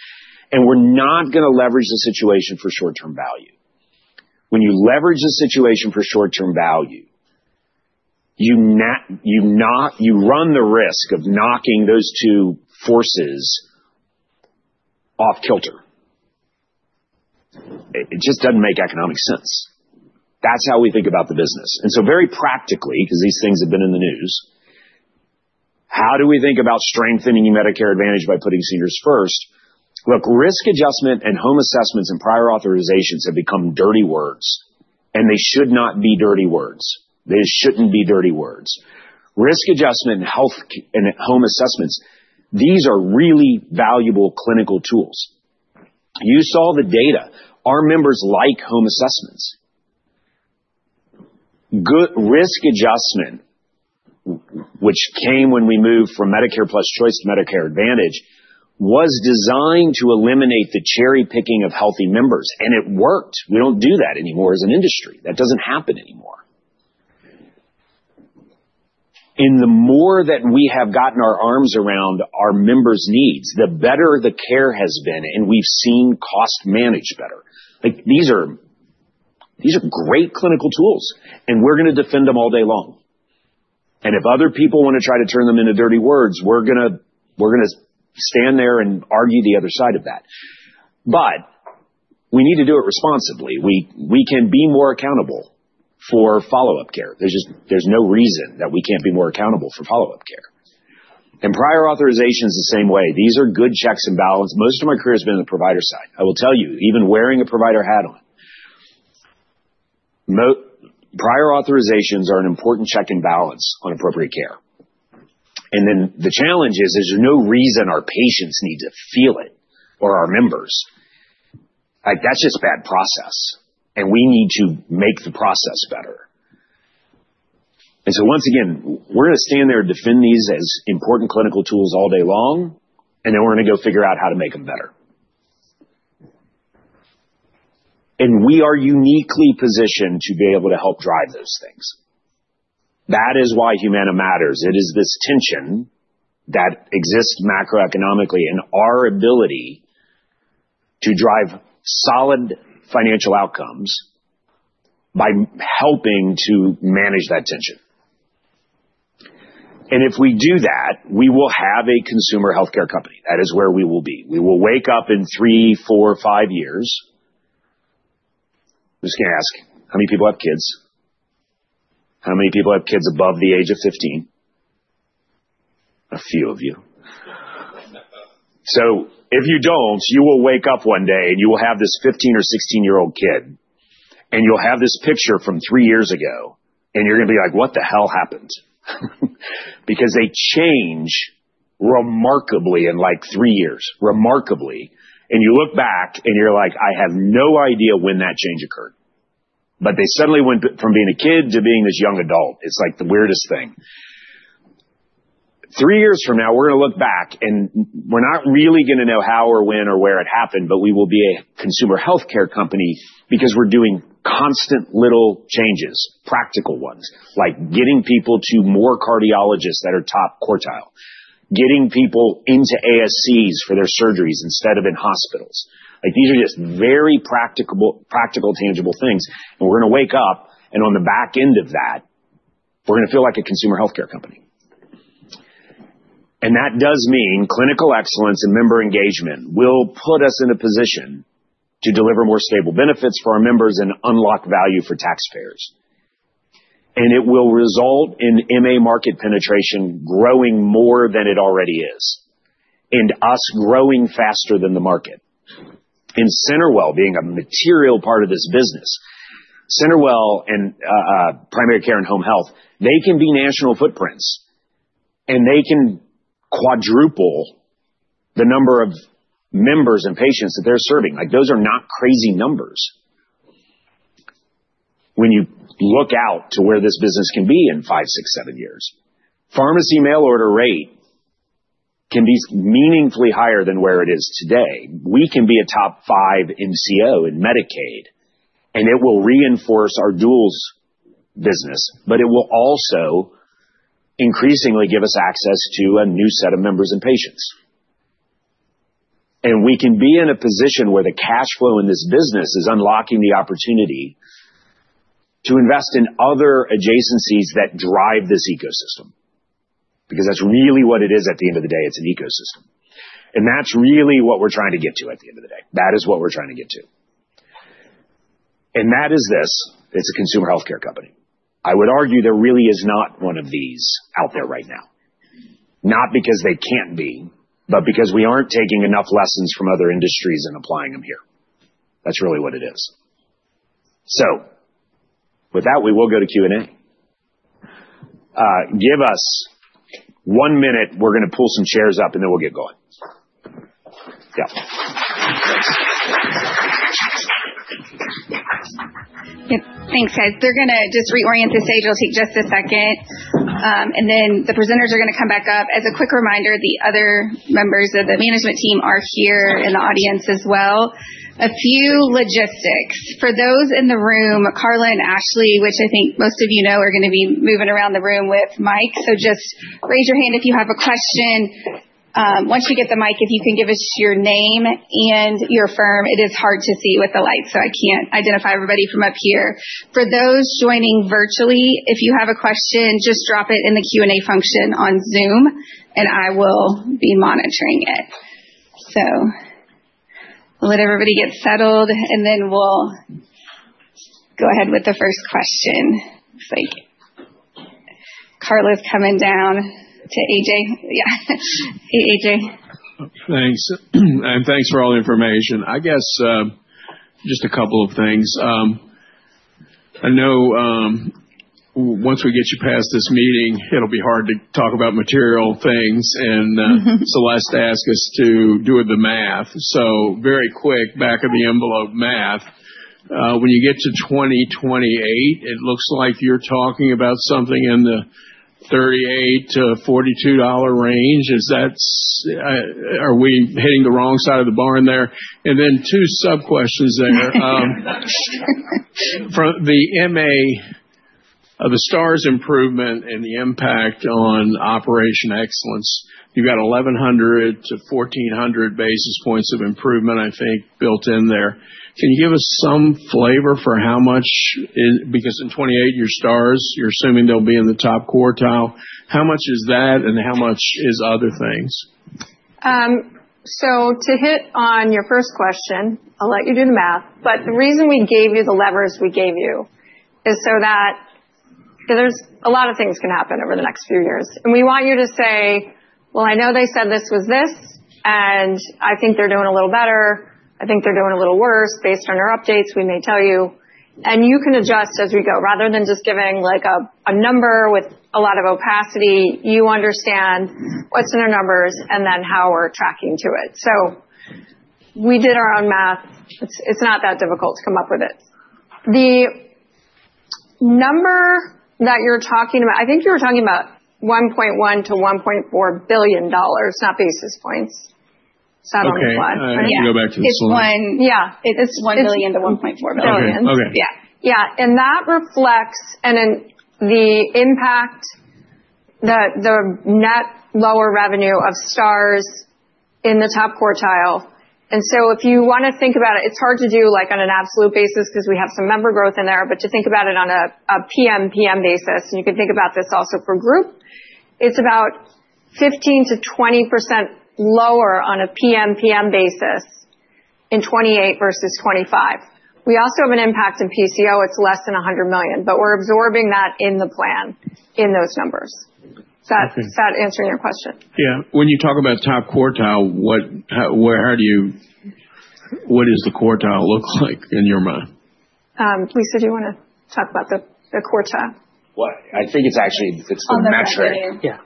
C: We're not going to leverage the situation for short-term value. When you leverage the situation for short-term value, you run the risk of knocking those two forces off kilter. It just doesn't make economic sense. That's how we think about the business. Very practically, because these things have been in the news, how do we think about strengthening Medicare Advantage by putting seniors first? Look, risk adjustment and home assessments and prior authorizations have become dirty words, and they should not be dirty words. They should not be dirty words. Risk adjustment and home assessments, these are really valuable clinical tools. You saw the data. Our members like home assessments. Risk adjustment, which came when we moved from Medicare Plus Choice to Medicare Advantage, was designed to eliminate the cherry-picking of healthy members. It worked. We do not do that anymore as an industry. That does not happen anymore. The more that we have gotten our arms around our members' needs, the better the care has been, and we have seen cost manage better. These are great clinical tools, and we are going to defend them all day long. If other people want to try to turn them into dirty words, we're going to stand there and argue the other side of that. We need to do it responsibly. We can be more accountable for follow-up care. There's no reason that we can't be more accountable for follow-up care. Prior authorization is the same way. These are good checks and balances. Most of my career has been in the provider side. I will tell you, even wearing a provider hat on, prior authorizations are an important check and balance on appropriate care. The challenge is there's no reason our patients need to feel it or our members. That's just bad process, and we need to make the process better. We are going to stand there and defend these as important clinical tools all day long, and then we are going to go figure out how to make them better. We are uniquely positioned to be able to help drive those things. That is why Humana matters. It is this tension that exists macroeconomically in our ability to drive solid financial outcomes by helping to manage that tension. If we do that, we will have a consumer healthcare company. That is where we will be. We will wake up in three, four, five years. I'm just going to ask, how many people have kids? How many people have kids above the age of 15? A few of you.
A: If you do not, you will wake up one day and you will have this 15 or 16-year-old kid, and you will have this picture from three years ago, and you are going to be like, "What the hell happened?" Because they change remarkably in three years, remarkably. You look back and you are like, "I have no idea when that change occurred." They suddenly went from being a kid to being this young adult. It is like the weirdest thing. Three years from now, we are going to look back, and we are not really going to know how or when or where it happened, but we will be a consumer healthcare company because we are doing constant little changes, practical ones, like getting people to more cardiologists that are top quartile, getting people into ASCs for their surgeries instead of in hospitals. These are just very practical, tangible things. We are going to wake up, and on the back end of that, we are going to feel like a consumer healthcare company. That does mean clinical excellence and member engagement will put us in a position to deliver more stable benefits for our members and unlock value for taxpayers. It will result in MA market penetration growing more than it already is, and us growing faster than the market. CenterWell being a material part of this business, CenterWell and Primary Care and Home Health, they can be national footprints, and they can quadruple the number of members and patients that they are serving. Those are not crazy numbers when you look out to where this business can be in five, six, seven years. Pharmacy mail order rate can be meaningfully higher than where it is today. We can be a top five in CO and Medicaid, and it will reinforce our duals business, but it will also increasingly give us access to a new set of members and patients. We can be in a position where the cash flow in this business is unlocking the opportunity to invest in other adjacencies that drive this ecosystem because that is really what it is at the end of the day. It is an ecosystem. That is really what we are trying to get to at the end of the day. That is what we are trying to get to. That is this. It is a consumer healthcare company. I would argue there really is not one of these out there right now, not because they cannot be, but because we are not taking enough lessons from other industries and applying them here. That is really what it is. With that, we will go to Q&A. Give us one minute. We're going to pull some chairs up, and then we'll get going. Yeah.
B: Thanks, guys. They're going to just reorient the stage. It'll take just a second. The presenters are going to come back up. As a quick reminder, the other members of the management team are here in the audience as well. A few logistics. For those in the room, Carla and Ashley, which I think most of you know, are going to be moving around the room with Mike. Just raise your hand if you have a question. Once you get the mic, if you can give us your name and your firm. It is hard to see with the lights, so I can't identify everybody from up here. For those joining virtually, if you have a question, just drop it in the Q&A function on Zoom, and I will be monitoring it. We'll let everybody get settled, and then we'll go ahead with the first question. Looks like Carla's coming down to AJ. Yeah. Hey, AJ. Thanks. And thanks for all the information. I guess just a couple of things. I know once we get you past this meeting, it'll be hard to talk about material things, and it's the last to ask us to do the math. Very quick, back of the envelope math. When you get to 2028, it looks like you're talking about something in the $38-$42 range. Are we hitting the wrong side of the barn there? And then two sub-questions there. From the MA of the stars improvement and the impact on operation excellence, you've got 1,100-1,400 basis points of improvement, I think, built in there. Can you give us some flavor for how much? Because in 2028, your stars, you're assuming they'll be in the top quartile. How much is that, and how much is other things?
H: To hit on your first question, I'll let you do the math. The reason we gave you the levers we gave you is so that there are a lot of things that can happen over the next few years. We want you to say, "I know they said this was this, and I think they're doing a little better. I think they're doing a little worse based on our updates," we may tell you. You can adjust as we go. Rather than just giving a number with a lot of opacity, you understand what's in our numbers and then how we're tracking to it. We did our own math. It's not that difficult to come up with it. The number that you're talking about, I think you were talking about $1.1 billion-$1.4 billion, not basis points. It's not on the slide. I think it's one.
E: Yeah. It's $1 billion-$1.4 billion. Yeah.
H: Yeah. That reflects the impact, the net lower revenue of stars in the top quartile. If you want to think about it, it's hard to do on an absolute basis because we have some member growth in there, but to think about it on a PMPM basis, and you can think about this also for group, it's about 15%-20% lower on a PMPM basis in 2028 versus 2025. We also have an impact in PCO. It is less than $100 million, but we are absorbing that in the plan in those numbers. Is that answering your question? Yeah. When you talk about top quartile, how do you—what does the quartile look like in your mind? Lisa, do you want to talk about the quartile? I think it is actually—it is the metric.
E: Yeah.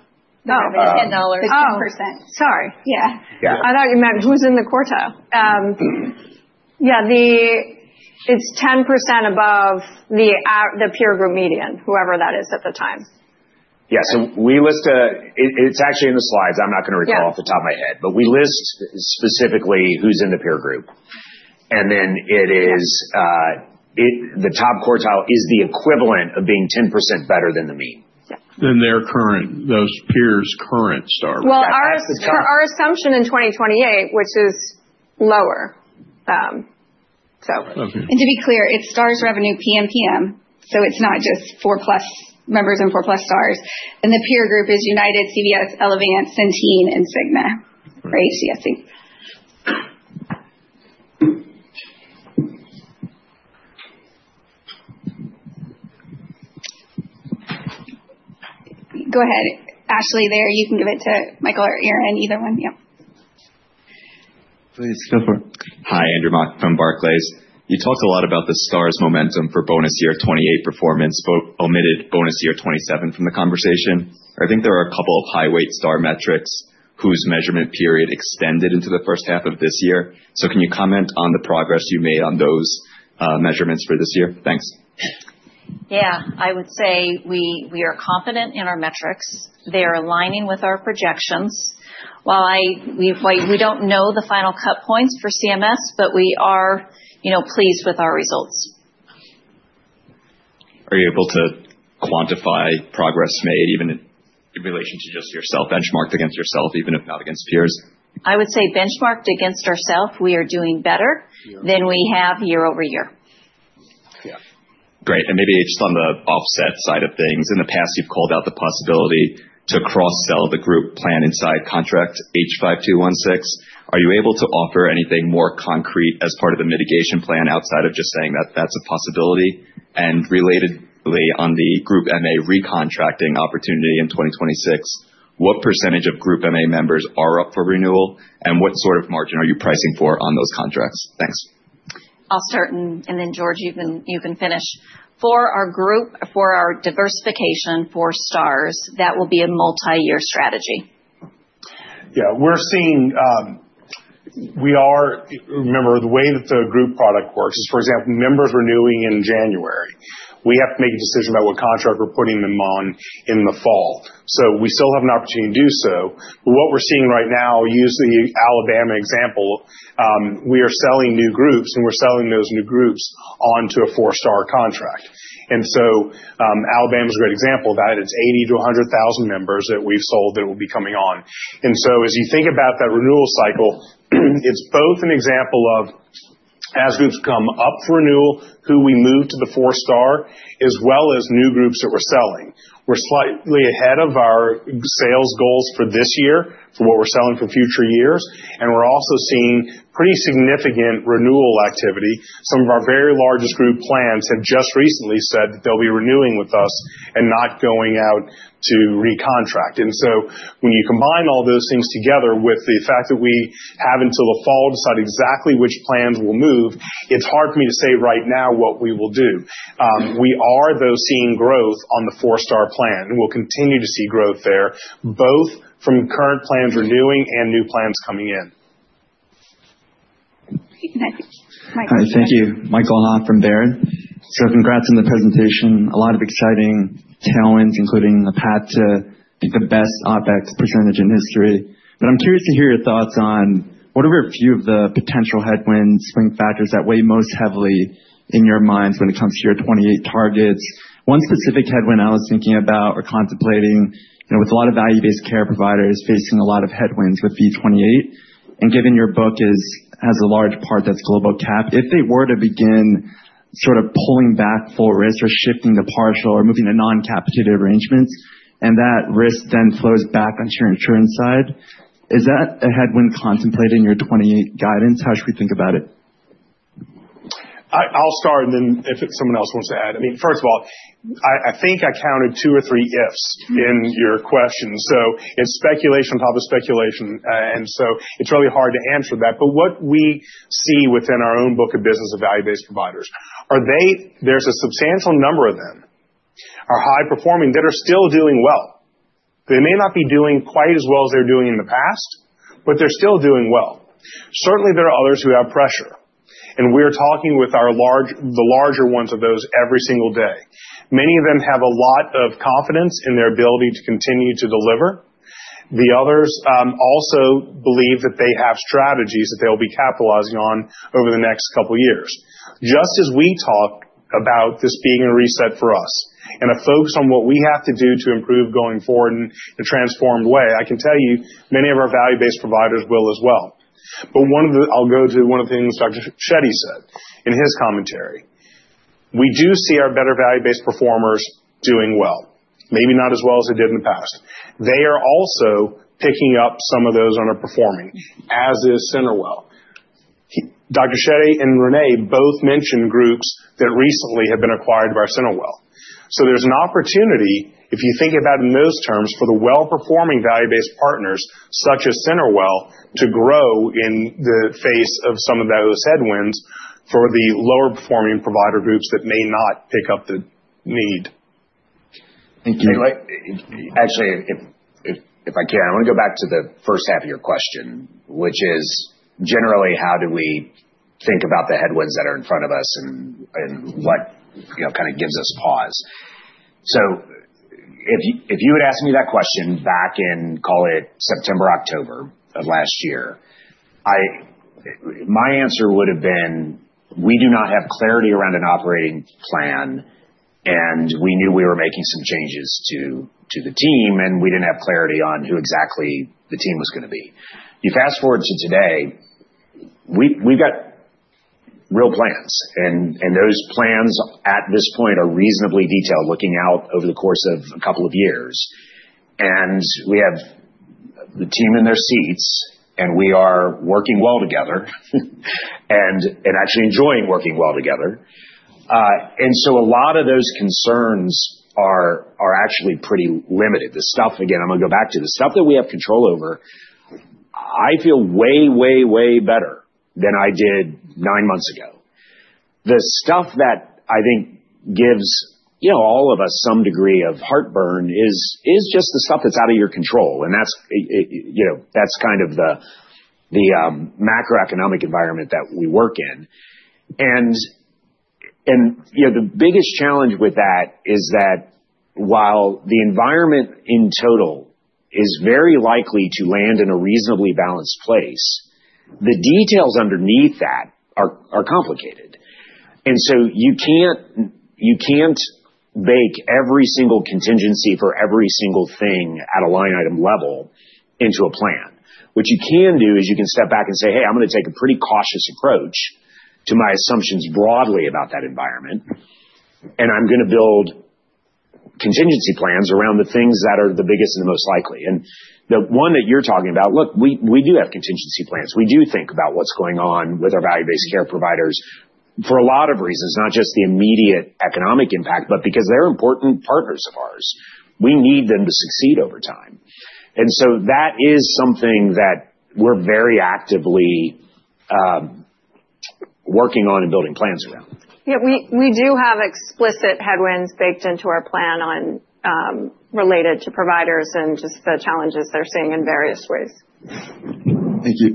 E: Oh, it is $10. It is 10%.
H: Sorry. Yeah. I thought you meant who is in the quartile. Yeah. It is 10% above the peer group median, whoever that is at the time.
C: Yeah. It is actually in the slides. I am not going to recall off the top of my head, but we list specifically who is in the peer group. And then the top quartile is the equivalent of being 10% better than the mean. Than those peers' current stars?
H: Our assumption in 2028, which is lower.
E: To be clear, it is stars revenue PMPM, so it is not just four-plus members and four-plus stars. The peer group is United, CVS, Elevance, and Cigna, or HCSC. Go ahead, Ashley, there. You can give it to Michael or Aaron, either one. Yep.
D: Please, go for it.
I: Hi, Andrew Mok from Barclays. You talked a lot about the stars momentum for bonus year 2028 performance, but omitted bonus year 2027 from the conversation. I think there are a couple of high-weight STAR metrics whose measurement period extended into the first half of this year. Can you comment on the progress you made on those measurements for this year?
E: Thanks. Yeah. I would say we are confident in our metrics. They are aligning with our projections. While we do not know the final cut points for CMS, we are pleased with our results.
I: Are you able to quantify progress made, even in relation to just yourself, benchmarked against yourself, even if not against peers?
E: I would say benchmarked against ourself, we are doing better than we have year over year.
I: Yeah. Great. Maybe just on the offset side of things, in the past, you've called out the possibility to cross-sell the group plan inside contract H5216. Are you able to offer anything more concrete as part of the mitigation plan outside of just saying that that's a possibility? Relatedly, on the group MA recontracting opportunity in 2026, what percentage of group MA members are up for renewal, and what sort of margin are you pricing for on those contracts?
E: Thanks. I'll start, and then George, you can finish. For our diversification for stars, that will be a multi-year strategy.
D: Yeah. We are—remember, the way that the group product works is, for example, members renewing in January. We have to make a decision about what contract we're putting them on in the fall. We still have an opportunity to do so. What we're seeing right now, use the Alabama example, we are selling new groups, and we're selling those new groups onto a four-star contract. Alabama is a great example of that. It's 80,000-100,000 members that we've sold that will be coming on. As you think about that renewal cycle, it's both an example of, as groups come up for renewal, who we move to the four-star, as well as new groups that we're selling. We're slightly ahead of our sales goals for this year for what we're selling for future years. We're also seeing pretty significant renewal activity. Some of our very largest group plans have just recently said that they'll be renewing with us and not going out to recontract. When you combine all those things together with the fact that we have, until the fall, to decide exactly which plans will move, it's hard for me to say right now what we will do. We are, though, seeing growth on the four-star plan, and we'll continue to see growth there, both from current plans renewing and new plans coming in.
J: Thank you. Hi. Thank you. Michael Ho from Barron. Congrats on the presentation. A lot of exciting talent, including a path to the best OpEx percentage in history. I'm curious to hear your thoughts on what are a few of the potential headwinds, swing factors that weigh most heavily in your minds when it comes to your 2028 targets? One specific headwind I was thinking about or contemplating with a lot of value-based care providers facing a lot of headwinds with V28, and given your book has a large part that's global cap, if they were to begin sort of pulling back full risk or shifting to partial or moving to non-capitated arrangements, and that risk then flows back onto your insurance side, is that a headwind contemplated in your 2028 guidance? How should we think about it?
D: I'll start, and then if someone else wants to add. I mean, first of all, I think I counted two or three ifs in your question. It is speculation on top of speculation. It is really hard to answer that. What we see within our own book of business of value-based providers, there is a substantial number of them that are high-performing that are still doing well. They may not be doing quite as well as they're doing in the past, but they're still doing well. Certainly, there are others who have pressure. We are talking with the larger ones of those every single day. Many of them have a lot of confidence in their ability to continue to deliver. The others also believe that they have strategies that they'll be capitalizing on over the next couple of years. Just as we talk about this being a reset for us and a focus on what we have to do to improve going forward in a transformed way, I can tell you many of our value-based providers will as well. I will go to one of the things Dr. Shetty said in his commentary. We do see our better value-based performers doing well, maybe not as well as they did in the past. They are also picking up some of those underperforming, as is CenterWell. Dr. Shetty and Renee both mentioned groups that recently have been acquired by CenterWell. So there is an opportunity, if you think about it in those terms, for the well-performing value-based partners such as CenterWell to grow in the face of some of those headwinds for the lower-performing provider groups that may not pick up the need.
C: Thank you. Actually, if I can, I want to go back to the first half of your question, which is generally, how do we think about the headwinds that are in front of us and what kind of gives us pause? If you had asked me that question back in, call it September, October of last year, my answer would have been, "We do not have clarity around an operating plan, and we knew we were making some changes to the team, and we did not have clarity on who exactly the team was going to be." You fast-forward to today, we have real plans, and those plans at this point are reasonably detailed, looking out over the course of a couple of years. We have the team in their seats, and we are working well together and actually enjoying working well together. A lot of those concerns are actually pretty limited. The stuff, again, I am going to go back to the stuff that we have control over, I feel way, way, way better than I did nine months ago. The stuff that I think gives all of us some degree of heartburn is just the stuff that's out of your control. That's kind of the macroeconomic environment that we work in. The biggest challenge with that is that while the environment in total is very likely to land in a reasonably balanced place, the details underneath that are complicated. You can't bake every single contingency for every single thing at a line item level into a plan. What you can do is you can step back and say, "Hey, I'm going to take a pretty cautious approach to my assumptions broadly about that environment, and I'm going to build contingency plans around the things that are the biggest and the most likely." The one that you're talking about, look, we do have contingency plans. We do think about what's going on with our value-based care providers for a lot of reasons, not just the immediate economic impact, but because they're important partners of ours. We need them to succeed over time. That is something that we're very actively working on and building plans around.
E: Yeah. We do have explicit headwinds baked into our plan related to providers and just the challenges they're seeing in various ways.
J: Thank you.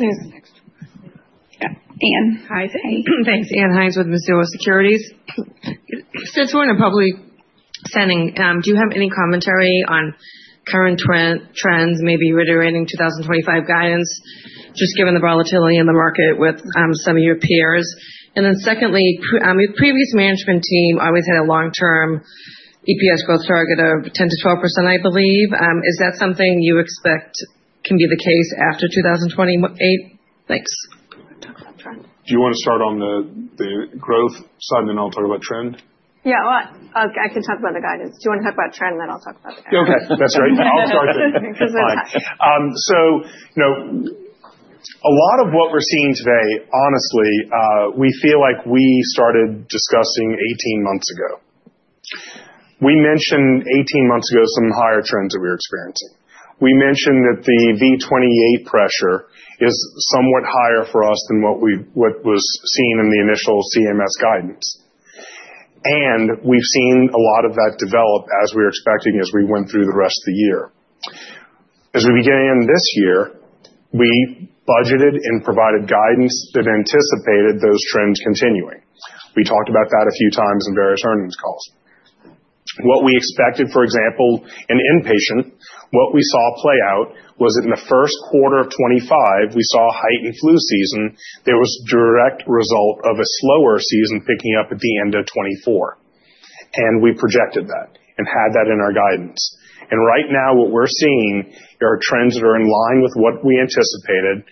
K: Yeah. Anne. Hi. Thanks. Anne Hines with Mizuho Securities. Since we're in a public setting, do you have any commentary on current trends, maybe reiterating 2025 guidance, just given the volatility in the market with some of your peers? And then secondly, your previous management team always had a long-term EPS growth target of 10%-12%, I believe. Is that something you expect can be the case after 2028? Thanks.
D: Do you want to start on the growth side, and then I'll talk about trend?
E: Yeah. I can talk about the guidance. Do you want to talk about trend, and then I'll talk about the guidance?
D: Okay. That's great. I'll start there. A lot of what we're seeing today, honestly, we feel like we started discussing 18 months ago. We mentioned 18 months ago some higher trends that we were experiencing. We mentioned that the V28 pressure is somewhat higher for us than what was seen in the initial CMS guidance. We've seen a lot of that develop as we were expecting as we went through the rest of the year. As we began this year, we budgeted and provided guidance that anticipated those trends continuing. We talked about that a few times in various earnings calls. What we expected, for example, in inpatient, what we saw play out was that in the first quarter of 2025, we saw a heightened flu season. There was a direct result of a slower season picking up at the end of 2024. We projected that and had that in our guidance. Right now, what we're seeing are trends that are in line with what we anticipated,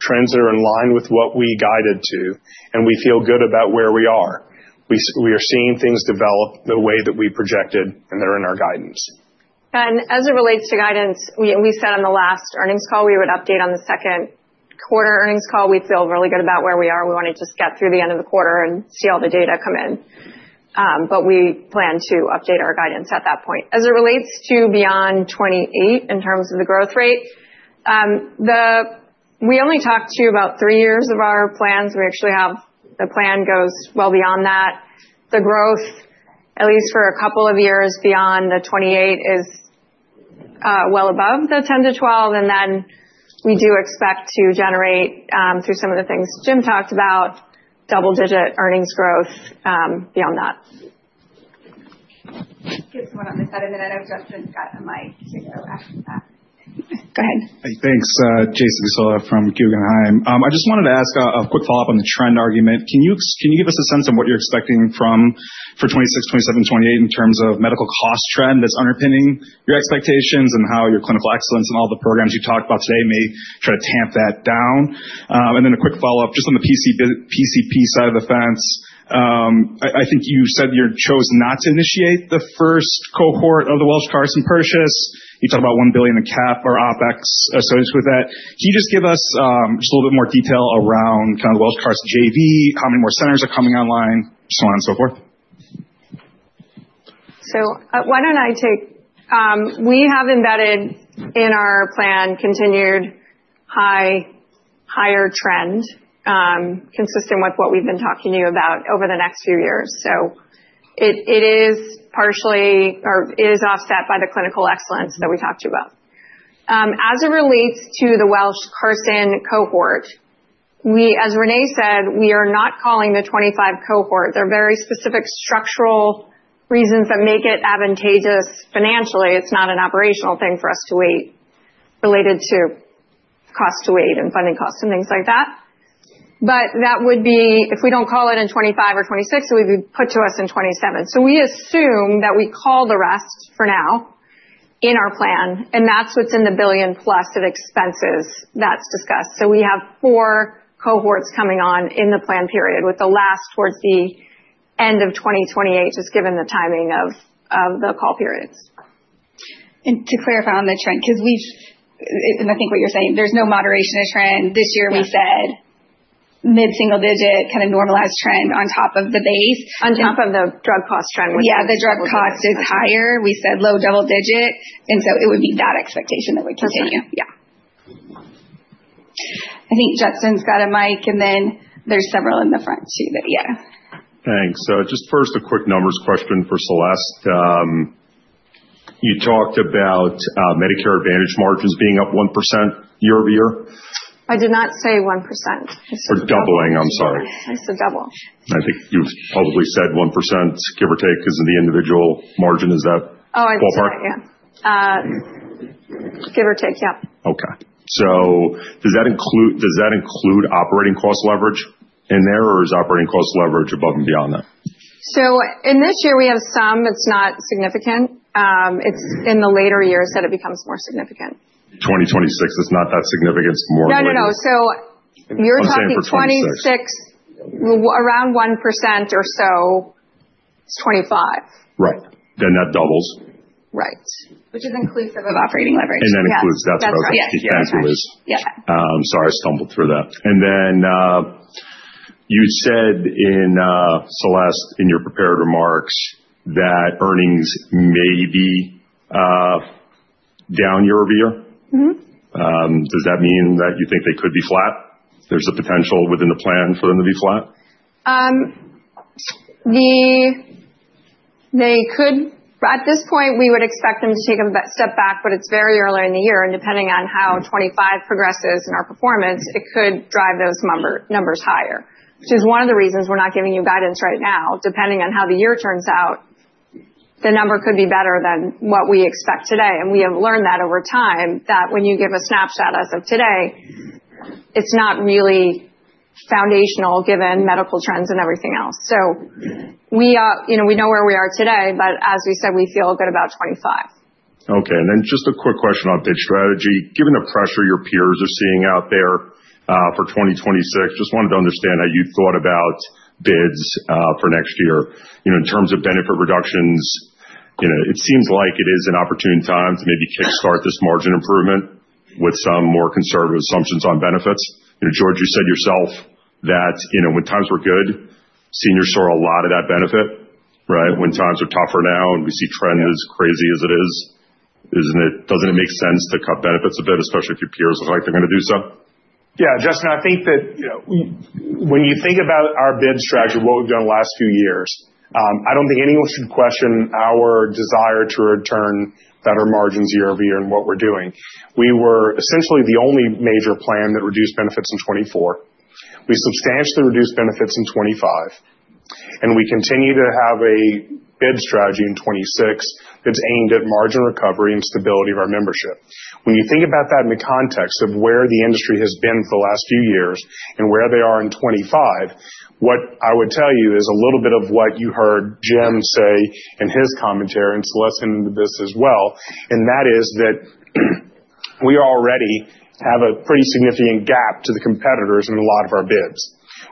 D: trends that are in line with what we guided to, and we feel good about where we are. We are seeing things develop the way that we projected, and they're in our guidance.
E: As it relates to guidance, we said on the last earnings call we would update on the second quarter earnings call. We feel really good about where we are. We want to just get through the end of the quarter and see all the data come in. We plan to update our guidance at that point. As it relates to beyond 2028 in terms of the growth rate, we only talked to you about three years of our plans. We actually have the plan that goes well beyond that. The growth, at least for a couple of years beyond 2028, is well above the 10%-12%. We do expect to generate, through some of the things Jim talked about, double-digit earnings growth beyond that. Give someone on the side a minute. I know Justin's got a mic to go after that. Go ahead. Thanks, Jason [Misola] from Guggenheim. I just wanted to ask a quick follow-up on the trend argument. Can you give us a sense of what you're expecting for 2026, 2027, 2028 in terms of the medical cost trend that's underpinning your expectations and how your clinical excellence and all the programs you talked about today may try to tamp that down? A quick follow-up, just on the PCP side of the fence. I think you said you chose not to initiate the first cohort of the Welsh Carson JV. You talked about $1 billion in CapEx or OpEx associated with that. Can you just give us just a little bit more detail around kind of Welsh Carson JV, how many more centers are coming online, so on and so forth?
H: Why don't I take we have embedded in our plan continued higher trend consistent with what we've been talking to you about over the next few years. It is partially or is offset by the clinical excellence that we talked to you about. As it relates to the Welsh Carson cohort, as Renee said, we are not calling the 2025 cohort. There are very specific structural reasons that make it advantageous financially. It is not an operational thing for us to wait related to cost to wait and funding costs and things like that. That would be if we do not call it in 2025 or 2026, it would be put to us in 2027. We assume that we call the rest for now in our plan. That is what is in the billion-plus of expenses that is discussed. We have four cohorts coming on in the plan period, with the last towards the end of 2028, just given the timing of the call periods.
E: To clarify on the trend, because I think what you're saying, there's no moderation of trend. This year, we said mid-single-digit kind of normalized trend on top of the base.
H: On top of the drug cost trend.
E: Yeah. The drug cost is higher. We said low double-digit. And so it would be that expectation that would continue. Yeah. I think Justin's got a mic, and then there's several in the front too. Yeah. Thanks. Just first, a quick numbers question for Celeste. You talked about Medicare Advantage margins being up 1% year over year.
H: I did not say 1%. Or doubling. I'm sorry. I said double. I think you probably said 1%, give or take, because of the individual margin. Is that ballpark? Oh, I'm sorry. Yeah. Give or take. Yeah. Okay. Does that include operating cost leverage in there, or is operating cost leverage above and beyond that? In this year, we have some. It's not significant. It's in the later years that it becomes more significant. In 2026, it's not that significant. It's more or less. No, no, no. You're talking for 2026, around 1% or so. It's 2025. Right. Then that doubles. Right. Which is inclusive of operating leverage. That includes about 60 [pounds] release. Yeah. Sorry, I stumbled through that. You said in your prepared remarks that earnings may be down year over year. Does that mean that you think they could be flat? There's a potential within the plan for them to be flat? At this point, we would expect them to take a step back, but it's very early in the year. Depending on how 2025 progresses in our performance, it could drive those numbers higher, which is one of the reasons we're not giving you guidance right now. Depending on how the year turns out, the number could be better than what we expect today. We have learned that over time that when you give a snapshot as of today, it's not really foundational given medical trends and everything else. We know where we are today, but as we said, we feel good about 2025. Okay. Just a quick question on bid strategy. Given the pressure your peers are seeing out there for 2026, just wanted to understand how you thought about bids for next year in terms of benefit reductions. It seems like it is an opportune time to maybe kickstart this margin improvement with some more conservative assumptions on benefits. George, you said yourself that when times were good, seniors saw a lot of that benefit, right? When times are tougher now and we see trend as crazy as it is, doesn't it make sense to cut benefits a bit, especially if your peers look like they're going to do so?
D: Yeah. Justin, I think that when you think about our bid strategy, what we've done the last few years, I don't think anyone should question our desire to return better margins year over year in what we're doing. We were essentially the only major plan that reduced benefits in 2024. We substantially reduced benefits in 2025. And we continue to have a bid strategy in 2026 that's aimed at margin recovery and stability of our membership. When you think about that in the context of where the industry has been for the last few years and where they are in 2025, what I would tell you is a little bit of what you heard Jim say in his commentary and Celeste into this as well. That is that we already have a pretty significant gap to the competitors in a lot of our bids.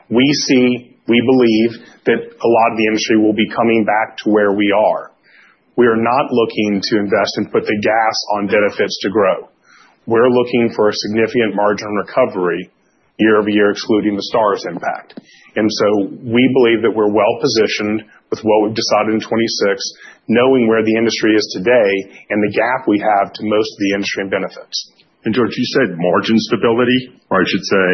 D: We believe that a lot of the industry will be coming back to where we are. We are not looking to invest and put the gas on benefits to grow. We are looking for a significant margin recovery year over year, excluding the stars impact. We believe that we are well-positioned with what we have decided in 2026, knowing where the industry is today and the gap we have to most of the industry in benefits. George, you said margin stability, or I should say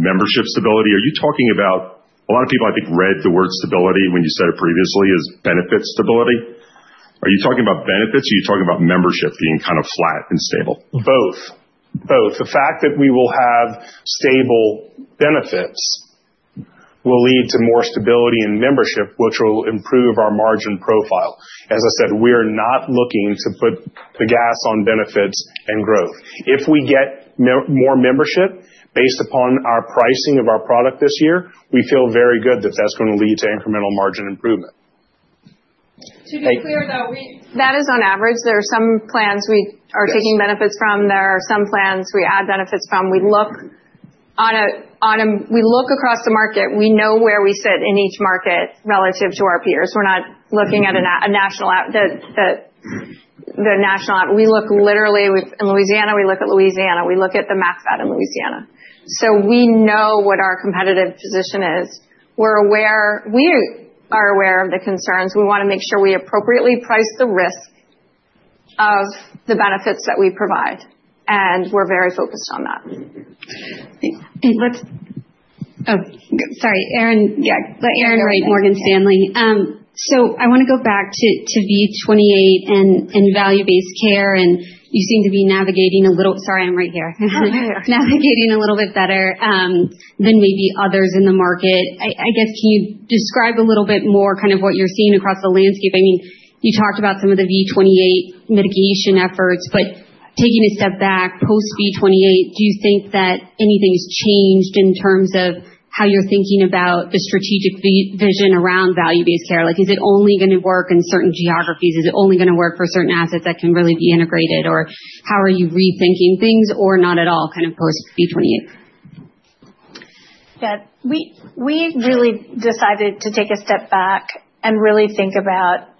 D: membership stability. Are you talking about a lot of people, I think, read the word stability when you said it previously as benefit stability. Are you talking about benefits? Are you talking about membership being kind of flat and stable? Both. Both. The fact that we will have stable benefits will lead to more stability in membership, which will improve our margin profile. As I said, we are not looking to put the gas on benefits and growth. If we get more membership based upon our pricing of our product this year, we feel very good that that's going to lead to incremental margin improvement.
H: To be clear, though, that is on average. There are some plans we are taking benefits from. There are some plans we add benefits from. We look across the market. We know where we sit in each market relative to our peers. We're not looking at a national—we look literally in Louisiana. We look at Louisiana. We look at the MACFAD in Louisiana. So we know what our competitive position is. We are aware of the concerns. We want to make sure we appropriately price the risk of the benefits that we provide. We're very focused on that.
L: Sorry. Yeah. Let Erin Wright, Morgan Stanley. I want to go back to V28 and value-based care. You seem to be navigating a little—sorry, I'm right here. Navigating a little bit better than maybe others in the market. I guess, can you describe a little bit more kind of what you're seeing across the landscape? I mean, you talked about some of the V28 mitigation efforts, but taking a step back post-V28, do you think that anything has changed in terms of how you're thinking about the strategic vision around value-based care? Is it only going to work in certain geographies? Is it only going to work for certain assets that can really be integrated? Or how are you rethinking things or not at all kind of post-V28?
E: Yeah. We really decided to take a step back and really think about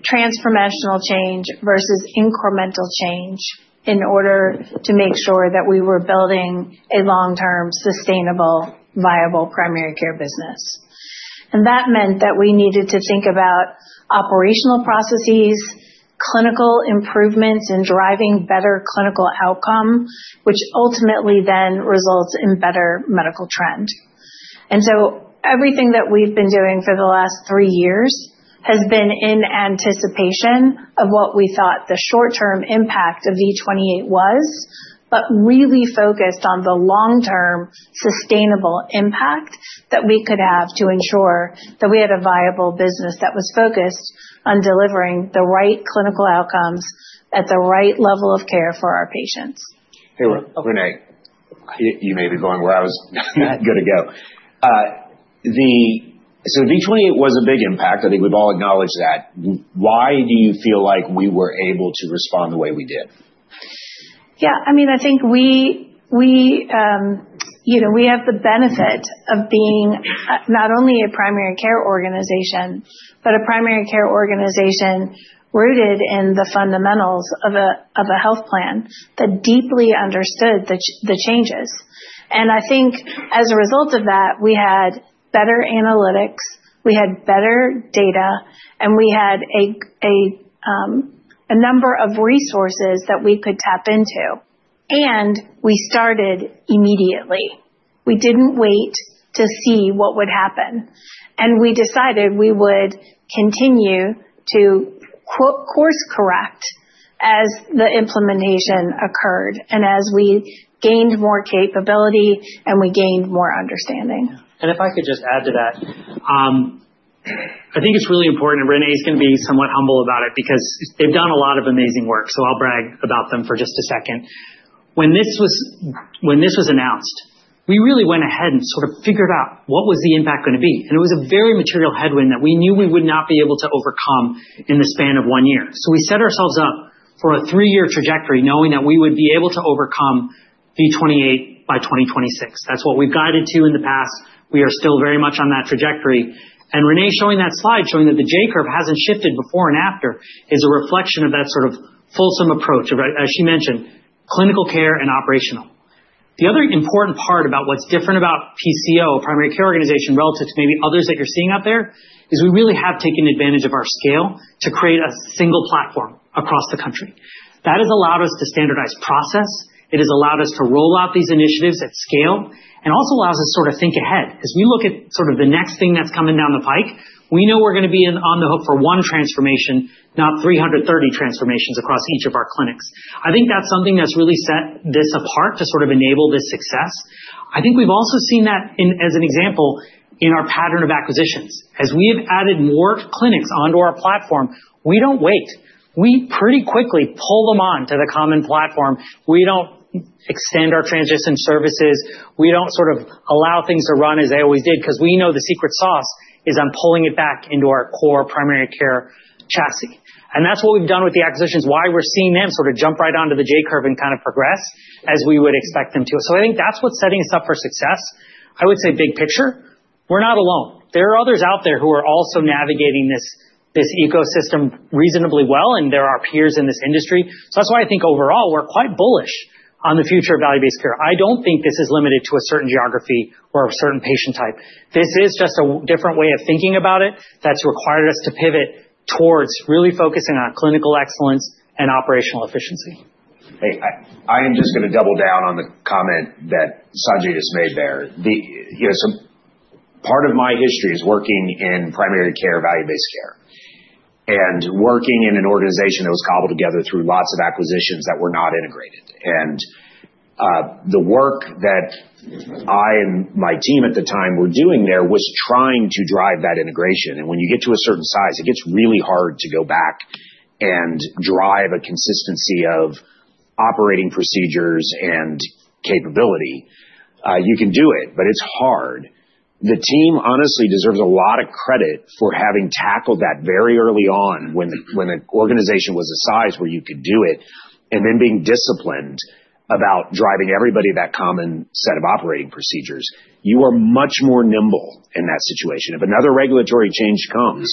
E: transformational change versus incremental change in order to make sure that we were building a long-term, sustainable, viable primary care business. That meant that we needed to think about operational processes, clinical improvements, and driving better clinical outcome, which ultimately then results in better medical trend. Everything that we've been doing for the last three years has been in anticipation of what we thought the short-term impact of V28 was, but really focused on the long-term sustainable impact that we could have to ensure that we had a viable business that was focused on delivering the right clinical outcomes at the right level of care for our patients. Hey, Renee, you may be going where I was going to go. V28 was a big impact. I think we've all acknowledged that. Why do you feel like we were able to respond the way we did?
G: Yeah. I mean, I think we have the benefit of being not only a primary care organization, but a primary care organization rooted in the fundamentals of a health plan that deeply understood the changes. I think as a result of that, we had better analytics, we had better data, and we had a number of resources that we could tap into. We started immediately. We did not wait to see what would happen. We decided we would continue to course-correct as the implementation occurred and as we gained more capability and we gained more understanding.
F: If I could just add to that, I think it is really important, and Renee's going to be somewhat humble about it because they have done a lot of amazing work. I will brag about them for just a second. When this was announced, we really went ahead and sort of figured out what was the impact going to be. It was a very material headwind that we knew we would not be able to overcome in the span of one year. We set ourselves up for a three-year trajectory knowing that we would be able to overcome V28 by 2026. That is what we have guided to in the past. We are still very much on that trajectory. Renee showing that slide showing J-curve has not shifted before and after is a reflection of that sort of fulsome approach, as she mentioned, clinical care and operational. The other important part about what is different about PCO, a primary care organization relative to maybe others that you are seeing out there, is we really have taken advantage of our scale to create a single platform across the country. That has allowed us to standardize process. It has allowed us to roll out these initiatives at scale and also allows us to sort of think ahead. As we look at sort of the next thing that's coming down the pike, we know we're going to be on the hook for one transformation, not 330 transformations across each of our clinics. I think that's something that's really set this apart to sort of enable this success. I think we've also seen that as an example in our pattern of acquisitions. As we have added more clinics onto our platform, we don't wait. We pretty quickly pull them on to the common platform. We don't extend our transition services. We don't sort of allow things to run as they always did because we know the secret sauce is on pulling it back into our core primary care chassis. That's what we've done with the acquisitions, why we're seeing them sort of jump right onto the J-curve and kind of progress as we would expect them to. I think that's what's setting us up for success. I would say big picture, we're not alone. There are others out there who are also navigating this ecosystem reasonably well, and there are peers in this industry. That's why I think overall, we're quite bullish on the future of value-based care. I don't think this is limited to a certain geography or a certain patient type. This is just a different way of thinking about it that's required us to pivot towards really focusing on clinical excellence and operational efficiency.
D: I am just going to double down on the comment that Sanjay just made there. Part of my history is working in primary care, value-based care, and working in an organization that was cobbled together through lots of acquisitions that were not integrated. The work that I and my team at the time were doing there was trying to drive that integration. When you get to a certain size, it gets really hard to go back and drive a consistency of operating procedures and capability. You can do it, but it's hard. The team honestly deserves a lot of credit for having tackled that very early on when the organization was a size where you could do it and then being disciplined about driving everybody that common set of operating procedures. You are much more nimble in that situation. If another regulatory change comes,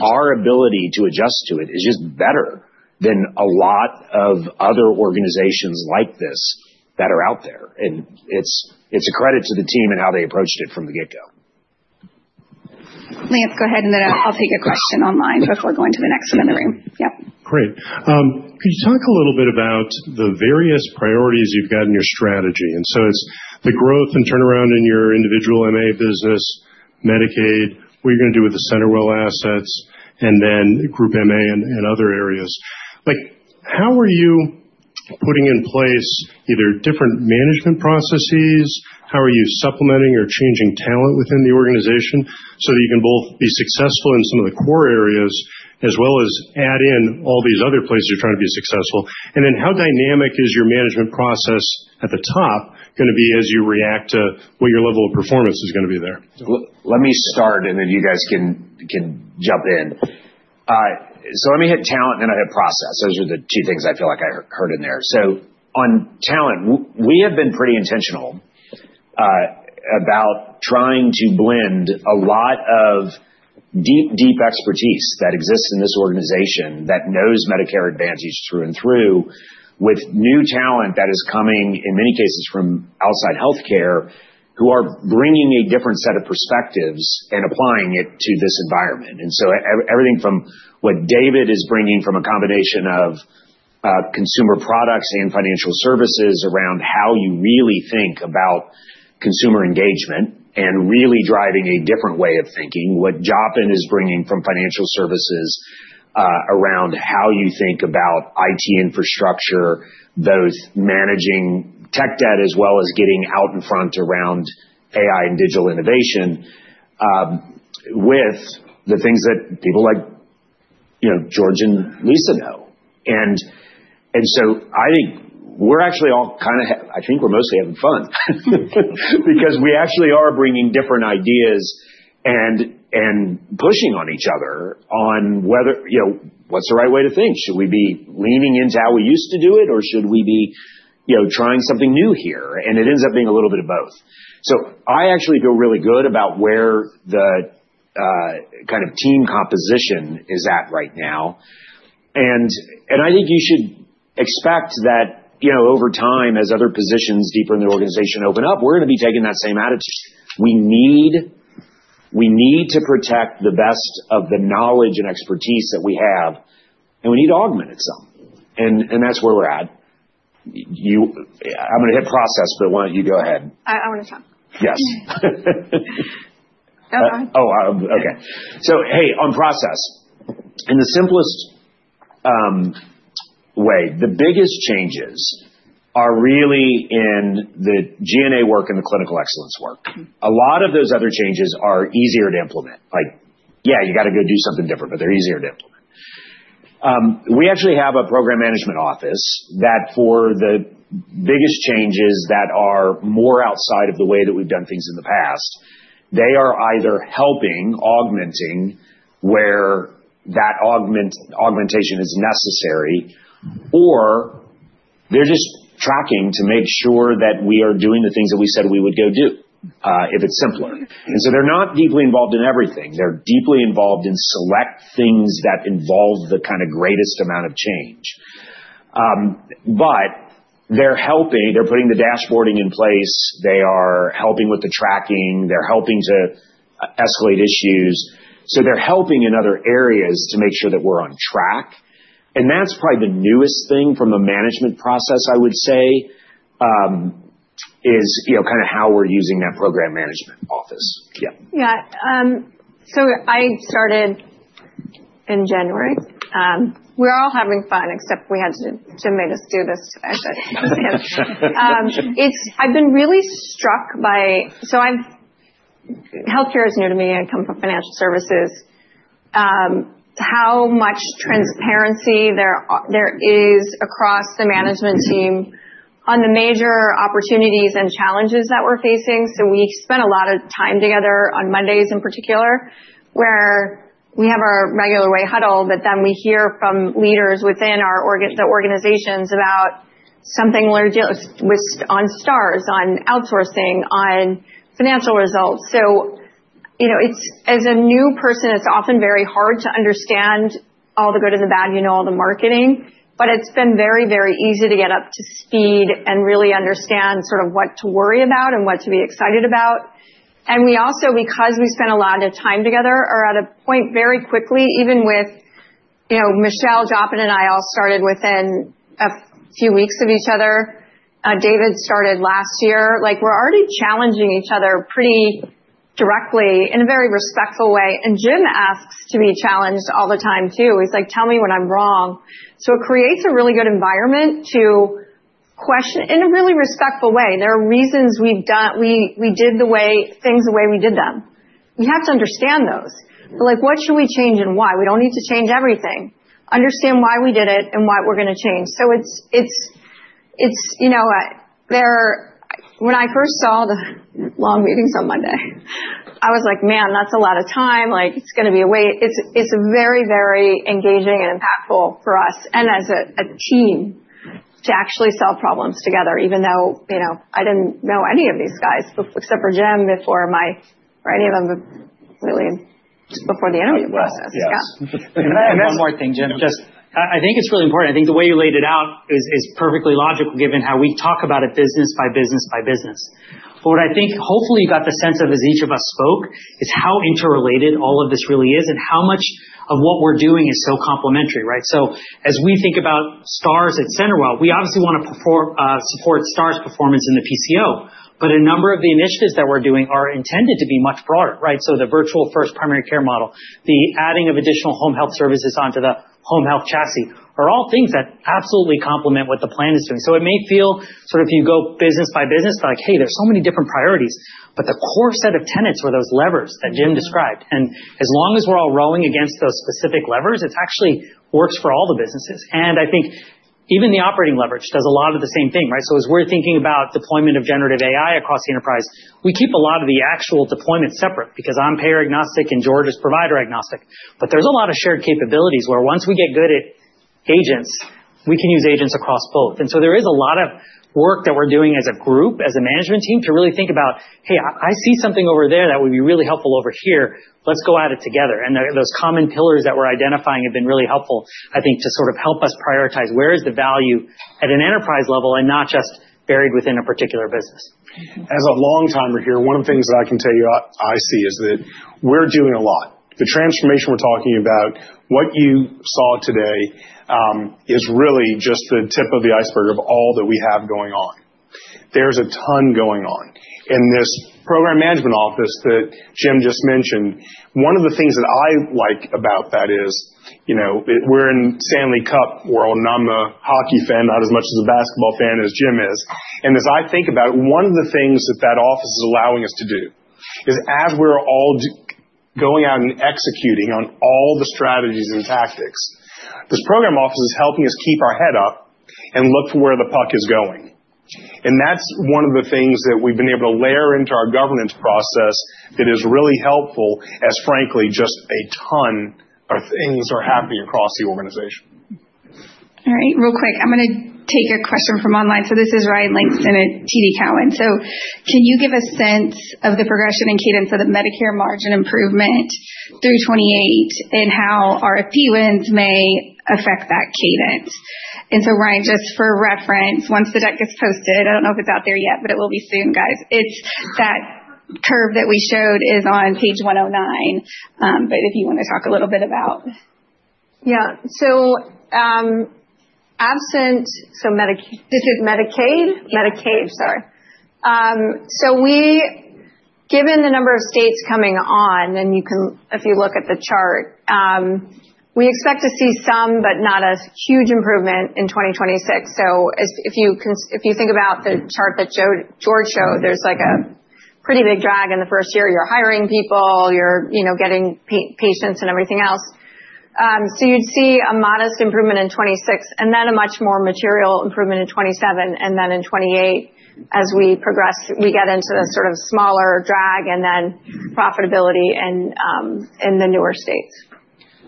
D: our ability to adjust to it is just better than a lot of other organizations like this that are out there. It's a credit to the team and how they approached it from the get-go.
B: Let's go ahead, and then I'll take a question online before going to the next one in the room. Yep. Great. Could you talk a little bit about the various priorities you've got in your strategy? And so it's the growth and turnaround in your individual MA business, Medicaid, what you're going to do with the CenterWell assets, and then group MA and other areas. How are you putting in place either different management processes? How are you supplementing or changing talent within the organization so that you can both be successful in some of the core areas as well as add in all these other places you're trying to be successful? And then how dynamic is your management process at the top going to be as you react to what your level of performance is going to be there?
C: Let me start, and then you guys can jump in. Let me hit talent, and then I hit process. Those are the two things I feel like I heard in there. On talent, we have been pretty intentional about trying to blend a lot of deep, deep expertise that exists in this organization that knows Medicare Advantage through and through with new talent that is coming, in many cases, from outside healthcare who are bringing a different set of perspectives and applying it to this environment. Everything from what David is bringing from a combination of consumer products and financial services around how you really think about consumer engagement and really driving a different way of thinking, what Japan is bringing from financial services around how you think about IT infrastructure, both managing tech debt as well as getting out in front around AI and digital innovation with the things that people like George and Lisa know. I think we are actually all kind of—I think we are mostly having fun because we actually are bringing different ideas and pushing on each other on what is the right way to think. Should we be leaning into how we used to do it, or should we be trying something new here? It ends up being a little bit of both. I actually feel really good about where the kind of team composition is at right now. I think you should expect that over time, as other positions deeper in the organization open up, we're going to be taking that same attitude. We need to protect the best of the knowledge and expertise that we have, and we need to augment it some. That's where we're at. I'm going to hit process, but why don't you go ahead?
E: I want to talk.
C: Yes.
E: Oh, go ahead.
C: Oh, okay. Hey, on process. In the simplest way, the biggest changes are really in the GNA work and the clinical excellence work. A lot of those other changes are easier to implement. Yeah, you got to go do something different, but they're easier to implement. We actually have a program management office that, for the biggest changes that are more outside of the way that we've done things in the past, they are either helping augment where that augmentation is necessary, or they're just tracking to make sure that we are doing the things that we said we would go do if it's simpler. They are not deeply involved in everything. They're deeply involved in select things that involve the kind of greatest amount of change. They're helping. They're putting the dashboarding in place. They are helping with the tracking. They're helping to escalate issues. They're helping in other areas to make sure that we're on track. That's probably the newest thing from a management process, I would say, is kind of how we're using that program management office. Yeah.
E: Yeah. I started in January. We're all having fun, except we had to make us do this. I've been really struck by—so healthcare is new to me. I come from financial services. How much transparency there is across the management team on the major opportunities and challenges that we're facing. We spend a lot of time together on Mondays in particular where we have our regular way huddle, but then we hear from leaders within the organizations about something we're dealing with on stars, on outsourcing, on financial results. As a new person, it's often very hard to understand all the good and the bad, all the marketing, but it's been very, very easy to get up to speed and really understand sort of what to worry about and what to be excited about. We also, because we spend a lot of time together, are at a point very quickly, even with Michelle, Japan, and I all started within a few weeks of each other. David started last year. We're already challenging each other pretty directly in a very respectful way. Jim asks to be challenged all the time too. He's like, "Tell me when I'm wrong." It creates a really good environment to question in a really respectful way. There are reasons we did things the way we did them. We have to understand those. What should we change and why? We do not need to change everything. Understand why we did it and what we're going to change. When I first saw the long meetings on Monday, I was like, "Man, that's a lot of time. It's going to be a way. It's very, very engaging and impactful for us and as a team to actually solve problems together, even though I didn't know any of these guys except for Jim before my—or any of them before the interview process.
F: Yeah. One more thing, Jim. I think it's really important. I think the way you laid it out is perfectly logical given how we talk about it business by business by business. What I think hopefully you got the sense of as each of us spoke is how interrelated all of this really is and how much of what we're doing is so complementary, right? As we think about stars at CenterWell, we obviously want to support stars performance in the PCO, but a number of the initiatives that we're doing are intended to be much broader, right? The virtual-first primary care model, the adding of additional home health services onto the home health chassis are all things that absolutely complement what the plan is doing. It may feel sort of if you go business by business, like, "Hey, there's so many different priorities," but the core set of tenets were those levers that Jim described. As long as we're all rowing against those specific levers, it actually works for all the businesses. I think even the operating leverage does a lot of the same thing, right? As we're thinking about deployment of generative AI across the enterprise, we keep a lot of the actual deployment separate because I'm payer-agnostic and George is provider-agnostic. There's a lot of shared capabilities where once we get good at agents, we can use agents across both. There is a lot of work that we're doing as a group, as a management team to really think about, "Hey, I see something over there that would be really helpful over here. Let's go at it together." Those common pillars that we're identifying have been really helpful, I think, to sort of help us prioritize where is the value at an enterprise level and not just buried within a particular business.
D: As a long-timer here, one of the things that I can tell you I see is that we're doing a lot. The transformation we're talking about, what you saw today, is really just the tip of the iceberg of all that we have going on. There's a ton going on. In this program management office that Jim just mentioned, one of the things that I like about that is we're in Stanley Cup. all not as much a hockey fan, not as much as a basketball fan as Jim is. As I think about it, one of the things that that office is allowing us to do is as we're all going out and executing on all the strategies and tactics, this program office is helping us keep our head up and look to where the puck is going. That's one of the things that we've been able to layer into our governance process that is really helpful as, frankly, just a ton of things are happening across the organization.
B: All right. Real quick, I'm going to take a question from online. This is Ryan Langston at TD Cowen. Can you give a sense of the progression and cadence of the Medicare margin improvement through 2028 and how RFP wins may affect that cadence? Ryan, just for reference, once the deck is posted, I do not know if it is out there yet, but it will be soon, guys. That curve that we showed is on page 109. If you want to talk a little bit about—yeah.
E: This is Medicaid. Medicaid, sorry. Given the number of states coming on, and if you look at the chart, we expect to see some, but not a huge improvement in 2026. If you think about the chart that George showed, there is a pretty big drag in the first year. You are hiring people, you are getting patients and everything else. You would see a modest improvement in 2026 and then a much more material improvement in 2027 and then in 2028 as we get into the sort of smaller drag and then profitability in the newer states.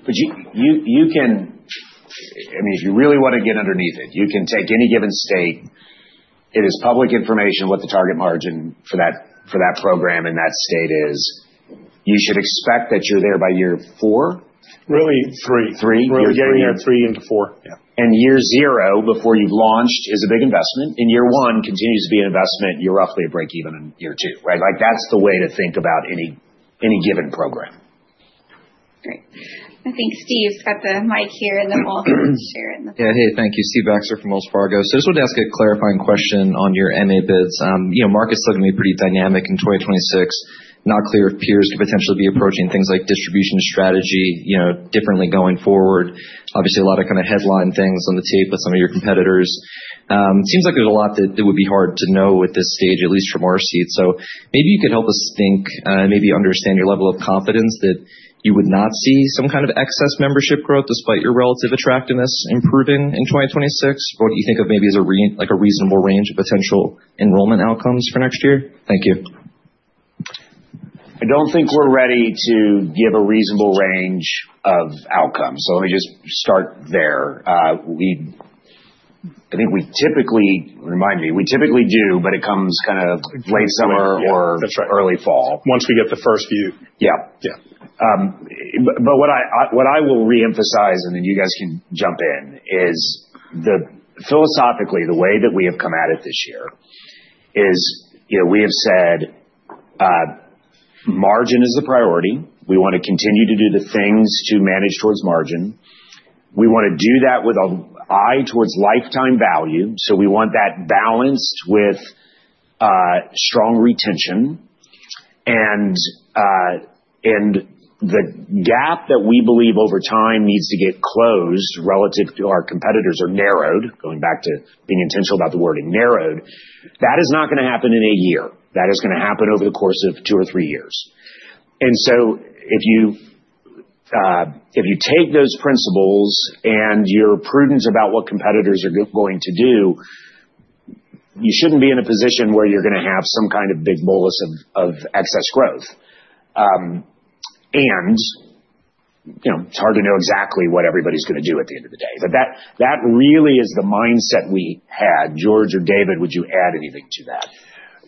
C: You can, I mean, if you really want to get underneath it, you can take any given state. It is public information what the target margin for that program in that state is. You should expect that you're there by year four. Really, three. Three. You're getting there three into four. Yeah. Year zero before you've launched is a big investment. Year one continues to be an investment. You're roughly at break-even in year two, right? That's the way to think about any given program.
B: Great. I think Steve's got the mic here, and then we'll share it in the back.
M: Yeah. Hey, thank you. Steve Baxter from Wells Fargo. I just wanted to ask a clarifying question on your MA bids. Market's still going to be pretty dynamic in 2026. Not clear if peers could potentially be approaching things like distribution strategy differently going forward. Obviously, a lot of kind of headline things on the tape with some of your competitors. It seems like there's a lot that would be hard to know at this stage, at least from our seat. Maybe you could help us think and maybe understand your level of confidence that you would not see some kind of excess membership growth despite your relative attractiveness improving in 2026. What do you think of maybe as a reasonable range of potential enrollment outcomes for next year? Thank you.
C: I do not think we're ready to give a reasonable range of outcomes. Let me just start there. I think we typically, remind me, we typically do, but it comes kind of late summer or early fall.
D: That's right. Once we get the first few.
C: Yeah.
D: Yeah.
C: What I will reemphasize, and then you guys can jump in, is philosophically, the way that we have come at it this year is we have said margin is the priority. We want to continue to do the things to manage towards margin. We want to do that with an eye towards lifetime value. We want that balanced with strong retention. The gap that we believe over time needs to get closed relative to our competitors or narrowed, going back to being intentional about the wording narrowed, that is not going to happen in a year. That is going to happen over the course of two or three years. If you take those principles and you're prudent about what competitors are going to do, you shouldn't be in a position where you're going to have some kind of big bolus of excess growth. It's hard to know exactly what everybody's going to do at the end of the day. That really is the mindset we had. George or David, would you add anything to that?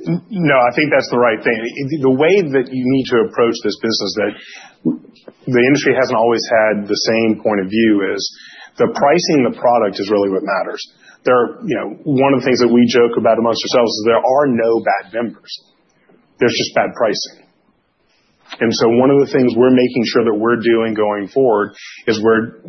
D: No, I think that's the right thing. The way that you need to approach this business that the industry hasn't always had the same point of view is the pricing of the product is really what matters. One of the things that we joke about amongst ourselves is there are no bad members. There's just bad pricing. One of the things we're making sure that we're doing going forward is we're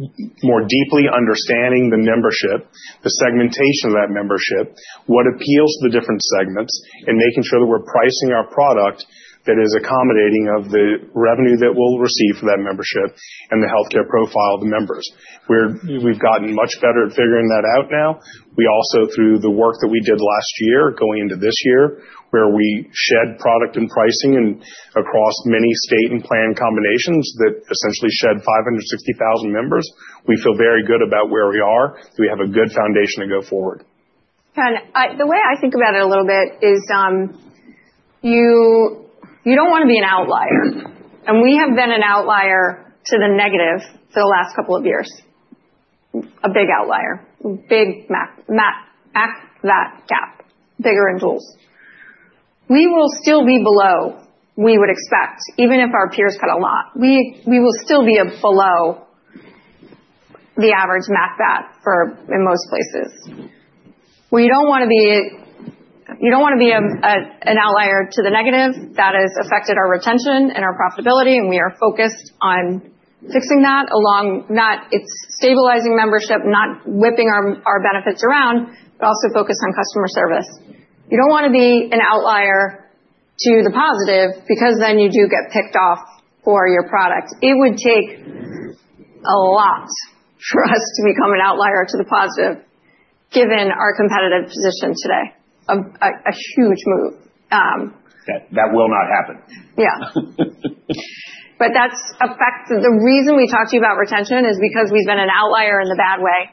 D: more deeply understanding the membership, the segmentation of that membership, what appeals to the different segments, and making sure that we're pricing our product that is accommodating of the revenue that we'll receive for that membership and the healthcare profile of the members. We've gotten much better at figuring that out now. We also, through the work that we did last year going into this year, where we shed product and pricing across many state and plan combinations that essentially shed 560,000 members, we feel very good about where we are. We have a good foundation to go forward.
E: The way I think about it a little bit is you do not want to be an outlier. And we have been an outlier to the negative for the last couple of years. A big outlier. Big Mac that gap. Bigger in duals. We will still be below, we would expect, even if our peers cut a lot. We will still be below the average Mac that for in most places. We do not want to be, you do not want to be, an outlier to the negative that has affected our retention and our profitability, and we are focused on fixing that, not stabilizing membership, not whipping our benefits around, but also focused on customer service. You do not want to be an outlier to the positive because then you do get picked off for your product. It would take a lot for us to become an outlier to the positive given our competitive position today. A huge move.
C: That will not happen.
E: Yeah. That is the reason we talk to you about retention is because we have been an outlier in the bad way.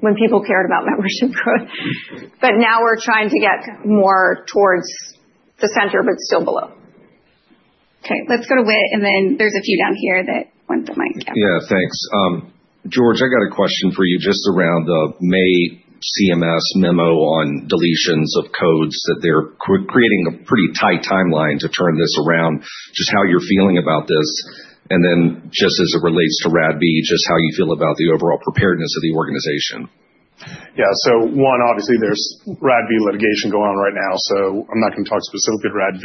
E: When people cared about membership growth. Now we are trying to get more towards the center, but still below.
B: Okay. Let us go to Wit, and then there are a few down here that went to Mike. Yeah. Thanks. George, I got a question for you just around the May CMS memo on deletions of codes that they're creating a pretty tight timeline to turn this around, just how you're feeling about this, and then just as it relates to RADV, just how you feel about the overall preparedness of the organization.
D: Yeah. So one, obviously, there's RADV litigation going on right now, so I'm not going to talk specifically to RADV.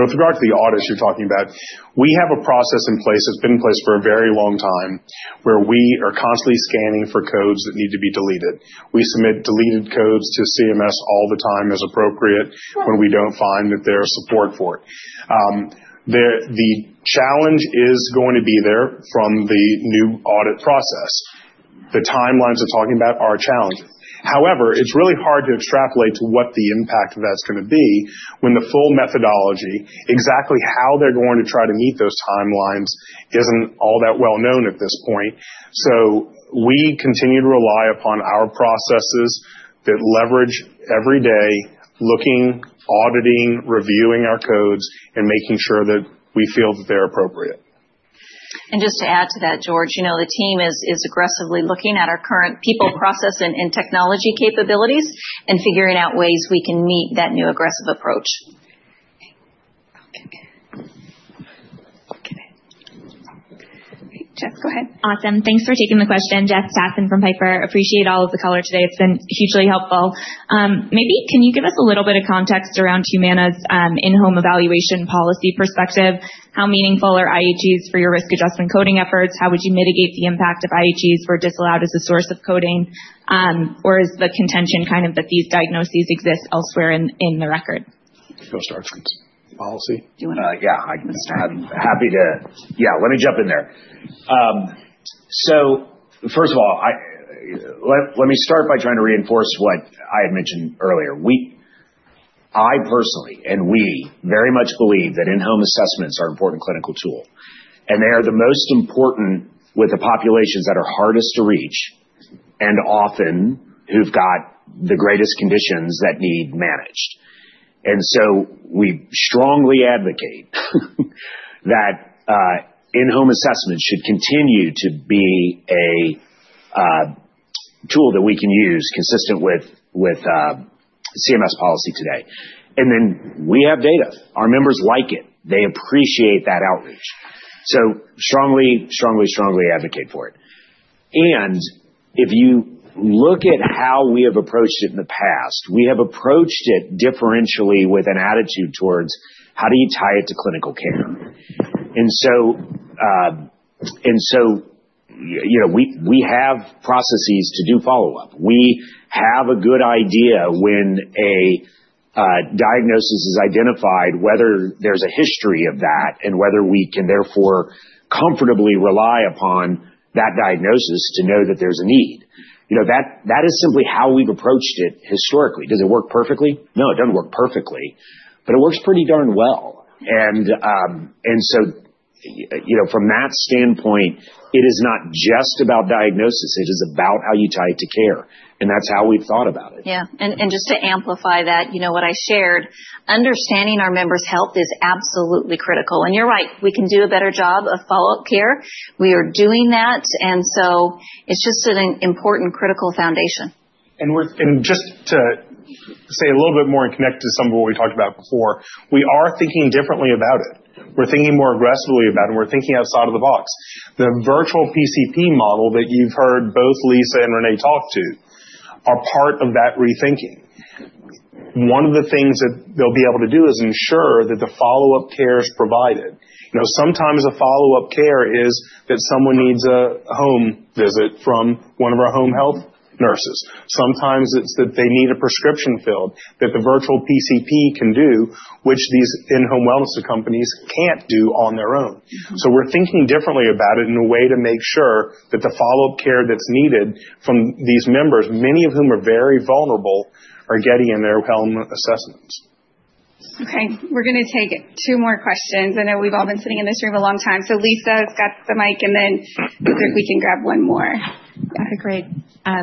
D: With regard to the audits you're talking about, we have a process in place that's been in place for a very long time where we are constantly scanning for codes that need to be deleted. We submit deleted codes to CMS all the time as appropriate when we don't find that there is support for it. The challenge is going to be there from the new audit process. The timelines we're talking about are challenging. However, it's really hard to extrapolate to what the impact of that's going to be when the full methodology, exactly how they're going to try to meet those timelines, isn't all that well known at this point. We continue to rely upon our processes that leverage every day, looking, auditing, reviewing our codes, and making sure that we feel that they're appropriate.
E: Just to add to that, George, the team is aggressively looking at our current people, process, and technology capabilities and figuring out ways we can meet that new aggressive approach. Okay. Okay.
B: Jeff, go ahead. Awesome. Thanks for taking the question. Jeff Stassen from Piper. Appreciate all of the color today. It's been hugely helpful. Maybe can you give us a little bit of context around Humana's in-home evaluation policy perspective? How meaningful are IEGs for your risk-adjustment coding efforts? How would you mitigate the impact if IEGs were disallowed as a source of coding? Or is the contention kind of that these diagnoses exist elsewhere in the record?
D: Go start, please. Policy?
C: Yeah. I'm happy to, yeah. Let me jump in there. First of all, let me start by trying to reinforce what I had mentioned earlier. I personally and we very much believe that in-home assessments are an important clinical tool. They are the most important with the populations that are hardest to reach and often who have the greatest conditions that need managed. We strongly advocate that in-home assessments should continue to be a tool that we can use consistent with CMS policy today. We have data. Our members like it. They appreciate that outreach. Strongly, strongly, strongly advocate for it. If you look at how we have approached it in the past, we have approached it differentially with an attitude towards how do you tie it to clinical care. We have processes to do follow-up. We have a good idea when a diagnosis is identified, whether there is a history of that and whether we can therefore comfortably rely upon that diagnosis to know that there is a need. That is simply how we have approached it historically. Does it work perfectly? No, it does not work perfectly. It works pretty darn well. From that standpoint, it is not just about diagnosis. It is about how you tie it to care. That is how we have thought about it.
G: Yeah. Just to amplify that, what I shared, understanding our members' health is absolutely critical. You are right. We can do a better job of follow-up care. We are doing that. It is just an important, critical foundation.
F: Just to say a little bit more and connect to some of what we talked about before, we are thinking differently about it. We are thinking more aggressively about it, and we are thinking outside of the box. The virtual PCP model that you have heard both Lisa and Renee talk to are part of that rethinking. One of the things that they will be able to do is ensure that the follow-up care is provided. Sometimes a follow-up care is that someone needs a home visit from one of our home health nurses. Sometimes it is that they need a prescription filled that the virtual PCP can do, which these in-home wellness companies cannot do on their own. We're thinking differently about it in a way to make sure that the follow-up care that's needed from these members, many of whom are very vulnerable, are getting in their home assessments.
B: Okay. We're going to take two more questions. I know we've all been sitting in this room a long time. Lisa's got the mic, and then we can grab one more.
N: Yeah. Great.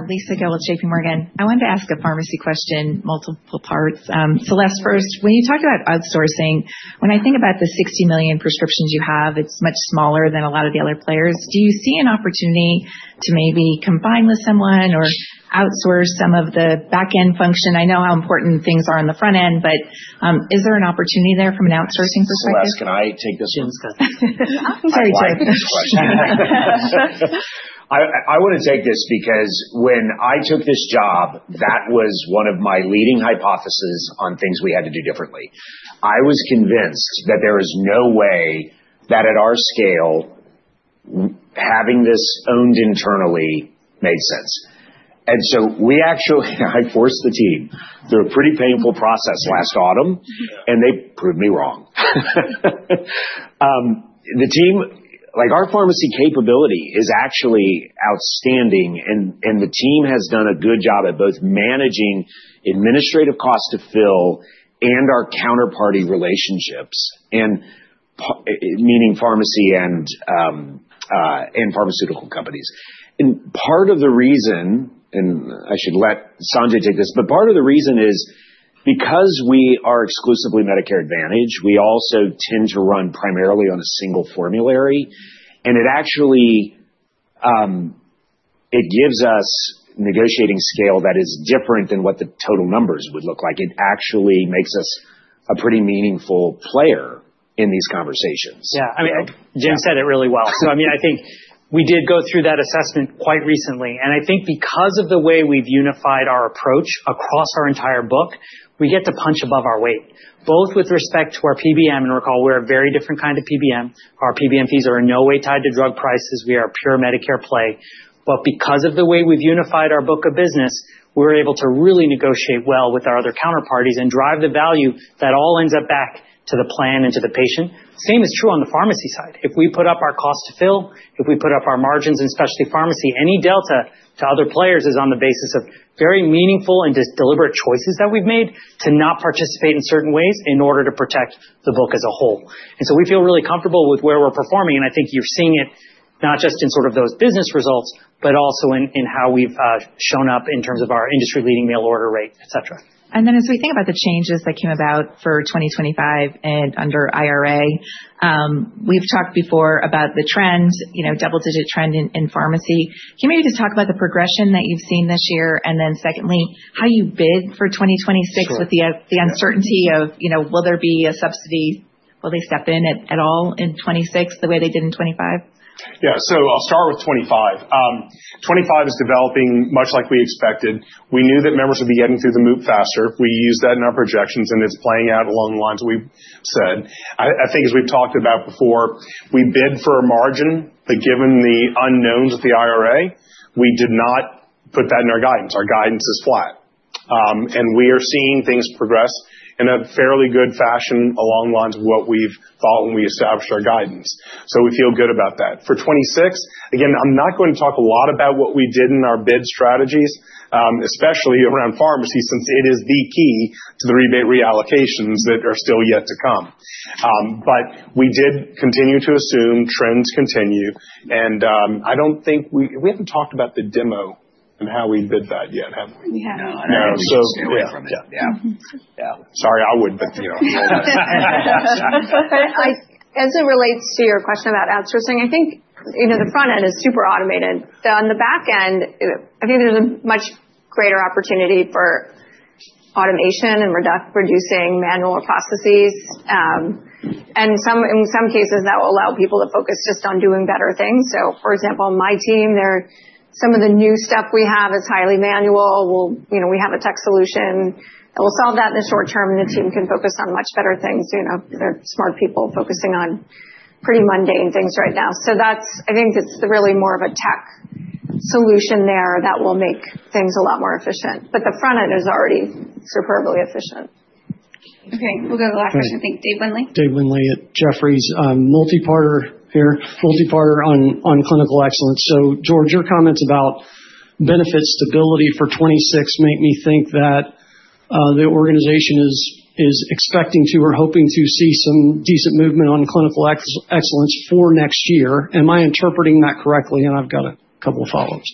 N: Lisa Gill with JP Morgan. I wanted to ask a pharmacy question, multiple parts. Last first, when you talked about outsourcing, when I think about the 60 million prescriptions you have, it's much smaller than a lot of the other players. Do you see an opportunity to maybe combine with someone or outsource some of the back-end function? I know how important things are on the front end, but is there an opportunity there from an outsourcing perspective?
C: Can I take this one?
D: Jim's got that.
E: Sorry, Jim.
C: I want to take this because when I took this job, that was one of my leading hypotheses on things we had to do differently. I was convinced that there is no way that at our scale, having this owned internally made sense. I forced the team through a pretty painful process last autumn, and they proved me wrong. Our pharmacy capability is actually outstanding, and the team has done a good job at both managing administrative costs to fill and our counterparty relationships, meaning pharmacy and pharmaceutical companies. Part of the reason—I should let Sanjay take this—part of the reason is because we are exclusively Medicare Advantage, we also tend to run primarily on a single formulary. It gives us negotiating scale that is different than what the total numbers would look like. It actually makes us a pretty meaningful player in these conversations.
F: Yeah. I mean, Jim said it really well. I mean, I think we did go through that assessment quite recently. I think because of the way we've unified our approach across our entire book, we get to punch above our weight, both with respect to our PBM. Recall, we're a very different kind of PBM. Our PBM fees are in no way tied to drug prices. We are a pure Medicare play. Because of the way we've unified our book of business, we're able to really negotiate well with our other counterparties and drive the value that all ends up back to the plan and to the patient. Same is true on the pharmacy side. If we put up our cost to fill, if we put up our margins in specialty pharmacy, any delta to other players is on the basis of very meaningful and deliberate choices that we've made to not participate in certain ways in order to protect the book as a whole. We feel really comfortable with where we're performing. I think you're seeing it not just in sort of those business results, but also in how we've shown up in terms of our industry-leading mail order rate, etc.
N: As we think about the changes that came about for 2025 and under IRA, we've talked before about the trend, double-digit trend in pharmacy. Can you maybe just talk about the progression that you've seen this year? Secondly, how you bid for 2026 with the uncertainty of, will there be a subsidy? Will they step in at all in 2026 the way they did in 2025?
D: Yeah. I'll start with 2025. 2025 is developing much like we expected. We knew that members would be getting through the moop faster. We used that in our projections, and it is playing out along the lines we said. I think as we have talked about before, we bid for a margin, but given the unknowns with the IRA, we did not put that in our guidance. Our guidance is flat. We are seeing things progress in a fairly good fashion along the lines of what we thought when we established our guidance. We feel good about that. For 2026, again, I am not going to talk a lot about what we did in our bid strategies, especially around pharmacy, since it is the key to the rebate reallocations that are still yet to come. We did continue to assume trends continue. I do not think we—we have not talked about the demo and how we bid that yet, have we?
E: We have not. No.
C: No. We are a year from it. Yeah. Yeah. Sorry, I would, but you know.
E: As it relates to your question about outsourcing, I think the front end is super automated. On the back end, I think there is a much greater opportunity for automation and reducing manual processes. In some cases, that will allow people to focus just on doing better things. For example, my team, some of the new stuff we have is highly manual. We have a tech solution that will solve that in the short term, and the team can focus on much better things. There are smart people focusing on pretty mundane things right now. I think it's really more of a tech solution there that will make things a lot more efficient. The front end is already superbly efficient.
B: Okay. We'll go to the last question. I think Dave Windley.
O: Dave Windley at Jefferies. Multiparter here, multiparter on clinical excellence. George, your comments about benefit stability for 2026 make me think that the organization is expecting to or hoping to see some decent movement on clinical excellence for next year. Am I interpreting that correctly? I've got a couple of follow-ups.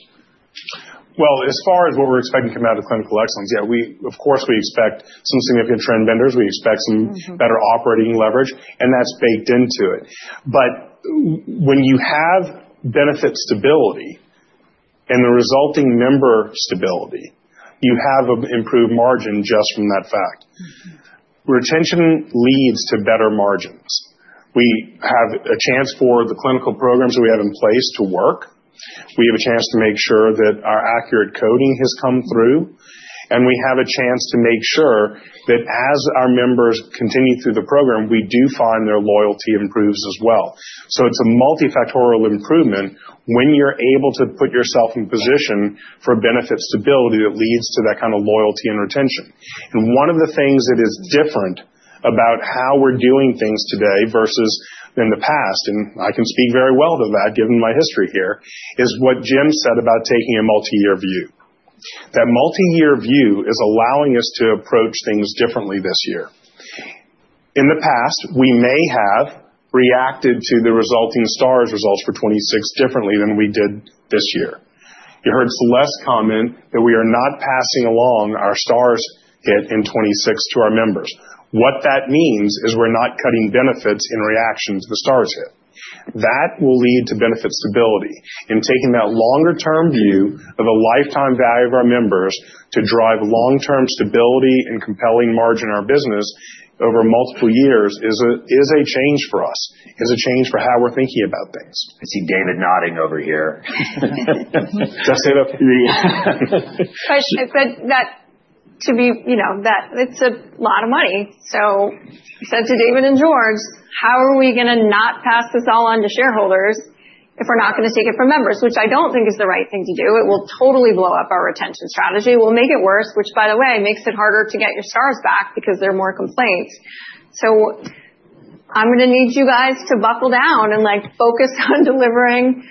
D: As far as what we're expecting to come out of clinical excellence, yeah, of course, we expect some significant trend benders. We expect some better operating leverage, and that's baked into it. When you have benefit stability and the resulting member stability, you have an improved margin just from that fact. Retention leads to better margins. We have a chance for the clinical programs that we have in place to work. We have a chance to make sure that our accurate coding has come through. We have a chance to make sure that as our members continue through the program, we do find their loyalty improves as well. It is a multifactorial improvement when you are able to put yourself in position for benefit stability that leads to that kind of loyalty and retention. One of the things that is different about how we are doing things today versus in the past, and I can speak very well to that given my history here, is what Jim said about taking a multi-year view. That multi-year view is allowing us to approach things differently this year. In the past, we may have reacted to the resulting stars results for 2026 differently than we did this year.
A: You heard it's less common that we are not passing along our stars hit in 2026 to our members. What that means is we're not cutting benefits in reaction to the stars hit. That will lead to benefit stability. Taking that longer-term view of the lifetime value of our members to drive long-term stability and compelling margin in our business over multiple years is a change for us, is a change for how we're thinking about things.
C: I see David nodding over here.
D: Does that say that?
E: I said that to be that it's a lot of money. I said to David and George, how are we going to not pass this all on to shareholders if we're not going to take it from members, which I don't think is the right thing to do? It will totally blow up our retention strategy. It will make it worse, which, by the way, makes it harder to get your stars back because there are more complaints. I am going to need you guys to buckle down and focus on delivering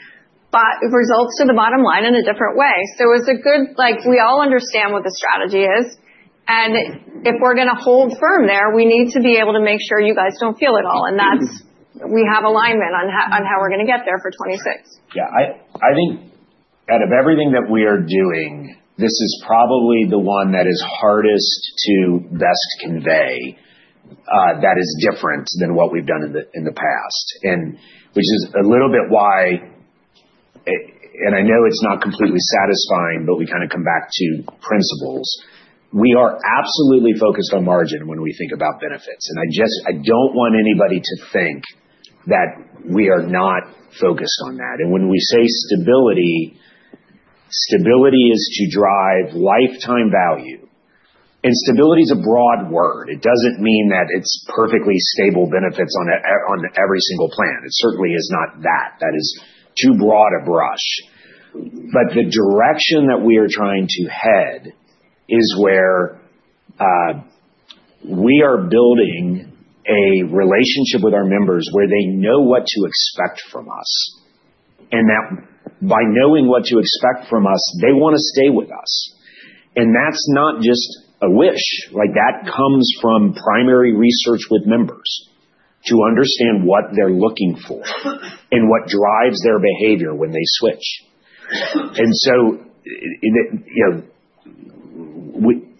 E: results to the bottom line in a different way. It is a good—we all understand what the strategy is. If we are going to hold firm there, we need to be able to make sure you guys do not feel at all. We have alignment on how we are going to get there for 2026.
C: Yeah. I think out of everything that we are doing, this is probably the one that is hardest to best convey that is different than what we have done in the past, which is a little bit why—I know it is not completely satisfying, but we kind of come back to principles. We are absolutely focused on margin when we think about benefits. I do not want anybody to think that we are not focused on that. When we say stability, stability is to drive lifetime value. Stability is a broad word. It does not mean that it is perfectly stable benefits on every single plan. It certainly is not that. That is too broad a brush. The direction that we are trying to head is where we are building a relationship with our members where they know what to expect from us. By knowing what to expect from us, they want to stay with us. That is not just a wish. That comes from primary research with members to understand what they are looking for and what drives their behavior when they switch.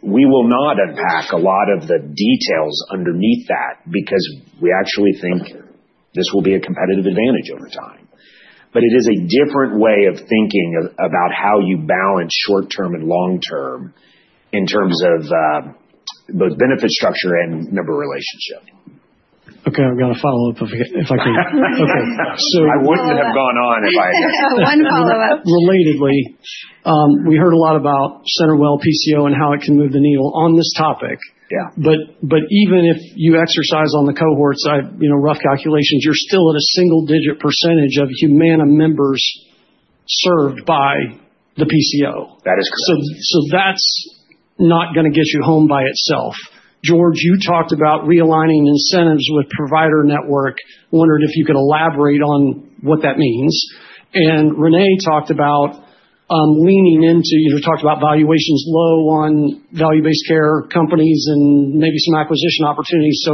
C: We will not unpack a lot of the details underneath that because we actually think this will be a competitive advantage over time. It is a different way of thinking about how you balance short-term and long-term in terms of both benefit structure and member relationship.
O: Okay. I've got a follow-up if I can.
D: Okay.
C: I would not have gone on if I had asked that.
B: One follow-up.
O: Relatedly, we heard a lot about CenterWell PCO and how it can move the needle on this topic. Even if you exercise on the cohort side, rough calculations, you are still at a single-digit percentage of Humana members served by the PCO.
C: That is correct.
O: That is not going to get you home by itself. George, you talked about realigning incentives with provider network. I wondered if you could elaborate on what that means. Renee talked about leaning into—you talked about valuations low on value-based care companies and maybe some acquisition opportunities.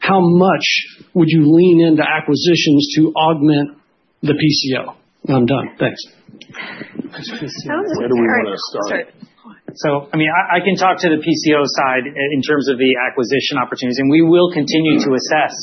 O: How much would you lean into acquisitions to augment the PCO? I'm done. Thanks.
C: Where do we want to start?
D: I mean, I can talk to the PCO side in terms of the acquisition opportunities. We will continue to assess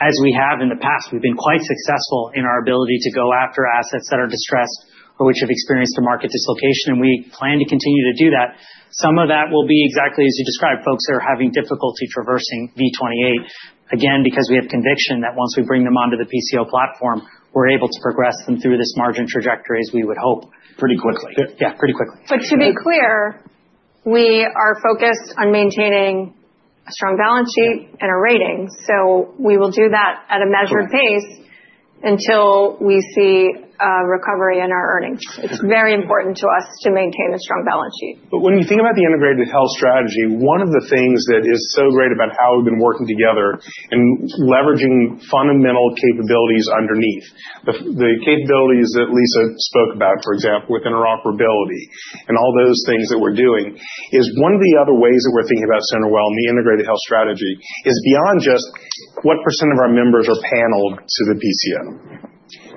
D: as we have in the past. We've been quite successful in our ability to go after assets that are distressed or which have experienced a market dislocation. We plan to continue to do that. Some of that will be exactly as you described, folks that are having difficulty traversing V28, again, because we have conviction that once we bring them onto the PCO platform, we're able to progress them through this margin trajectory as we would hope.
C: Pretty quickly.
D: Yeah, pretty quickly.
G: To be clear, we are focused on maintaining a strong balance sheet and a rating. We will do that at a measured pace until we see a recovery in our earnings. It is very important to us to maintain a strong balance sheet.
D: When you think about the integrated health strategy, one of the things that is so great about how we have been working together and leveraging fundamental capabilities underneath, the capabilities that Lisa spoke about, for example, with interoperability and all those things that we are doing, is one of the other ways that we are thinking about CenterWell and the integrated health strategy is beyond just what percent of our members are paneled to the PCO,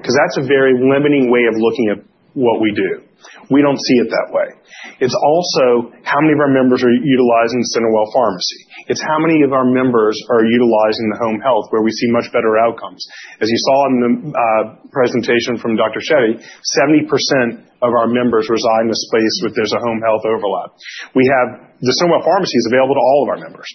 D: because that is a very limiting way of looking at what we do. We do not see it that way. It is also how many of our members are utilizing CenterWell Pharmacy. It's how many of our members are utilizing the home health where we see much better outcomes. As you saw in the presentation from Dr. Shetty, 70% of our members reside in a space where there's a home health overlap. The CenterWell Pharmacy is available to all of our members.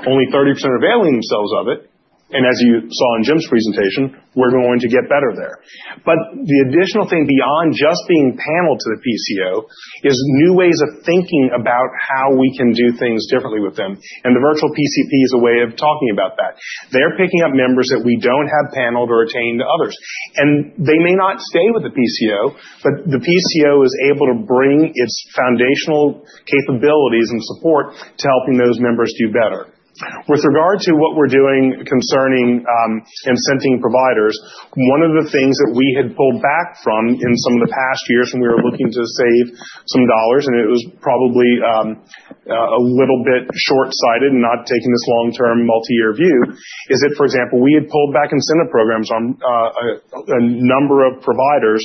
D: Only 30% are availing themselves of it. As you saw in Jim's presentation, we're going to get better there. The additional thing beyond just being paneled to the PCO is new ways of thinking about how we can do things differently with them. The virtual PCP is a way of talking about that. They're picking up members that we don't have paneled or attained to others. They may not stay with the PCO, but the PCO is able to bring its foundational capabilities and support to helping those members do better. With regard to what we're doing concerning incenting providers, one of the things that we had pulled back from in some of the past years when we were looking to save some dollars, and it was probably a little bit short-sighted and not taking this long-term multi-year view, is that, for example, we had pulled back incentive programs on a number of providers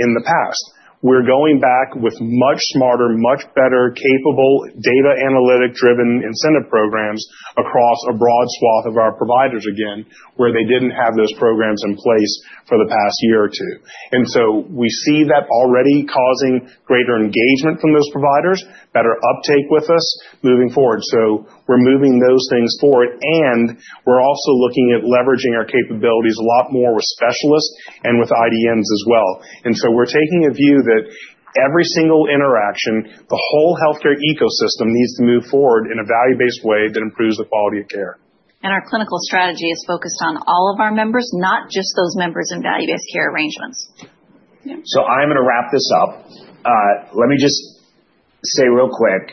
D: in the past. We're going back with much smarter, much better capable data analytic-driven incentive programs across a broad swath of our providers again, where they didn't have those programs in place for the past year or two. We see that already causing greater engagement from those providers, better uptake with us moving forward. We are moving those things forward. We are also looking at leveraging our capabilities a lot more with specialists and with IDNs as well. We are taking a view that every single interaction, the whole healthcare ecosystem needs to move forward in a value-based way that improves the quality of care.
G: Our clinical strategy is focused on all of our members, not just those members in value-based care arrangements.
C: I am going to wrap this up. Let me just say real quick,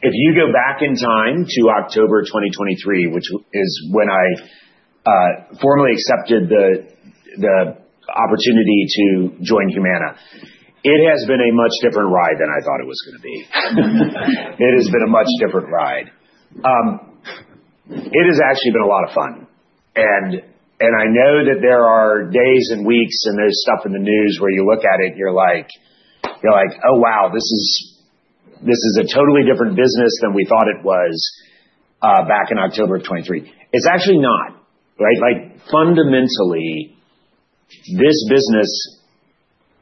C: if you go back in time to October 2023, which is when I formally accepted the opportunity to join Humana, it has been a much different ride than I thought it was going to be. It has been a much different ride. It has actually been a lot of fun. I know that there are days and weeks and there is stuff in the news where you look at it and you are like, "Oh, wow, this is a totally different business than we thought it was back in October of 2023." It is actually not, right? Fundamentally, this business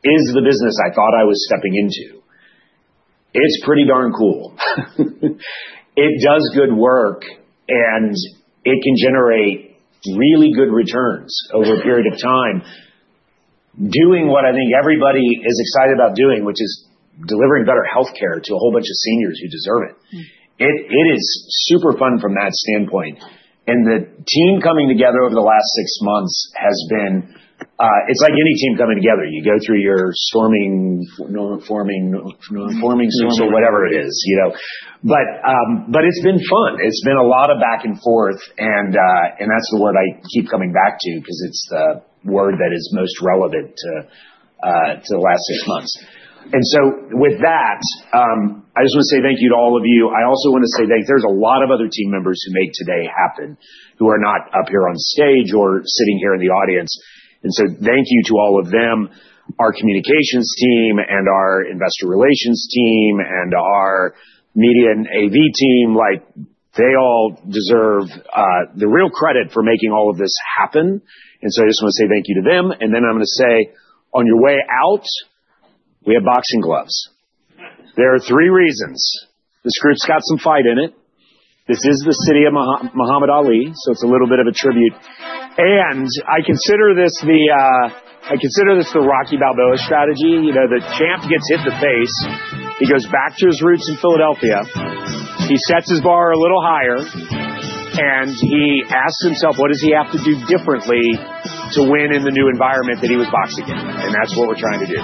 C: is the business I thought I was stepping into. It is pretty darn cool. It does good work, and it can generate really good returns over a period of time, doing what I think everybody is excited about doing, which is delivering better healthcare to a whole bunch of seniors who deserve it. It is super fun from that standpoint. The team coming together over the last six months has been—it is like any team coming together. You go through your storming—storming storms or whatever it is. It has been fun. It has been a lot of back and forth. That is the word I keep coming back to because it is the word that is most relevant to the last six months. With that, I just want to say thank you to all of you. I also want to say thank you. There are a lot of other team members who make today happen who are not up here on stage or sitting here in the audience. Thank you to all of them, our communications team and our investor relations team and our media and AV team. They all deserve the real credit for making all of this happen. I just want to say thank you to them. On your way out, we have boxing gloves. There are three reasons. This group's got some fight in it. This is the city of Muhammad Ali, so it's a little bit of a tribute. I consider this the—I consider this the Rocky Balboa strategy. The champ gets hit in the face. He goes back to his roots in Philadelphia. He sets his bar a little higher. He asks himself, "What does he have to do differently to win in the new environment that he was boxing in?" That's what we're trying to do.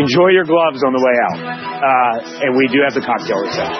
C: Enjoy your gloves on the way out. We do have the cocktail reserve.